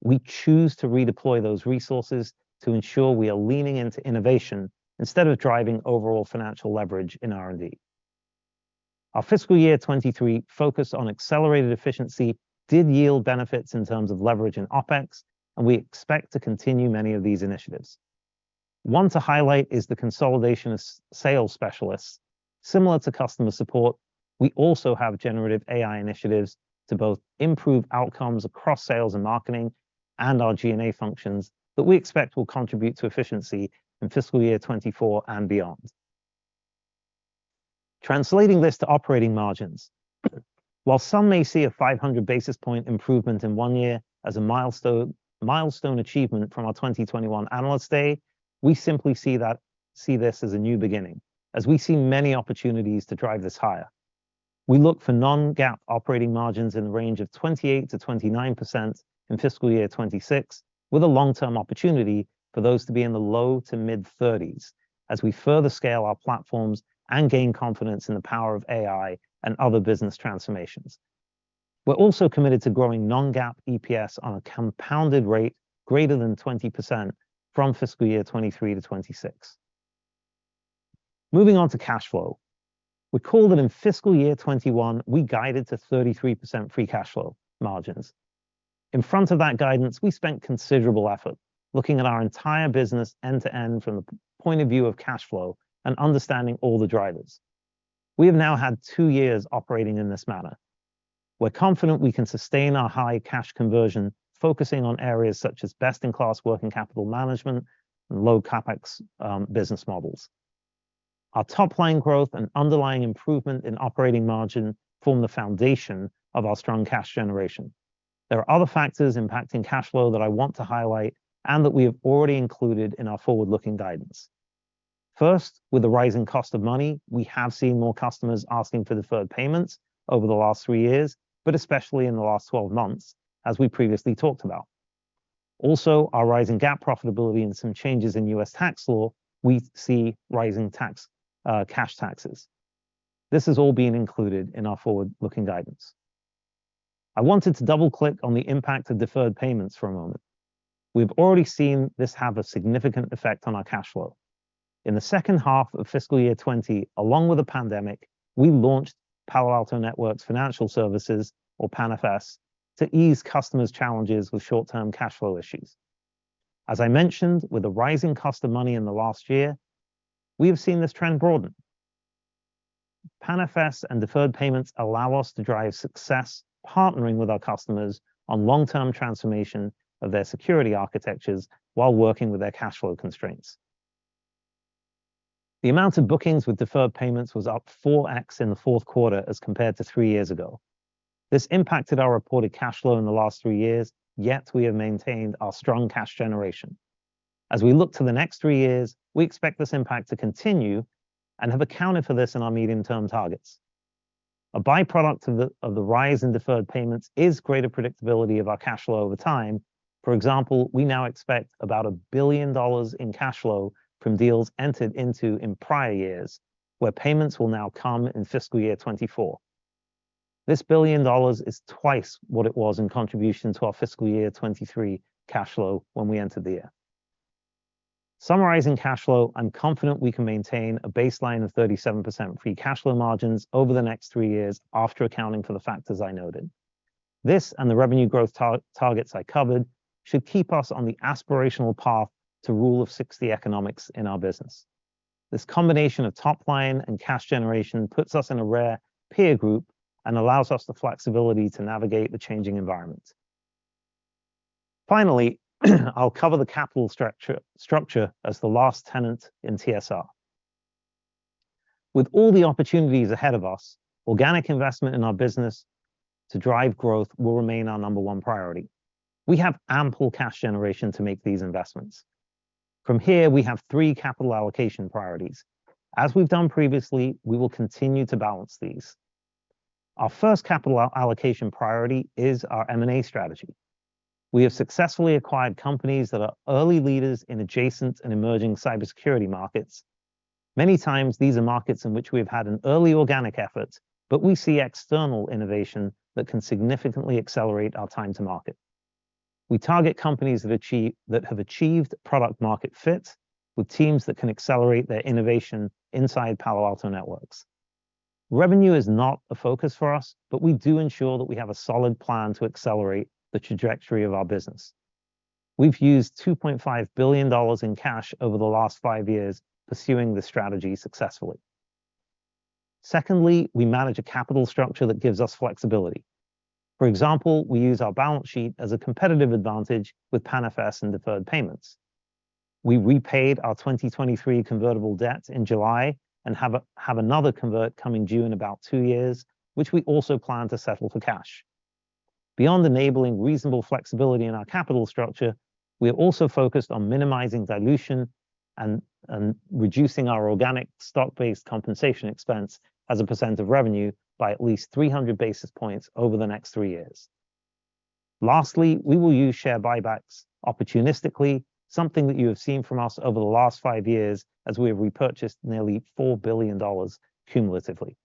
We choose to redeploy those resources to ensure we are leaning into innovation instead of driving overall financial leverage in R&D. Our fiscal year 2023 focus on accelerated efficiency did yield benefits in terms of leverage and OpEx, and we expect to continue many of these initiatives. One to highlight is the consolidation of sales specialists. Similar to customer support, we also have generative AI initiatives to both improve outcomes across sales and marketing and our G&A functions that we expect will contribute to efficiency in fiscal year 2024 and beyond. Translating this to operating margins, while some may see a 500 basis point improvement in one year as a milestone achievement from our 2021 Analyst Day, we simply see this as a new beginning, as we see many opportunities to drive this higher. We look for non-GAAP operating margins in the range of 28%-29% in fiscal year 2026, with a long-term opportunity for those to be in the low to mid-30s as we further scale our platforms and gain confidence in the power of AI and other business transformations. We're also committed to growing non-GAAP EPS on a compounded rate greater than 20% from fiscal year 2023 to 2026. Moving on to cash flow. We called it in fiscal year 2021, we guided to 33% free cash flow margins. In front of that guidance, we spent considerable effort looking at our entire business end-to-end from the point of view of cash flow and understanding all the drivers. We have now had two years operating in this manner. We're confident we can sustain our high cash conversion, focusing on areas such as best-in-class working capital management and low CapEx business models. Our top line growth and underlying improvement in operating margin form the foundation of our strong cash generation. There are other factors impacting cash flow that I want to highlight and that we have already included in our forward-looking guidance. First, with the rising cost of money, we have seen more customers asking for deferred payments over the last three years, but especially in the last 12 months, as we previously talked about. Also, our rising GAAP profitability and some changes in US tax law, we see rising tax, cash taxes. This is all being included in our forward-looking guidance. I wanted to double-click on the impact of deferred payments for a moment. We've already seen this have a significant effect on our cash flow. In the second half of fiscal year 2020, along with the pandemic, we launched Palo Alto Networks Financial Services, or PANFS, to ease customers' challenges with short-term cash flow issues. As I mentioned, with the rising cost of money in the last year, we have seen this trend broaden. PANFS and deferred payments allow us to drive success, partnering with our customers on long-term transformation of their security architectures while working with their cash flow constraints. The amount of bookings with deferred payments was up 4x in the fourth quarter as compared to three years ago. This impacted our reported cash flow in the last three years, yet we have maintained our strong cash generation. As we look to the next three years, we expect this impact to continue and have accounted for this in our medium-term targets. A by-product of the rise in deferred payments is greater predictability of our cash flow over time. For example, we now expect about $1 billion in cash flow from deals entered into in prior years, where payments will now come in fiscal year 2024. This $1 billion is twice what it was in contribution to our fiscal year 2023 cash flow when we entered the year. Summarizing cash flow, I'm confident we can maintain a baseline of 37% free cash flow margins over the next three years after accounting for the factors I noted. This and the revenue growth targets I covered should keep us on the aspirational path to Rule of 60 economics in our business. This combination of top line and cash generation puts us in a rare peer group and allows us the flexibility to navigate the changing environment. Finally, I'll cover the capital structure as the last tenet in TSR. With all the opportunities ahead of us, organic investment in our business to drive growth will remain our number one priority. We have ample cash generation to make these investments. From here, we have three capital allocation priorities. As we've done previously, we will continue to balance these. Our first capital allocation priority is our M&A strategy. We have successfully acquired companies that are early leaders in adjacent and emerging Cider Security markets. Many times, these are markets in which we have had an early organic effort, but we see external innovation that can significantly accelerate our time to market. We target companies that have achieved product market fit, with teams that can accelerate their innovation inside Palo Alto Networks. Revenue is not a focus for us, but we do ensure that we have a solid plan to accelerate the trajectory of our business. We've used $2.5 billion in cash over the last five years pursuing this strategy successfully. Secondly, we manage a capital structure that gives us flexibility. For example, we use our balance sheet as a competitive advantage with PANFS and deferred payments. We repaid our 2023 convertible debt in July and have another convert coming due in about two years, which we also plan to settle for cash. Beyond enabling reasonable flexibility in our capital structure, we are also focused on minimizing dilution and reducing our organic stock-based compensation expense as a percent of revenue by at least 300 basis points over the next three years. Lastly, we will use share buybacks opportunistically, something that you have seen from us over the last five years as we have repurchased nearly $4 billion cumulatively.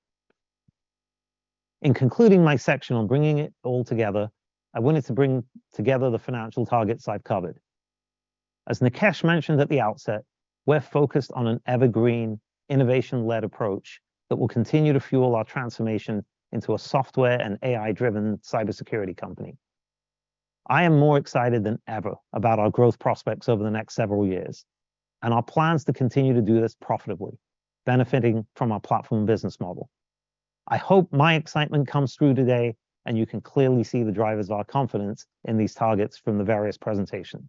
In concluding my section on bringing it all together, I wanted to bring together the financial targets I've covered. As Nikesh mentioned at the outset, we're focused on an evergreen, innovation-led approach that will continue to fuel our transformation into a software and AI-driven Cider Security company. I am more excited than ever about our growth prospects over the next several years and our plans to continue to do this profitably, benefiting from our platform business model. I hope my excitement comes through today. You can clearly see the drivers of our confidence in these targets from the various presentations.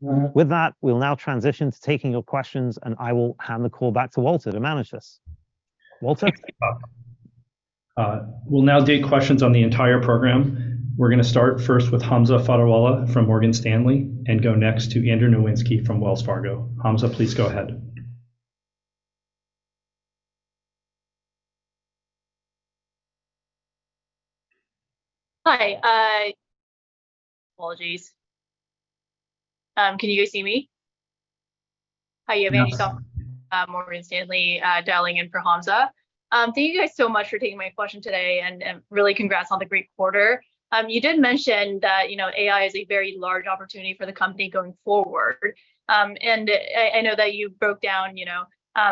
With that, we'll now transition to taking your questions. I will hand the call back to Walter to manage this. Walter?... we'll now take questions on the entire program. We're gonna start first with Hamza Fodderwala from Morgan Stanley. Go next to Andrew Nowinski from Wells Fargo. Hamza, please go ahead. Hi, apologies. Can you guys see me? Hi, yeah, Hamza, Morgan Stanley, dialing in for Hamza. Thank you guys so much for taking my question today, and really congrats on the great quarter. You did mention that, you know, AI is a very large opportunity for the company going forward. And I, I know that you broke down, you know,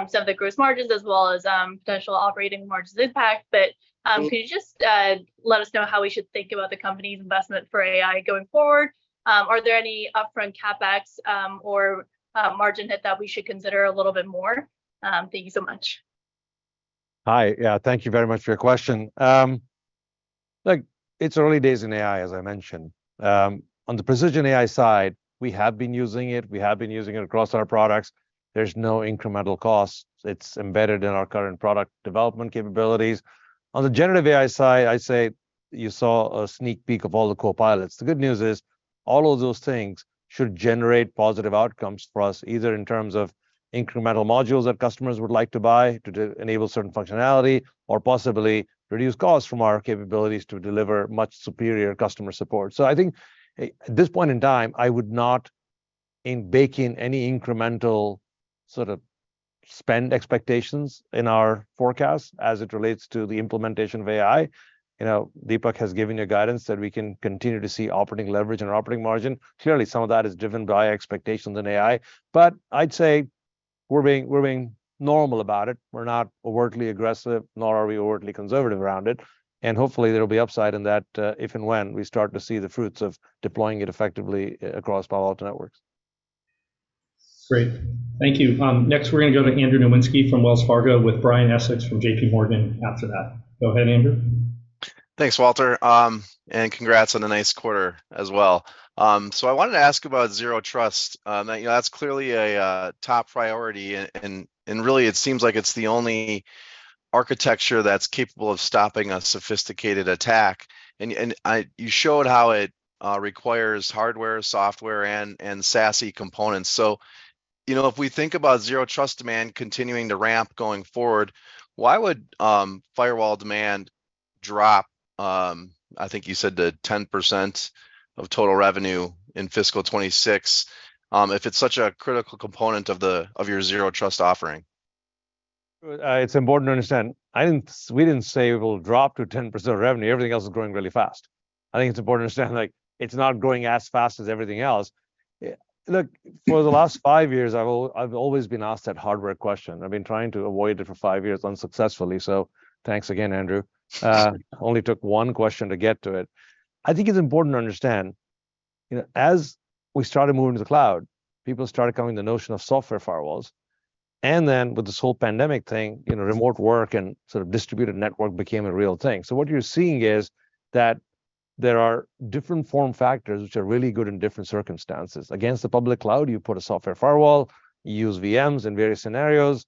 some of the gross margins as well as potential operating margins impact. But- Mm could you just let us know how we should think about the company's investment for AI going forward? Are there any upfront CapEx or margin hit that we should consider a little bit more? Thank you so much. Hi, yeah, thank you very much for your question. Look, it's early days in AI, as I mentioned. On the Precision AI side, we have been using it, we have been using it across our products. There's no incremental cost. It's embedded in our current product development capabilities. On the generative AI side, I'd say you saw a sneak peek of all the Copilots. The good news is, all of those things should generate positive outcomes for us, either in terms of incremental modules that customers would like to buy to, to enable certain functionality, or possibly reduce costs from our capabilities to deliver much superior customer support. So I think at this point in time, I would not in bake in any incremental sort of spend expectations in our forecast as it relates to the implementation of AI. You know, Dipak has given you guidance that we can continue to see operating leverage and operating margin. Clearly, some of that is driven by expectations in AI, but I'd say we're being, we're being normal about it. We're not outwardly aggressive, nor are we outwardly conservative around it, and hopefully there will be upside in that, if and when we start to see the fruits of deploying it effectively across Palo Alto Networks. Great, thank you. Next, we're gonna go to Andrew Nowinski from Wells Fargo with Brian Essex from JP Morgan after that. Go ahead, Andrew. Thanks, Walter, and congrats on a nice quarter as well. I wanted to ask about Zero Trust. You know, that's clearly a top priority, and really it seems like it's the only architecture that's capable of stopping a sophisticated attack. You showed how it requires hardware, software, and SASE components. You know, if we think about Zero Trust demand continuing to ramp going forward, why would firewall demand drop, I think you said to 10% of total revenue in fiscal 2026, if it's such a critical component of your Zero Trust offering? It's important to understand, I didn't we didn't say it will drop to 10% of revenue. Everything else is growing really fast. I think it's important to understand, like, it's not growing as fast as everything else. Look, for the last five years, I've always been asked that hardware question. I've been trying to avoid it for five years unsuccessfully, so thanks again, Andrew. Only took one question to get to it. I think it's important to understand, you know, as we started moving to the cloud, people started coming to the notion of Software firewalls, and then with this whole pandemic thing, you know. Mm... remote work and sort of distributed network became a real thing. What you're seeing is that there are different form factors which are really good in different circumstances. Against the public cloud, you put a software firewall, you use VMs in various scenarios.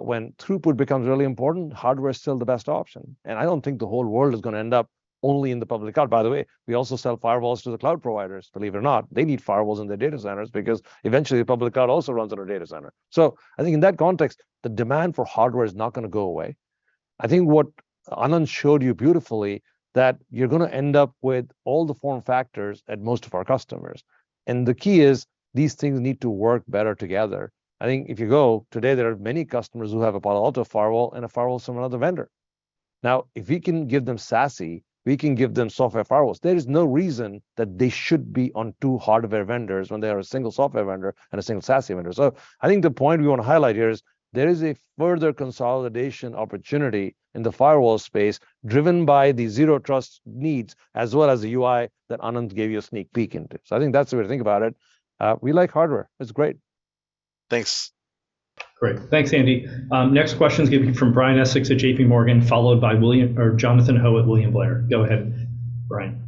When throughput becomes really important, hardware is still the best option, and I don't think the whole world is gonna end up only in the public cloud. By the way, we also sell firewalls to the cloud providers, believe it or not. They need firewalls in their data centers because eventually the public cloud also runs on a data center. I think in that context, the demand for hardware is not gonna go away. I think what Anand showed you beautifully, that you're gonna end up with all the form factors at most of our customers, and the key is, these things need to work better together. I think if you go... Today, there are many customers who have a Palo Alto firewall and a firewall from another vendor. Now, if we can give them SASE, we can give them software firewalls. There is no reason that they should be on two hardware vendors when they are a single software vendor and a single SASE vendor. I think the point we want to highlight here is there is a further consolidation opportunity in the firewall space, driven by the Zero Trust needs, as well as the UI that Anand gave you a sneak peek into. We like hardware. It's great. Thanks. Great. Thanks, Andy. Next question's gonna be from Brian Essex at JPMorgan, followed by Jonathan Ho at William Blair. Go ahead, Brian.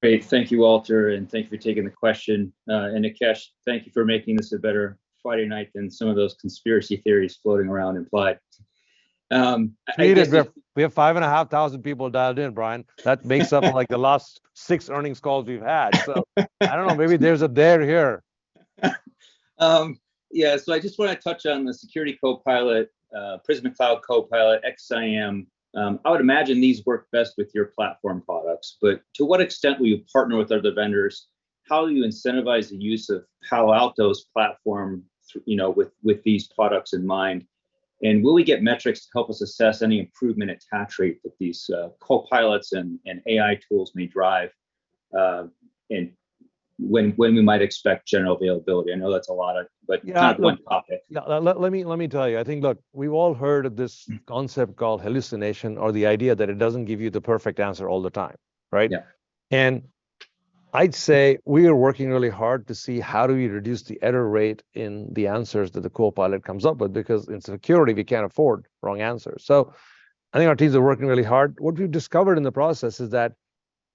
Great. Thank you, Walter, and thank you for taking the question. Nikesh, thank you for making this a better Friday night than some of those conspiracy theories floating around implied. We have, we have 5,500 people dialed in, Brian. That makes up, like, the last 6 earnings calls we've had. I don't know, maybe there's a there here. Yeah, so I just want to touch on the Security Copilot, Prisma Cloud Copilot, XSIAM. I would imagine these work best with your platform products, but to what extent will you partner with other vendors? How will you incentivize the use of Palo Alto's platform, you know, with these products in mind? Will we get metrics to help us assess any improvement in attach rate that these co-pilots and AI tools may drive, and when we might expect general availability? I know that's a lot of, but... Yeah One topic. No, let, let me, let me tell you. I think, look, we've all heard of this concept called hallucination, or the idea that it doesn't give you the perfect answer all the time, right? Yeah. I'd say we are working really hard to see how do we reduce the error rate in the answers that the Copilot comes up with, because in security, we can't afford wrong answers. I think our teams are working really hard. What we've discovered in the process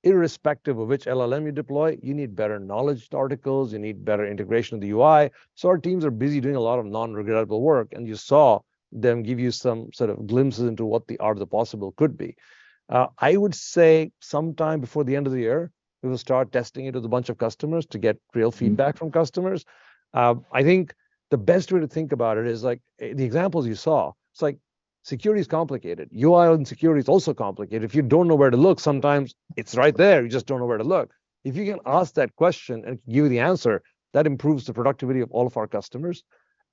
is irrespective of which LLM you deploy, you need better knowledge articles, you need better integration of the UI. Our teams are busy doing a lot of non-regrettable work, and you saw them give you some sort of glimpses into what the art of the possible could be. I would say sometime before the end of the year, we will start testing it with a bunch of customers to get real feedback from customers. I think the best way to think about it is, like, the examples you saw. It's like security is complicated. UI security is also complicated. If you don't know where to look, sometimes it's right there, you just don't know where to look. If you can ask that question and give you the answer, that improves the productivity of all of our customers,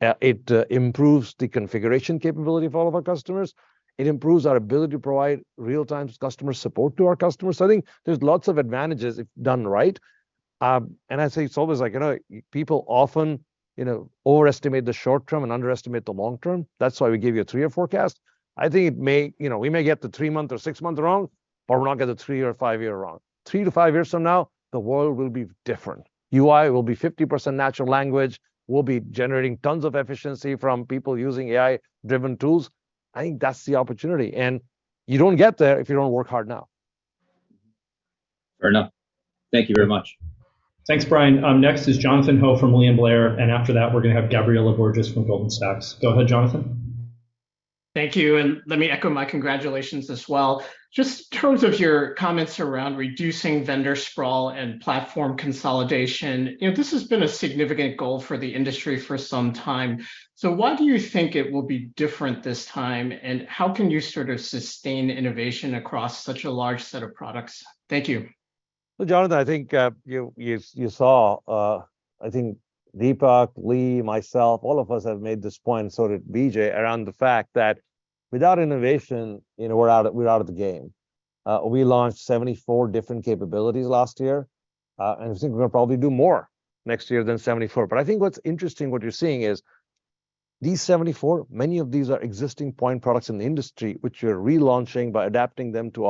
it improves the configuration capability of all of our customers, it improves our ability to provide real-time customer support to our customers. I think there's lots of advantages if done right. I say it's always like, you know, people often, you know, overestimate the short term and underestimate the long term. That's why we give you a 3-year forecast. I think it, you know, we may get the 3-month or 6-month wrong, but we're not gonna get the 3-year or 5-year wrong. 3 years to 5 years from now, the world will be different. UI will be 50% natural language. We'll be generating tons of efficiency from people using AI-driven tools. I think that's the opportunity, and you don't get there if you don't work hard now. Fair enough. Thank you very much. Thanks, Brian. Next is Jonathan Ho from William Blair. After that, we're gonna have Gabriela Borges from Goldman Sachs. Go ahead, Jonathan. Thank you. Let me echo my congratulations as well. Just in terms of your comments around reducing vendor sprawl and platform consolidation, you know, this has been a significant goal for the industry for some time. Why do you think it will be different this time, and how can you sort of sustain innovation across such a large set of products? Thank you. Well, Jonathan, I think you, you, you saw, I think Dipak, Lee, myself, all of us have made this point, so did B.J., around the fact that without innovation, you know, we're out of, we're out of the game. We launched 74 different capabilities last year, and I think we're gonna probably do more next year than 74. But I think what's interesting, what you're seeing, is these 74, many of these are existing point products in the industry, which we're relaunching by adapting them to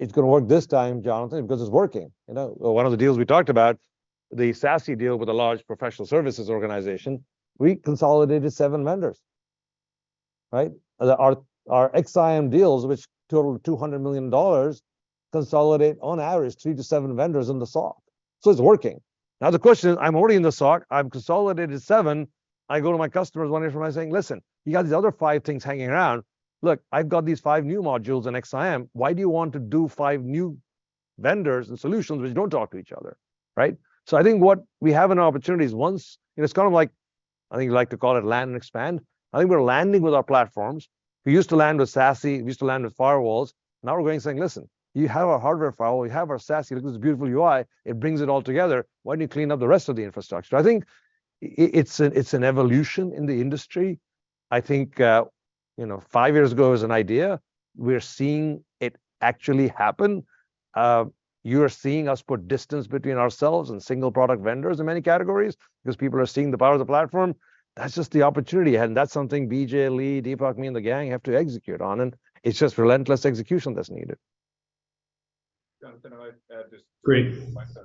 our platforms. And the reason it's gonna work this time, Jonathan, because it's working. You know, one of the deals we talked about, the SASE deal with a large professional services organization, we consolidated seven vendors, right? Our, our XSIAM deals, which totaled $200 million, consolidate, on average, three to seven vendors in the SOC. So it's working. The question is, I'm already in the SOC, I've consolidated seven. I go to my customers one year from now saying: "Listen, you got these other five things hanging around. Look, I've got these five new modules in XSIAM. Why do you want to do five new vendors and solutions which don't talk to each other, right?" I think what we have in our opportunities, once... It's kind of like, I think you like to call it land and expand. I think we're landing with our platforms. We used to land with SASE, we used to land with firewalls. Now we're going and saying: "Listen, you have our hardware firewall, we have our SASE. Look at this beautiful UI, it brings it all together. Why don't you clean up the rest of the infrastructure?" I think it's an evolution in the industry. I think, you know, five years ago, it was an idea. We're seeing it actually happen. You are seeing us put distance between ourselves and single-product vendors in many categories because people are seeing the power of the platform. That's just the opportunity, and that's something B.J., Lee, Dipak, me, and the gang have to execute on, and it's just relentless execution that's needed. Jonathan, I'd add just- Great points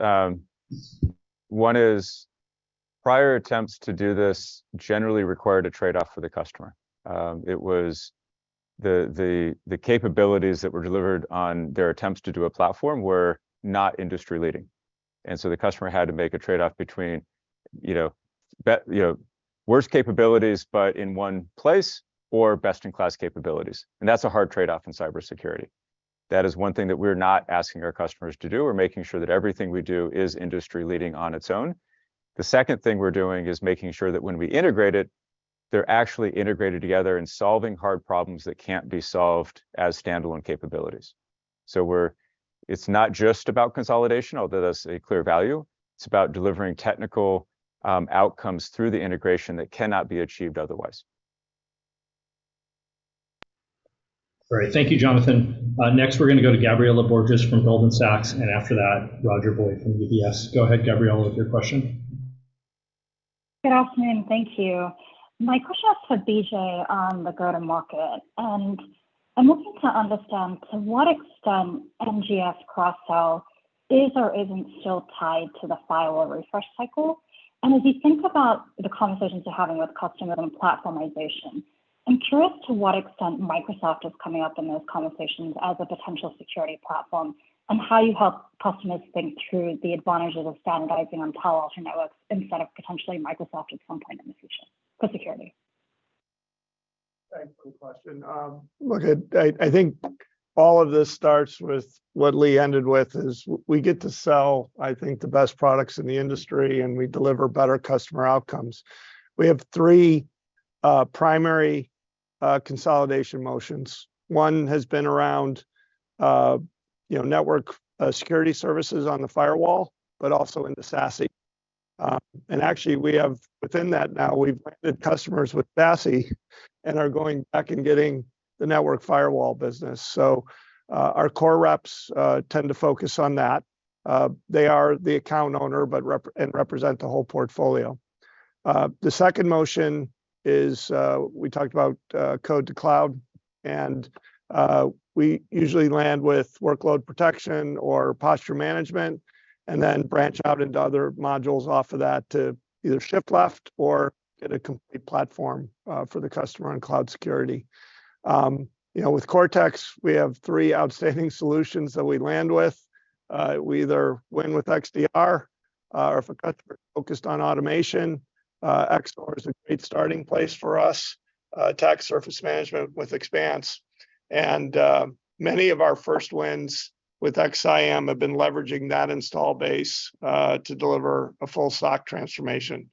on this. One is, prior attempts to do this generally required a trade-off for the customer. It was the, the, the capabilities that were delivered on their attempts to do a platform were not industry-leading. The customer had to make a trade-off between, you know, you know, worse capabilities, but in one place or best-in-class capabilities. That's a hard trade-off in Cider Security. That is one thing that we're not asking our customers to do. We're making sure that everything we do is industry-leading on its own. The second thing we're doing is making sure that when we integrate it, they're actually integrated together and solving hard problems that can't be solved as standalone capabilities. We're- it's not just about consolidation, although that's a clear value, it's about delivering technical outcomes through the integration that cannot be achieved otherwise. All right. Thank you, Jonathan. Next, we're gonna go to Gabriela Borges from Goldman Sachs. After that, Roger Boyd from UBS. Go ahead, Gabriela, with your question. Good afternoon. Thank you. My question is for BJ on the go-to-market. I'm looking to understand to what extent NGS cross-sell is or isn't still tied to the firewall refresh cycle. As you think about the conversations you're having with customers on platformization, I'm curious to what extent Microsoft is coming up in those conversations as a potential security platform, and how you help customers think through the advantages of standardizing on Palo Alto Networks instead of potentially Microsoft at some point in the future for security? Thanks for the question. Look, I, I think all of this starts with what Lee ended with, is we get to sell, I think, the best products in the industry, and we deliver better customer outcomes. We have three primary consolidation motions. One has been around, you know, network security services on the firewall, but also into SASE. Actually, we have within that now, we've landed customers with SASE and are going back and getting the network firewall business. Our core reps tend to focus on that. They are the account owner, but represent the whole portfolio. The second motion is, we talked about Code-to-Cloud, and, we usually land with workload protection or posture management and then branch out into other modules off of that to either shift left or get a complete platform, for the customer on cloud security. You know, with Cortex, we have three outstanding solutions that we land with. We either win with XDR- or if a customer focused on automation, XSOAR is a great starting place for us, attack surface management with Expanse. Many of our first wins with XSIAM have been leveraging that install base to deliver a full stack transformation.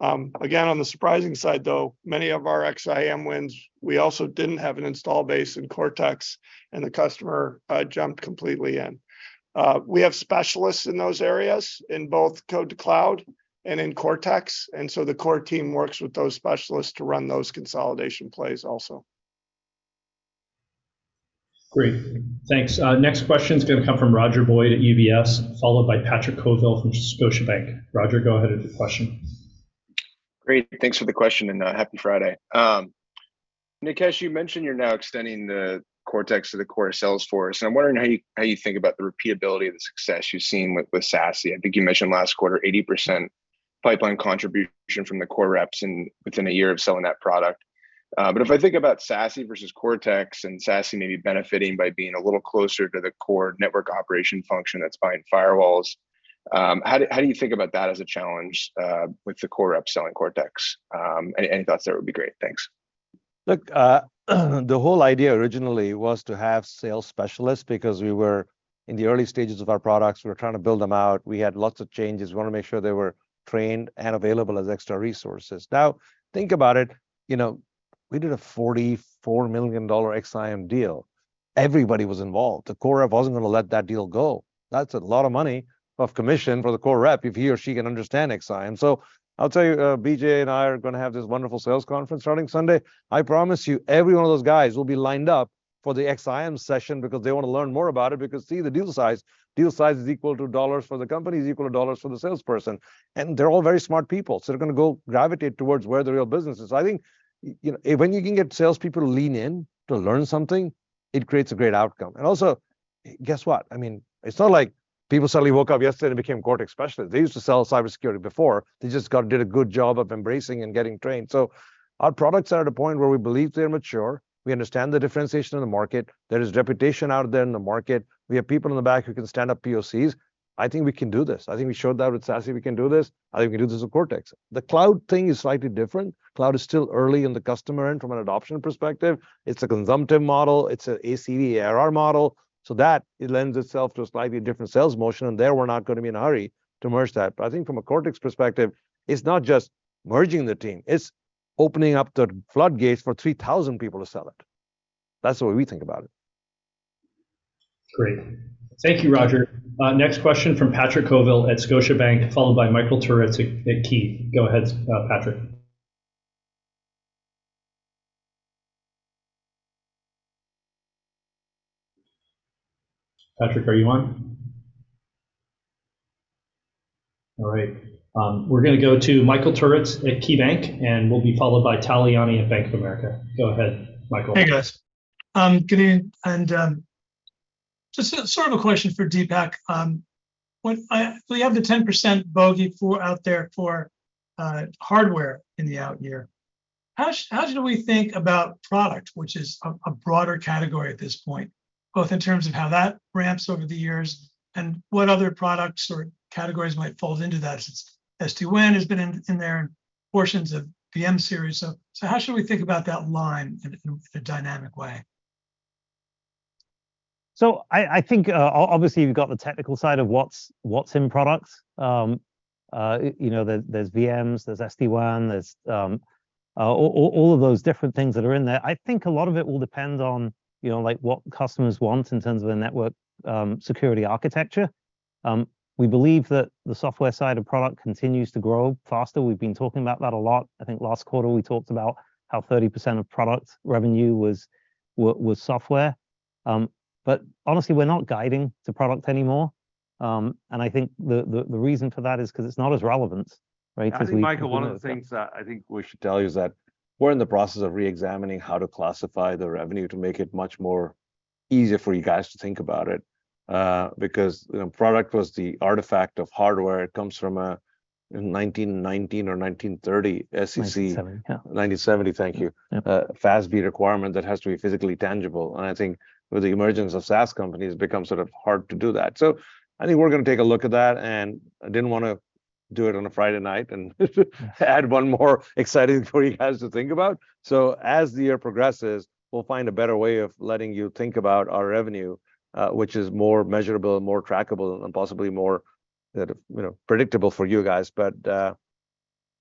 Again, on the surprising side, though, many of our XSIAM wins, we also didn't have an install base in Cortex, and the customer jumped completely in. We have specialists in those areas in both Code-to-Cloud and in Cortex, and so the core team works with those specialists to run those consolidation plays also. Great, thanks. Next question is gonna come from Roger Boyd at UBS, followed by Patrick Colville from Scotiabank. Roger, go ahead with your question. Great. Thanks for the question, and happy Friday. Nikesh, you mentioned you're now extending the Cortex to the core of Salesforce, and I'm wondering how you, how you think about the repeatability of the success you've seen with SASE. I think you mentioned last quarter, 80% pipeline contribution from the core reps and within a year of selling that product. But if I think about SASE versus Cortex, and SASE may be benefiting by being a little closer to the core network operation function that's buying firewalls, how do, how do you think about that as a challenge with the core rep selling Cortex? Any, any thoughts there would be great. Thanks. Look, the whole idea originally was to have sales specialists, because we were in the early stages of our products. We were trying to build them out. We had lots of changes. We wanted to make sure they were trained and available as extra resources. Now, think about it, you know, we did a $44 million XSIAM deal. Everybody was involved. The core rep wasn't gonna let that deal go. That's a lot of money of commission for the core rep if he or she can understand XSIAM. I'll tell you, BJ and I are gonna have this wonderful sales conference starting Sunday. I promise you, every one of those guys will be lined up for the XSIAM session because they want to learn more about it, because, see, the deal size, deal size is equal to dollars for the company, is equal to dollars for the salesperson, and they're all very smart people. They're gonna go gravitate towards where the real business is. I think, you know, when you can get salespeople to lean in to learn something, it creates a great outcome. Also, guess what? I mean, it's not like people suddenly woke up yesterday and became Cortex specialists. They used to sell Cider Security before. They just did a good job of embracing and getting trained. Our products are at a point where we believe they're mature. We understand the differentiation in the market. There is reputation out there in the market. We have people in the back who can stand up POCs. I think we can do this. I think we showed that with SASE we can do this. I think we can do this with Cortex. The cloud thing is slightly different. Cloud is still early in the customer end from an adoption perspective. It's a consumptive model. It's an ACV ARR model, so that it lends itself to a slightly different sales motion. There, we're not gonna be in a hurry to merge that. I think from a Cortex perspective, it's not just merging the team, it's opening up the floodgates for 3,000 people to sell it. That's the way we think about it. Great. Thank you, Roger. Next question from Patrick Colville at Scotiabank, followed by Michael Turits at, at Key. Go ahead, Patrick. Patrick, are you on? All right, we're gonna go to Michael Turits at KeyBanc, and we'll be followed by Tal Liani at Bank of America. Go ahead, Michael. Hey, guys. Good evening, and just sort of a question for Dipak. When you have the 10% bogey for out there for hardware in the out year. How should, how should we think about product, which is a, a broader category at this point, both in terms of how that ramps over the years and what other products or categories might fall into that, as STIN has been in, in there and portions of the M-Series? So how should we think about that line in a, in a dynamic way? I, I think, obviously, you've got the technical side of what's, what's in products. you know, there, there's VMs, there's SD-WAN, there's all, all of those different things that are in there. I think a lot of it will depend on, you know, like, what customers want in terms of the network security architecture. We believe that the software side of product continues to grow faster. We've been talking about that a lot. I think last quarter, we talked about how 30% of product revenue was, was software. But honestly, we're not guiding to product anymore, and I think the, the, the reason for that is 'cause it's not as relevant, right? Because we- I think, Michael, one of the things that I think we should tell you is that we're in the process of reexamining how to classify the revenue to make it much more easier for you guys to think about it. Because, you know, product was the artifact of hardware. It comes from a, in 1919 or 1930 SEC- 1970, yeah. 1970, thank you. Yep. FASB requirement that has to be physically tangible. I think with the emergence of SaaS companies, it becomes sort of hard to do that. I think we're gonna take a look at that, and I didn't wanna do it on a Friday night and add one more exciting thing for you guys to think about. As the year progresses, we'll find a better way of letting you think about our revenue, which is more measurable and more trackable and possibly more, you know, predictable for you guys.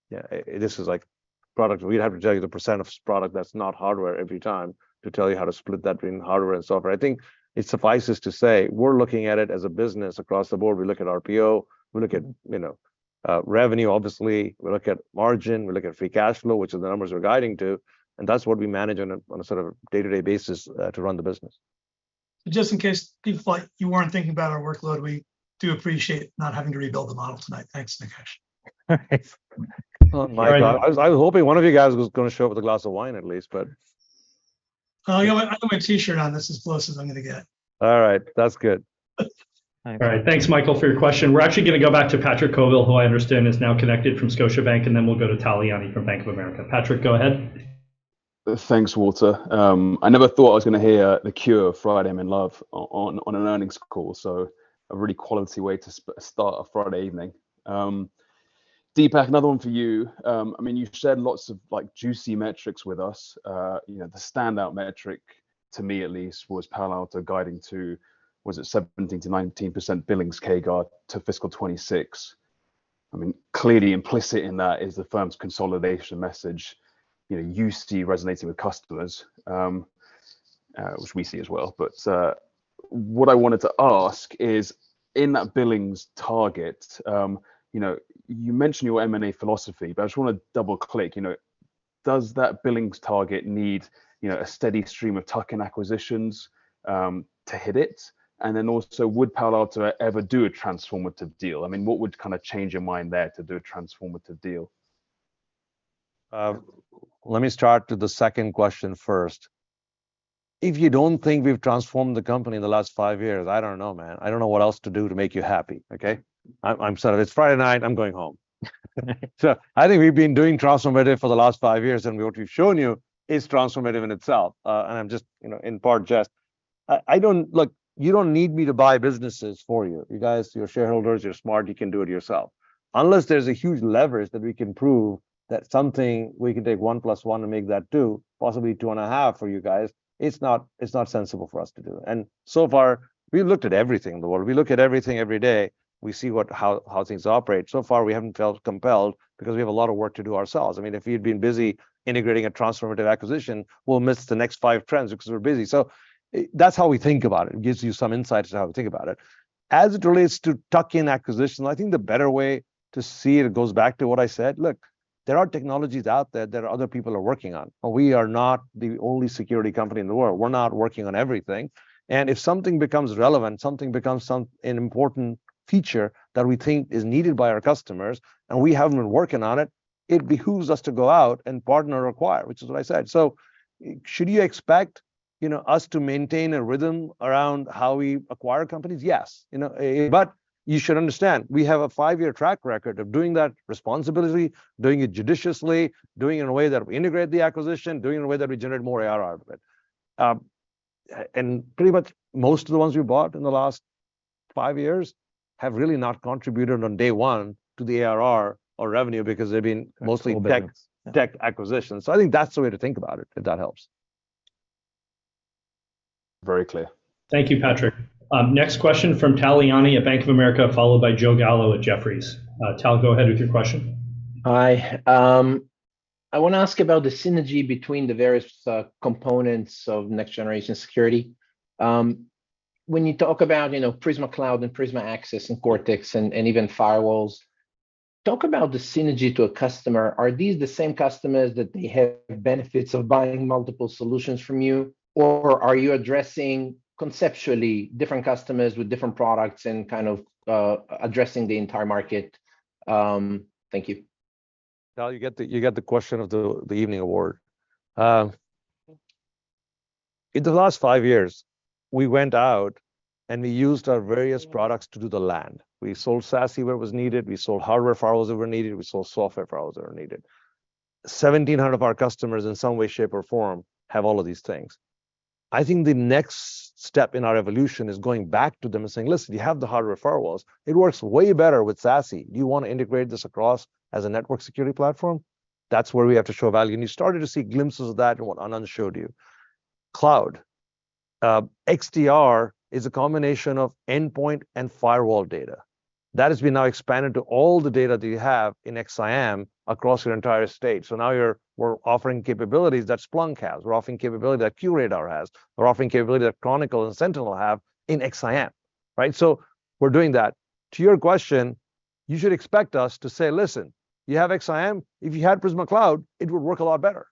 Yeah, this is like product. We'd have to tell you the percent of product that's not hardware every time to tell you how to split that between hardware and software. I think it suffices to say we're looking at it as a business across the board. We look at RPO, we look at, you know, revenue, obviously, we look at margin, we look at free cash flow, which are the numbers we're guiding to, and that's what we manage on a, on a sort of day-to-day basis, to run the business. Just in case, like, you weren't thinking about our workload, we do appreciate not having to rebuild the model tonight. Thanks, Nikesh. Oh, my God, I was, I was hoping one of you guys was gonna show up with a glass of wine at least, but... Oh, yeah, I got my T-shirt on. This is as close as I'm gonna get. All right, that's good. All right. Thanks, Michael, for your question. We're actually gonna go back to Patrick Colville, who I understand is now connected from Scotiabank, and then we'll go to Tal Liani from Bank of America. Patrick, go ahead. Thanks, Walter. I never thought I was going to hear The Cure, Friday I'm in Love on, on an earnings call, so a really quality way to start a Friday evening. Dipak, another one for you. I mean, you've shared lots of, like, juicy metrics with us. You know, the standout metric to me at least, was Palo Alto guiding to, was it 17%-19% billings CAGR to fiscal 2026? I mean, clearly implicit in that is the firm's consolidation message. You know, you see resonating with customers, which we see as well. What I wanted to ask is, in that billings target, you know, you mentioned your M&A philosophy, but I just want to double click, you know, does that billings target need, you know, a steady stream of tuck-in acquisitions to hit it? Also, would Palo Alto ever do a transformative deal? I mean, what would kind of change your mind there to do a transformative deal? Let me start with the second question first. If you don't think we've transformed the company in the last five years, I don't know, man. I don't know what else to do to make you happy, okay? I'm, I'm sorry. It's Friday night, I'm going home. I think we've been doing transformative for the last five years, and what we've shown you is transformative in itself. I'm just, you know, in part jest. I, I don't. Look, you don't need me to buy businesses for you. You guys, you're shareholders, you're smart, you can do it yourself. Unless there's a huge leverage that we can prove that something, we can take 1+1 and make that 2, possibly 2 and a half for you guys, it's not, it's not sensible for us to do. So far, we've looked at everything in the world. We look at everything every day. We see what, how, how things operate. So far, we haven't felt compelled because we have a lot of work to do ourselves. I mean, if we've been busy integrating a transformative acquisition, we'll miss the next five trends because we're busy. That's how we think about it. It gives you some insight as to how we think about it. As it relates to tuck-in acquisition, I think the better way to see it goes back to what I said. Look, there are technologies out there that other people are working on, but we are not the only security company in the world. We're not working on everything, and if something becomes relevant, something becomes an important feature that we think is needed by our customers and we haven't been working on it, it behooves us to go out and partner or acquire, which is what I said. Should you expect, you know, us to maintain a rhythm around how we acquire companies? Yes. You know, you should understand, we have a five-year track record of doing that responsibility, doing it judiciously, doing it in a way that we integrate the acquisition, doing it in a way that we generate more ARR with. Pretty much most of the ones we bought in the last five years have really not contributed on day one to the ARR or revenue because they've been mostly- Tech... tech, tech acquisitions. I think that's the way to think about it, if that helps. Very clear. Thank you, Patrick. Next question from Tal Liani at Bank of America, followed by Joe Gallo at Jefferies. Tal, go ahead with your question. Hi. I want to ask about the synergy between the various components of next-generation security. When you talk about, you know, Prisma Cloud and Prisma Access and Cortex and, and even firewalls, talk about the synergy to a customer. Are these the same customers that they have benefits of buying multiple solutions from you? Or are you addressing conceptually different customers with different products and kind of addressing the entire market? Thank you. Tal, you get the, you get the question of the, the evening award. In the last five years, we went out and we used our various products to do the land. We sold SASE where it was needed, we sold hardware firewalls that were needed, we sold software firewalls that were needed. 1,700 of our customers in some way, shape, or form have all of these things. I think the next step in our evolution is going back to them and saying, "Listen, you have the hardware firewalls, it works way better with SASE. Do you want to integrate this across as a network security platform?" That's where we have to show value. You started to see glimpses of that in what Anand showed you. Cloud, XDR is a combination of endpoint and firewall data. That has been now expanded to all the data that you have in XSIAM across your entire estate. Now we're offering capabilities that Splunk has. We're offering capability that QRadar has. We're offering capability that Chronicle and Sentinel have in XSIAM, right? We're doing that. To your question, you should expect us to say, "Listen, you have XSIAM. If you had Prisma Cloud, it would work a lot better.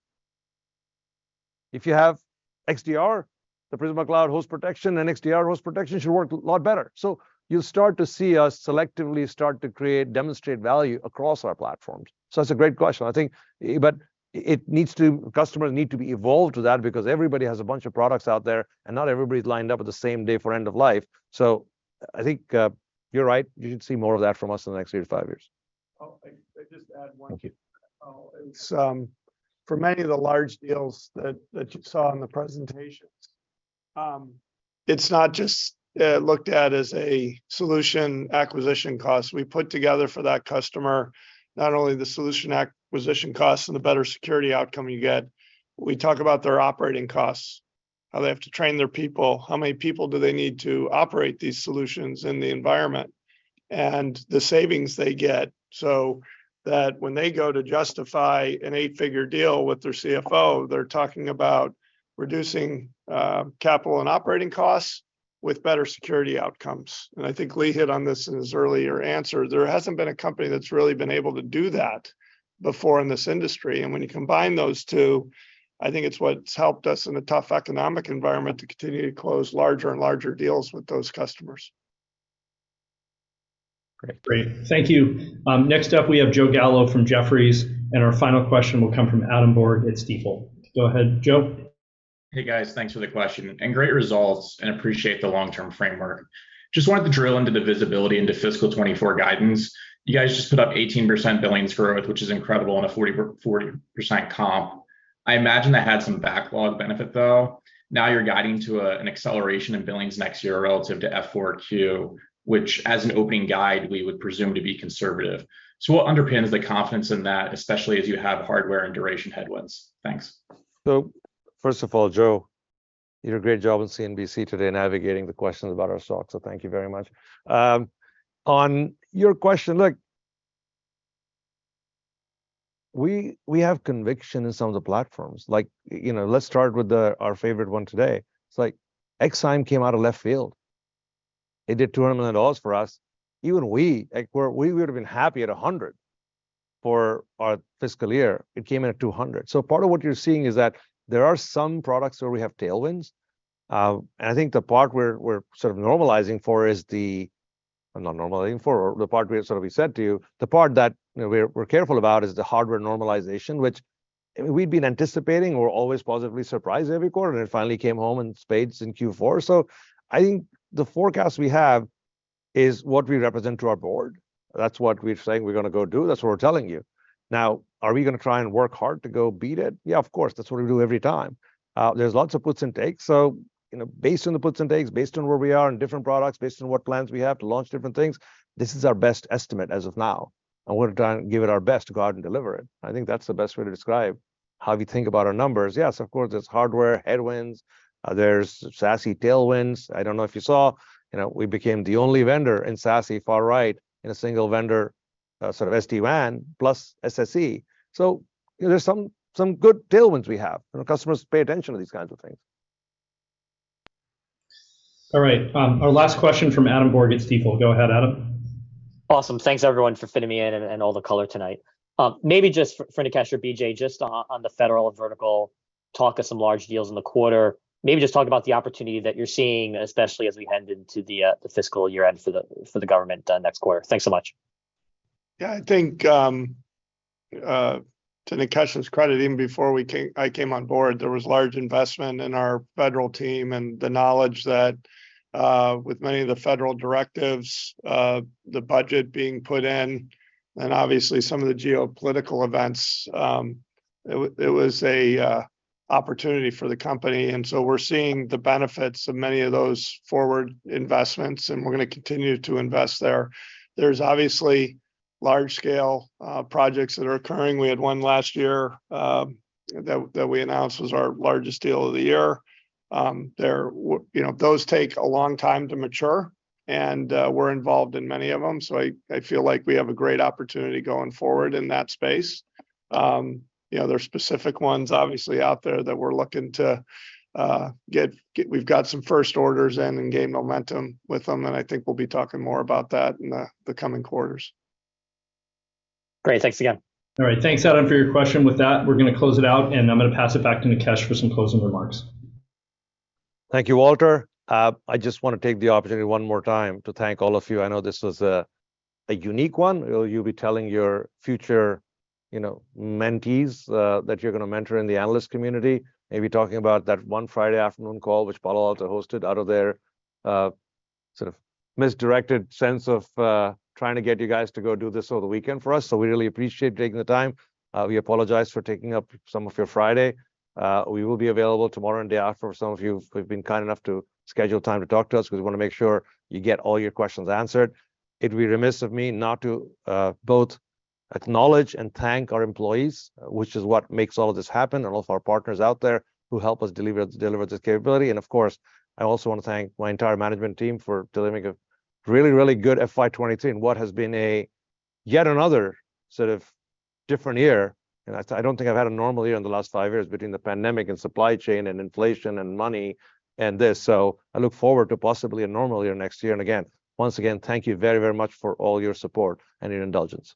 If you have XDR, the Prisma Cloud host protection and XDR host protection should work a lot better." You'll start to see us selectively start to create, demonstrate value across our platforms. That's a great question, I think. It needs to, customers need to be evolved to that, because everybody has a bunch of products out there, and not everybody's lined up at the same day for end of life. I think, you're right, you should see more of that from us in the next three to five years. Oh, I, I just add one thing. It's for many of the large deals that, that you saw in the presentations, it's not just looked at as a solution acquisition cost. We put together for that customer, not only the solution acquisition costs and the better security outcome you get, we talk about their operating costs, how they have to train their people, how many people do they need to operate these solutions in the environment, and the savings they get, so that when they go to justify an eight-figure deal with their CFO, they're talking about reducing capital and operating costs with better security outcomes. I think Lee hit on this in his earlier answer. There hasn't been a company that's really been able to do that before in this industry. When you combine those two, I think it's what's helped us in a tough economic environment to continue to close larger and larger deals with those customers. Great. Great. Thank you. Next up, we have Joe Gallo from Jefferies, and our final question will come from Adam Borg at Stifel. Go ahead, Joe. Hey, guys, thanks for the question, great results, and appreciate the long-term framework. Just wanted to drill into the visibility into fiscal 24 guidance. You guys just put up 18% billings growth, which is incredible, on a 40% comp. I imagine that had some backlog benefit, though. Now you're guiding to an acceleration in billings next year relative to F4Q, which, as an opening guide, we would presume to be conservative. What underpins the confidence in that, especially as you have hardware and duration headwinds? Thanks. First of all, Joe, you did a great job on CNBC today, navigating the questions about our stock. Thank you very much. On your question, look, we, we have conviction in some of the platforms. Like, you know, let's start with our favorite one today. It's like XSIAM came out of left field. It did $200 million for us. Even we, like, we would have been happy at $100 million for our fiscal year. It came in at $200 million. Part of what you're seeing is that there are some products where we have tailwinds. And I think the part where we're sort of normalizing for is the Well, not normalizing for, the part we sort of we said to you, the part that, you know, we're, we're careful about is the hardware normalization, which, I mean, we've been anticipating. We're always positively surprised every quarter. It finally came home in spades in Q4. I think the forecast we have is what we represent to our board. That's what we're saying we're gonna go do. That's what we're telling you. Now, are we gonna try and work hard to go beat it? Yeah, of course. That's what we do every time. There's lots of puts and takes. You know, based on the puts and takes, based on where we are in different products, based on what plans we have to launch different things, this is our best estimate as of now, and we're gonna try and give it our best to go out and deliver it. I think that's the best way to describe how we think about our numbers. Yes, of course, there's hardware headwinds, there's SASE tailwinds. I don't know if you saw, you know, we became the only vendor in SASE far right in a single vendor, sort of SD-WAN plus SSE. You know, there's some, some good tailwinds we have. You know, customers pay attention to these kinds of things. All right, our last question from Adam Borg at Stifel. Go ahead, Adam. Awesome. Thanks, everyone, for fitting me in and all the color tonight. Maybe just for Nikesh or BJ, just on the federal vertical talk of some large deals in the quarter. Maybe just talk about the opportunity that you're seeing, especially as we head into the, the fiscal year-end for the, for the government, next quarter. Thanks so much. Yeah, I think, to Nikesh's credit, even before we came I came on board, there was large investment in our federal team and the knowledge that, with many of the federal directives, the budget being put in, and obviously some of the geopolitical events, it was, it was a opportunity for the company. We're seeing the benefits of many of those forward investments, and we're gonna continue to invest there. There's obviously large-scale projects that are occurring. We had one last year, that we announced was our largest deal of the year. There were. You know, those take a long time to mature, and we're involved in many of them, so I feel like we have a great opportunity going forward in that space. You know, there are specific ones obviously out there that we're looking to, we've got some first orders in and gain momentum with them, and I think we'll be talking more about that in the coming quarters. Great. Thanks again. All right. Thanks, Adam, for your question. With that, we're gonna close it out, and I'm gonna pass it back to Nikesh for some closing remarks. Thank you, Walter. I just want to take the opportunity one more time to thank all of you. I know this was a, a unique one. You'll be telling your future, you know, mentees, that you're gonna mentor in the analyst community, maybe talking about that one Friday afternoon call, which Walter hosted out of their sort of misdirected sense of trying to get you guys to go do this over the weekend for us. We really appreciate you taking the time. We apologize for taking up some of your Friday. We will be available tomorrow and day after for some of you who've been kind enough to schedule time to talk to us, because we wanna make sure you get all your questions answered. It'd be remiss of me not to, both acknowledge and thank our employees, which is what makes all of this happen, and all of our partners out there who help us deliver, deliver this capability. Of course, I also want to thank my entire management team for delivering a really, really good FY 2023, and what has been a yet another sort of different year. I, I don't think I've had a normal year in the last five years between the pandemic, and supply chain, and inflation, and money, and this. I look forward to possibly a normal year next year. Once again, thank you very, very much for all your support and your indulgence.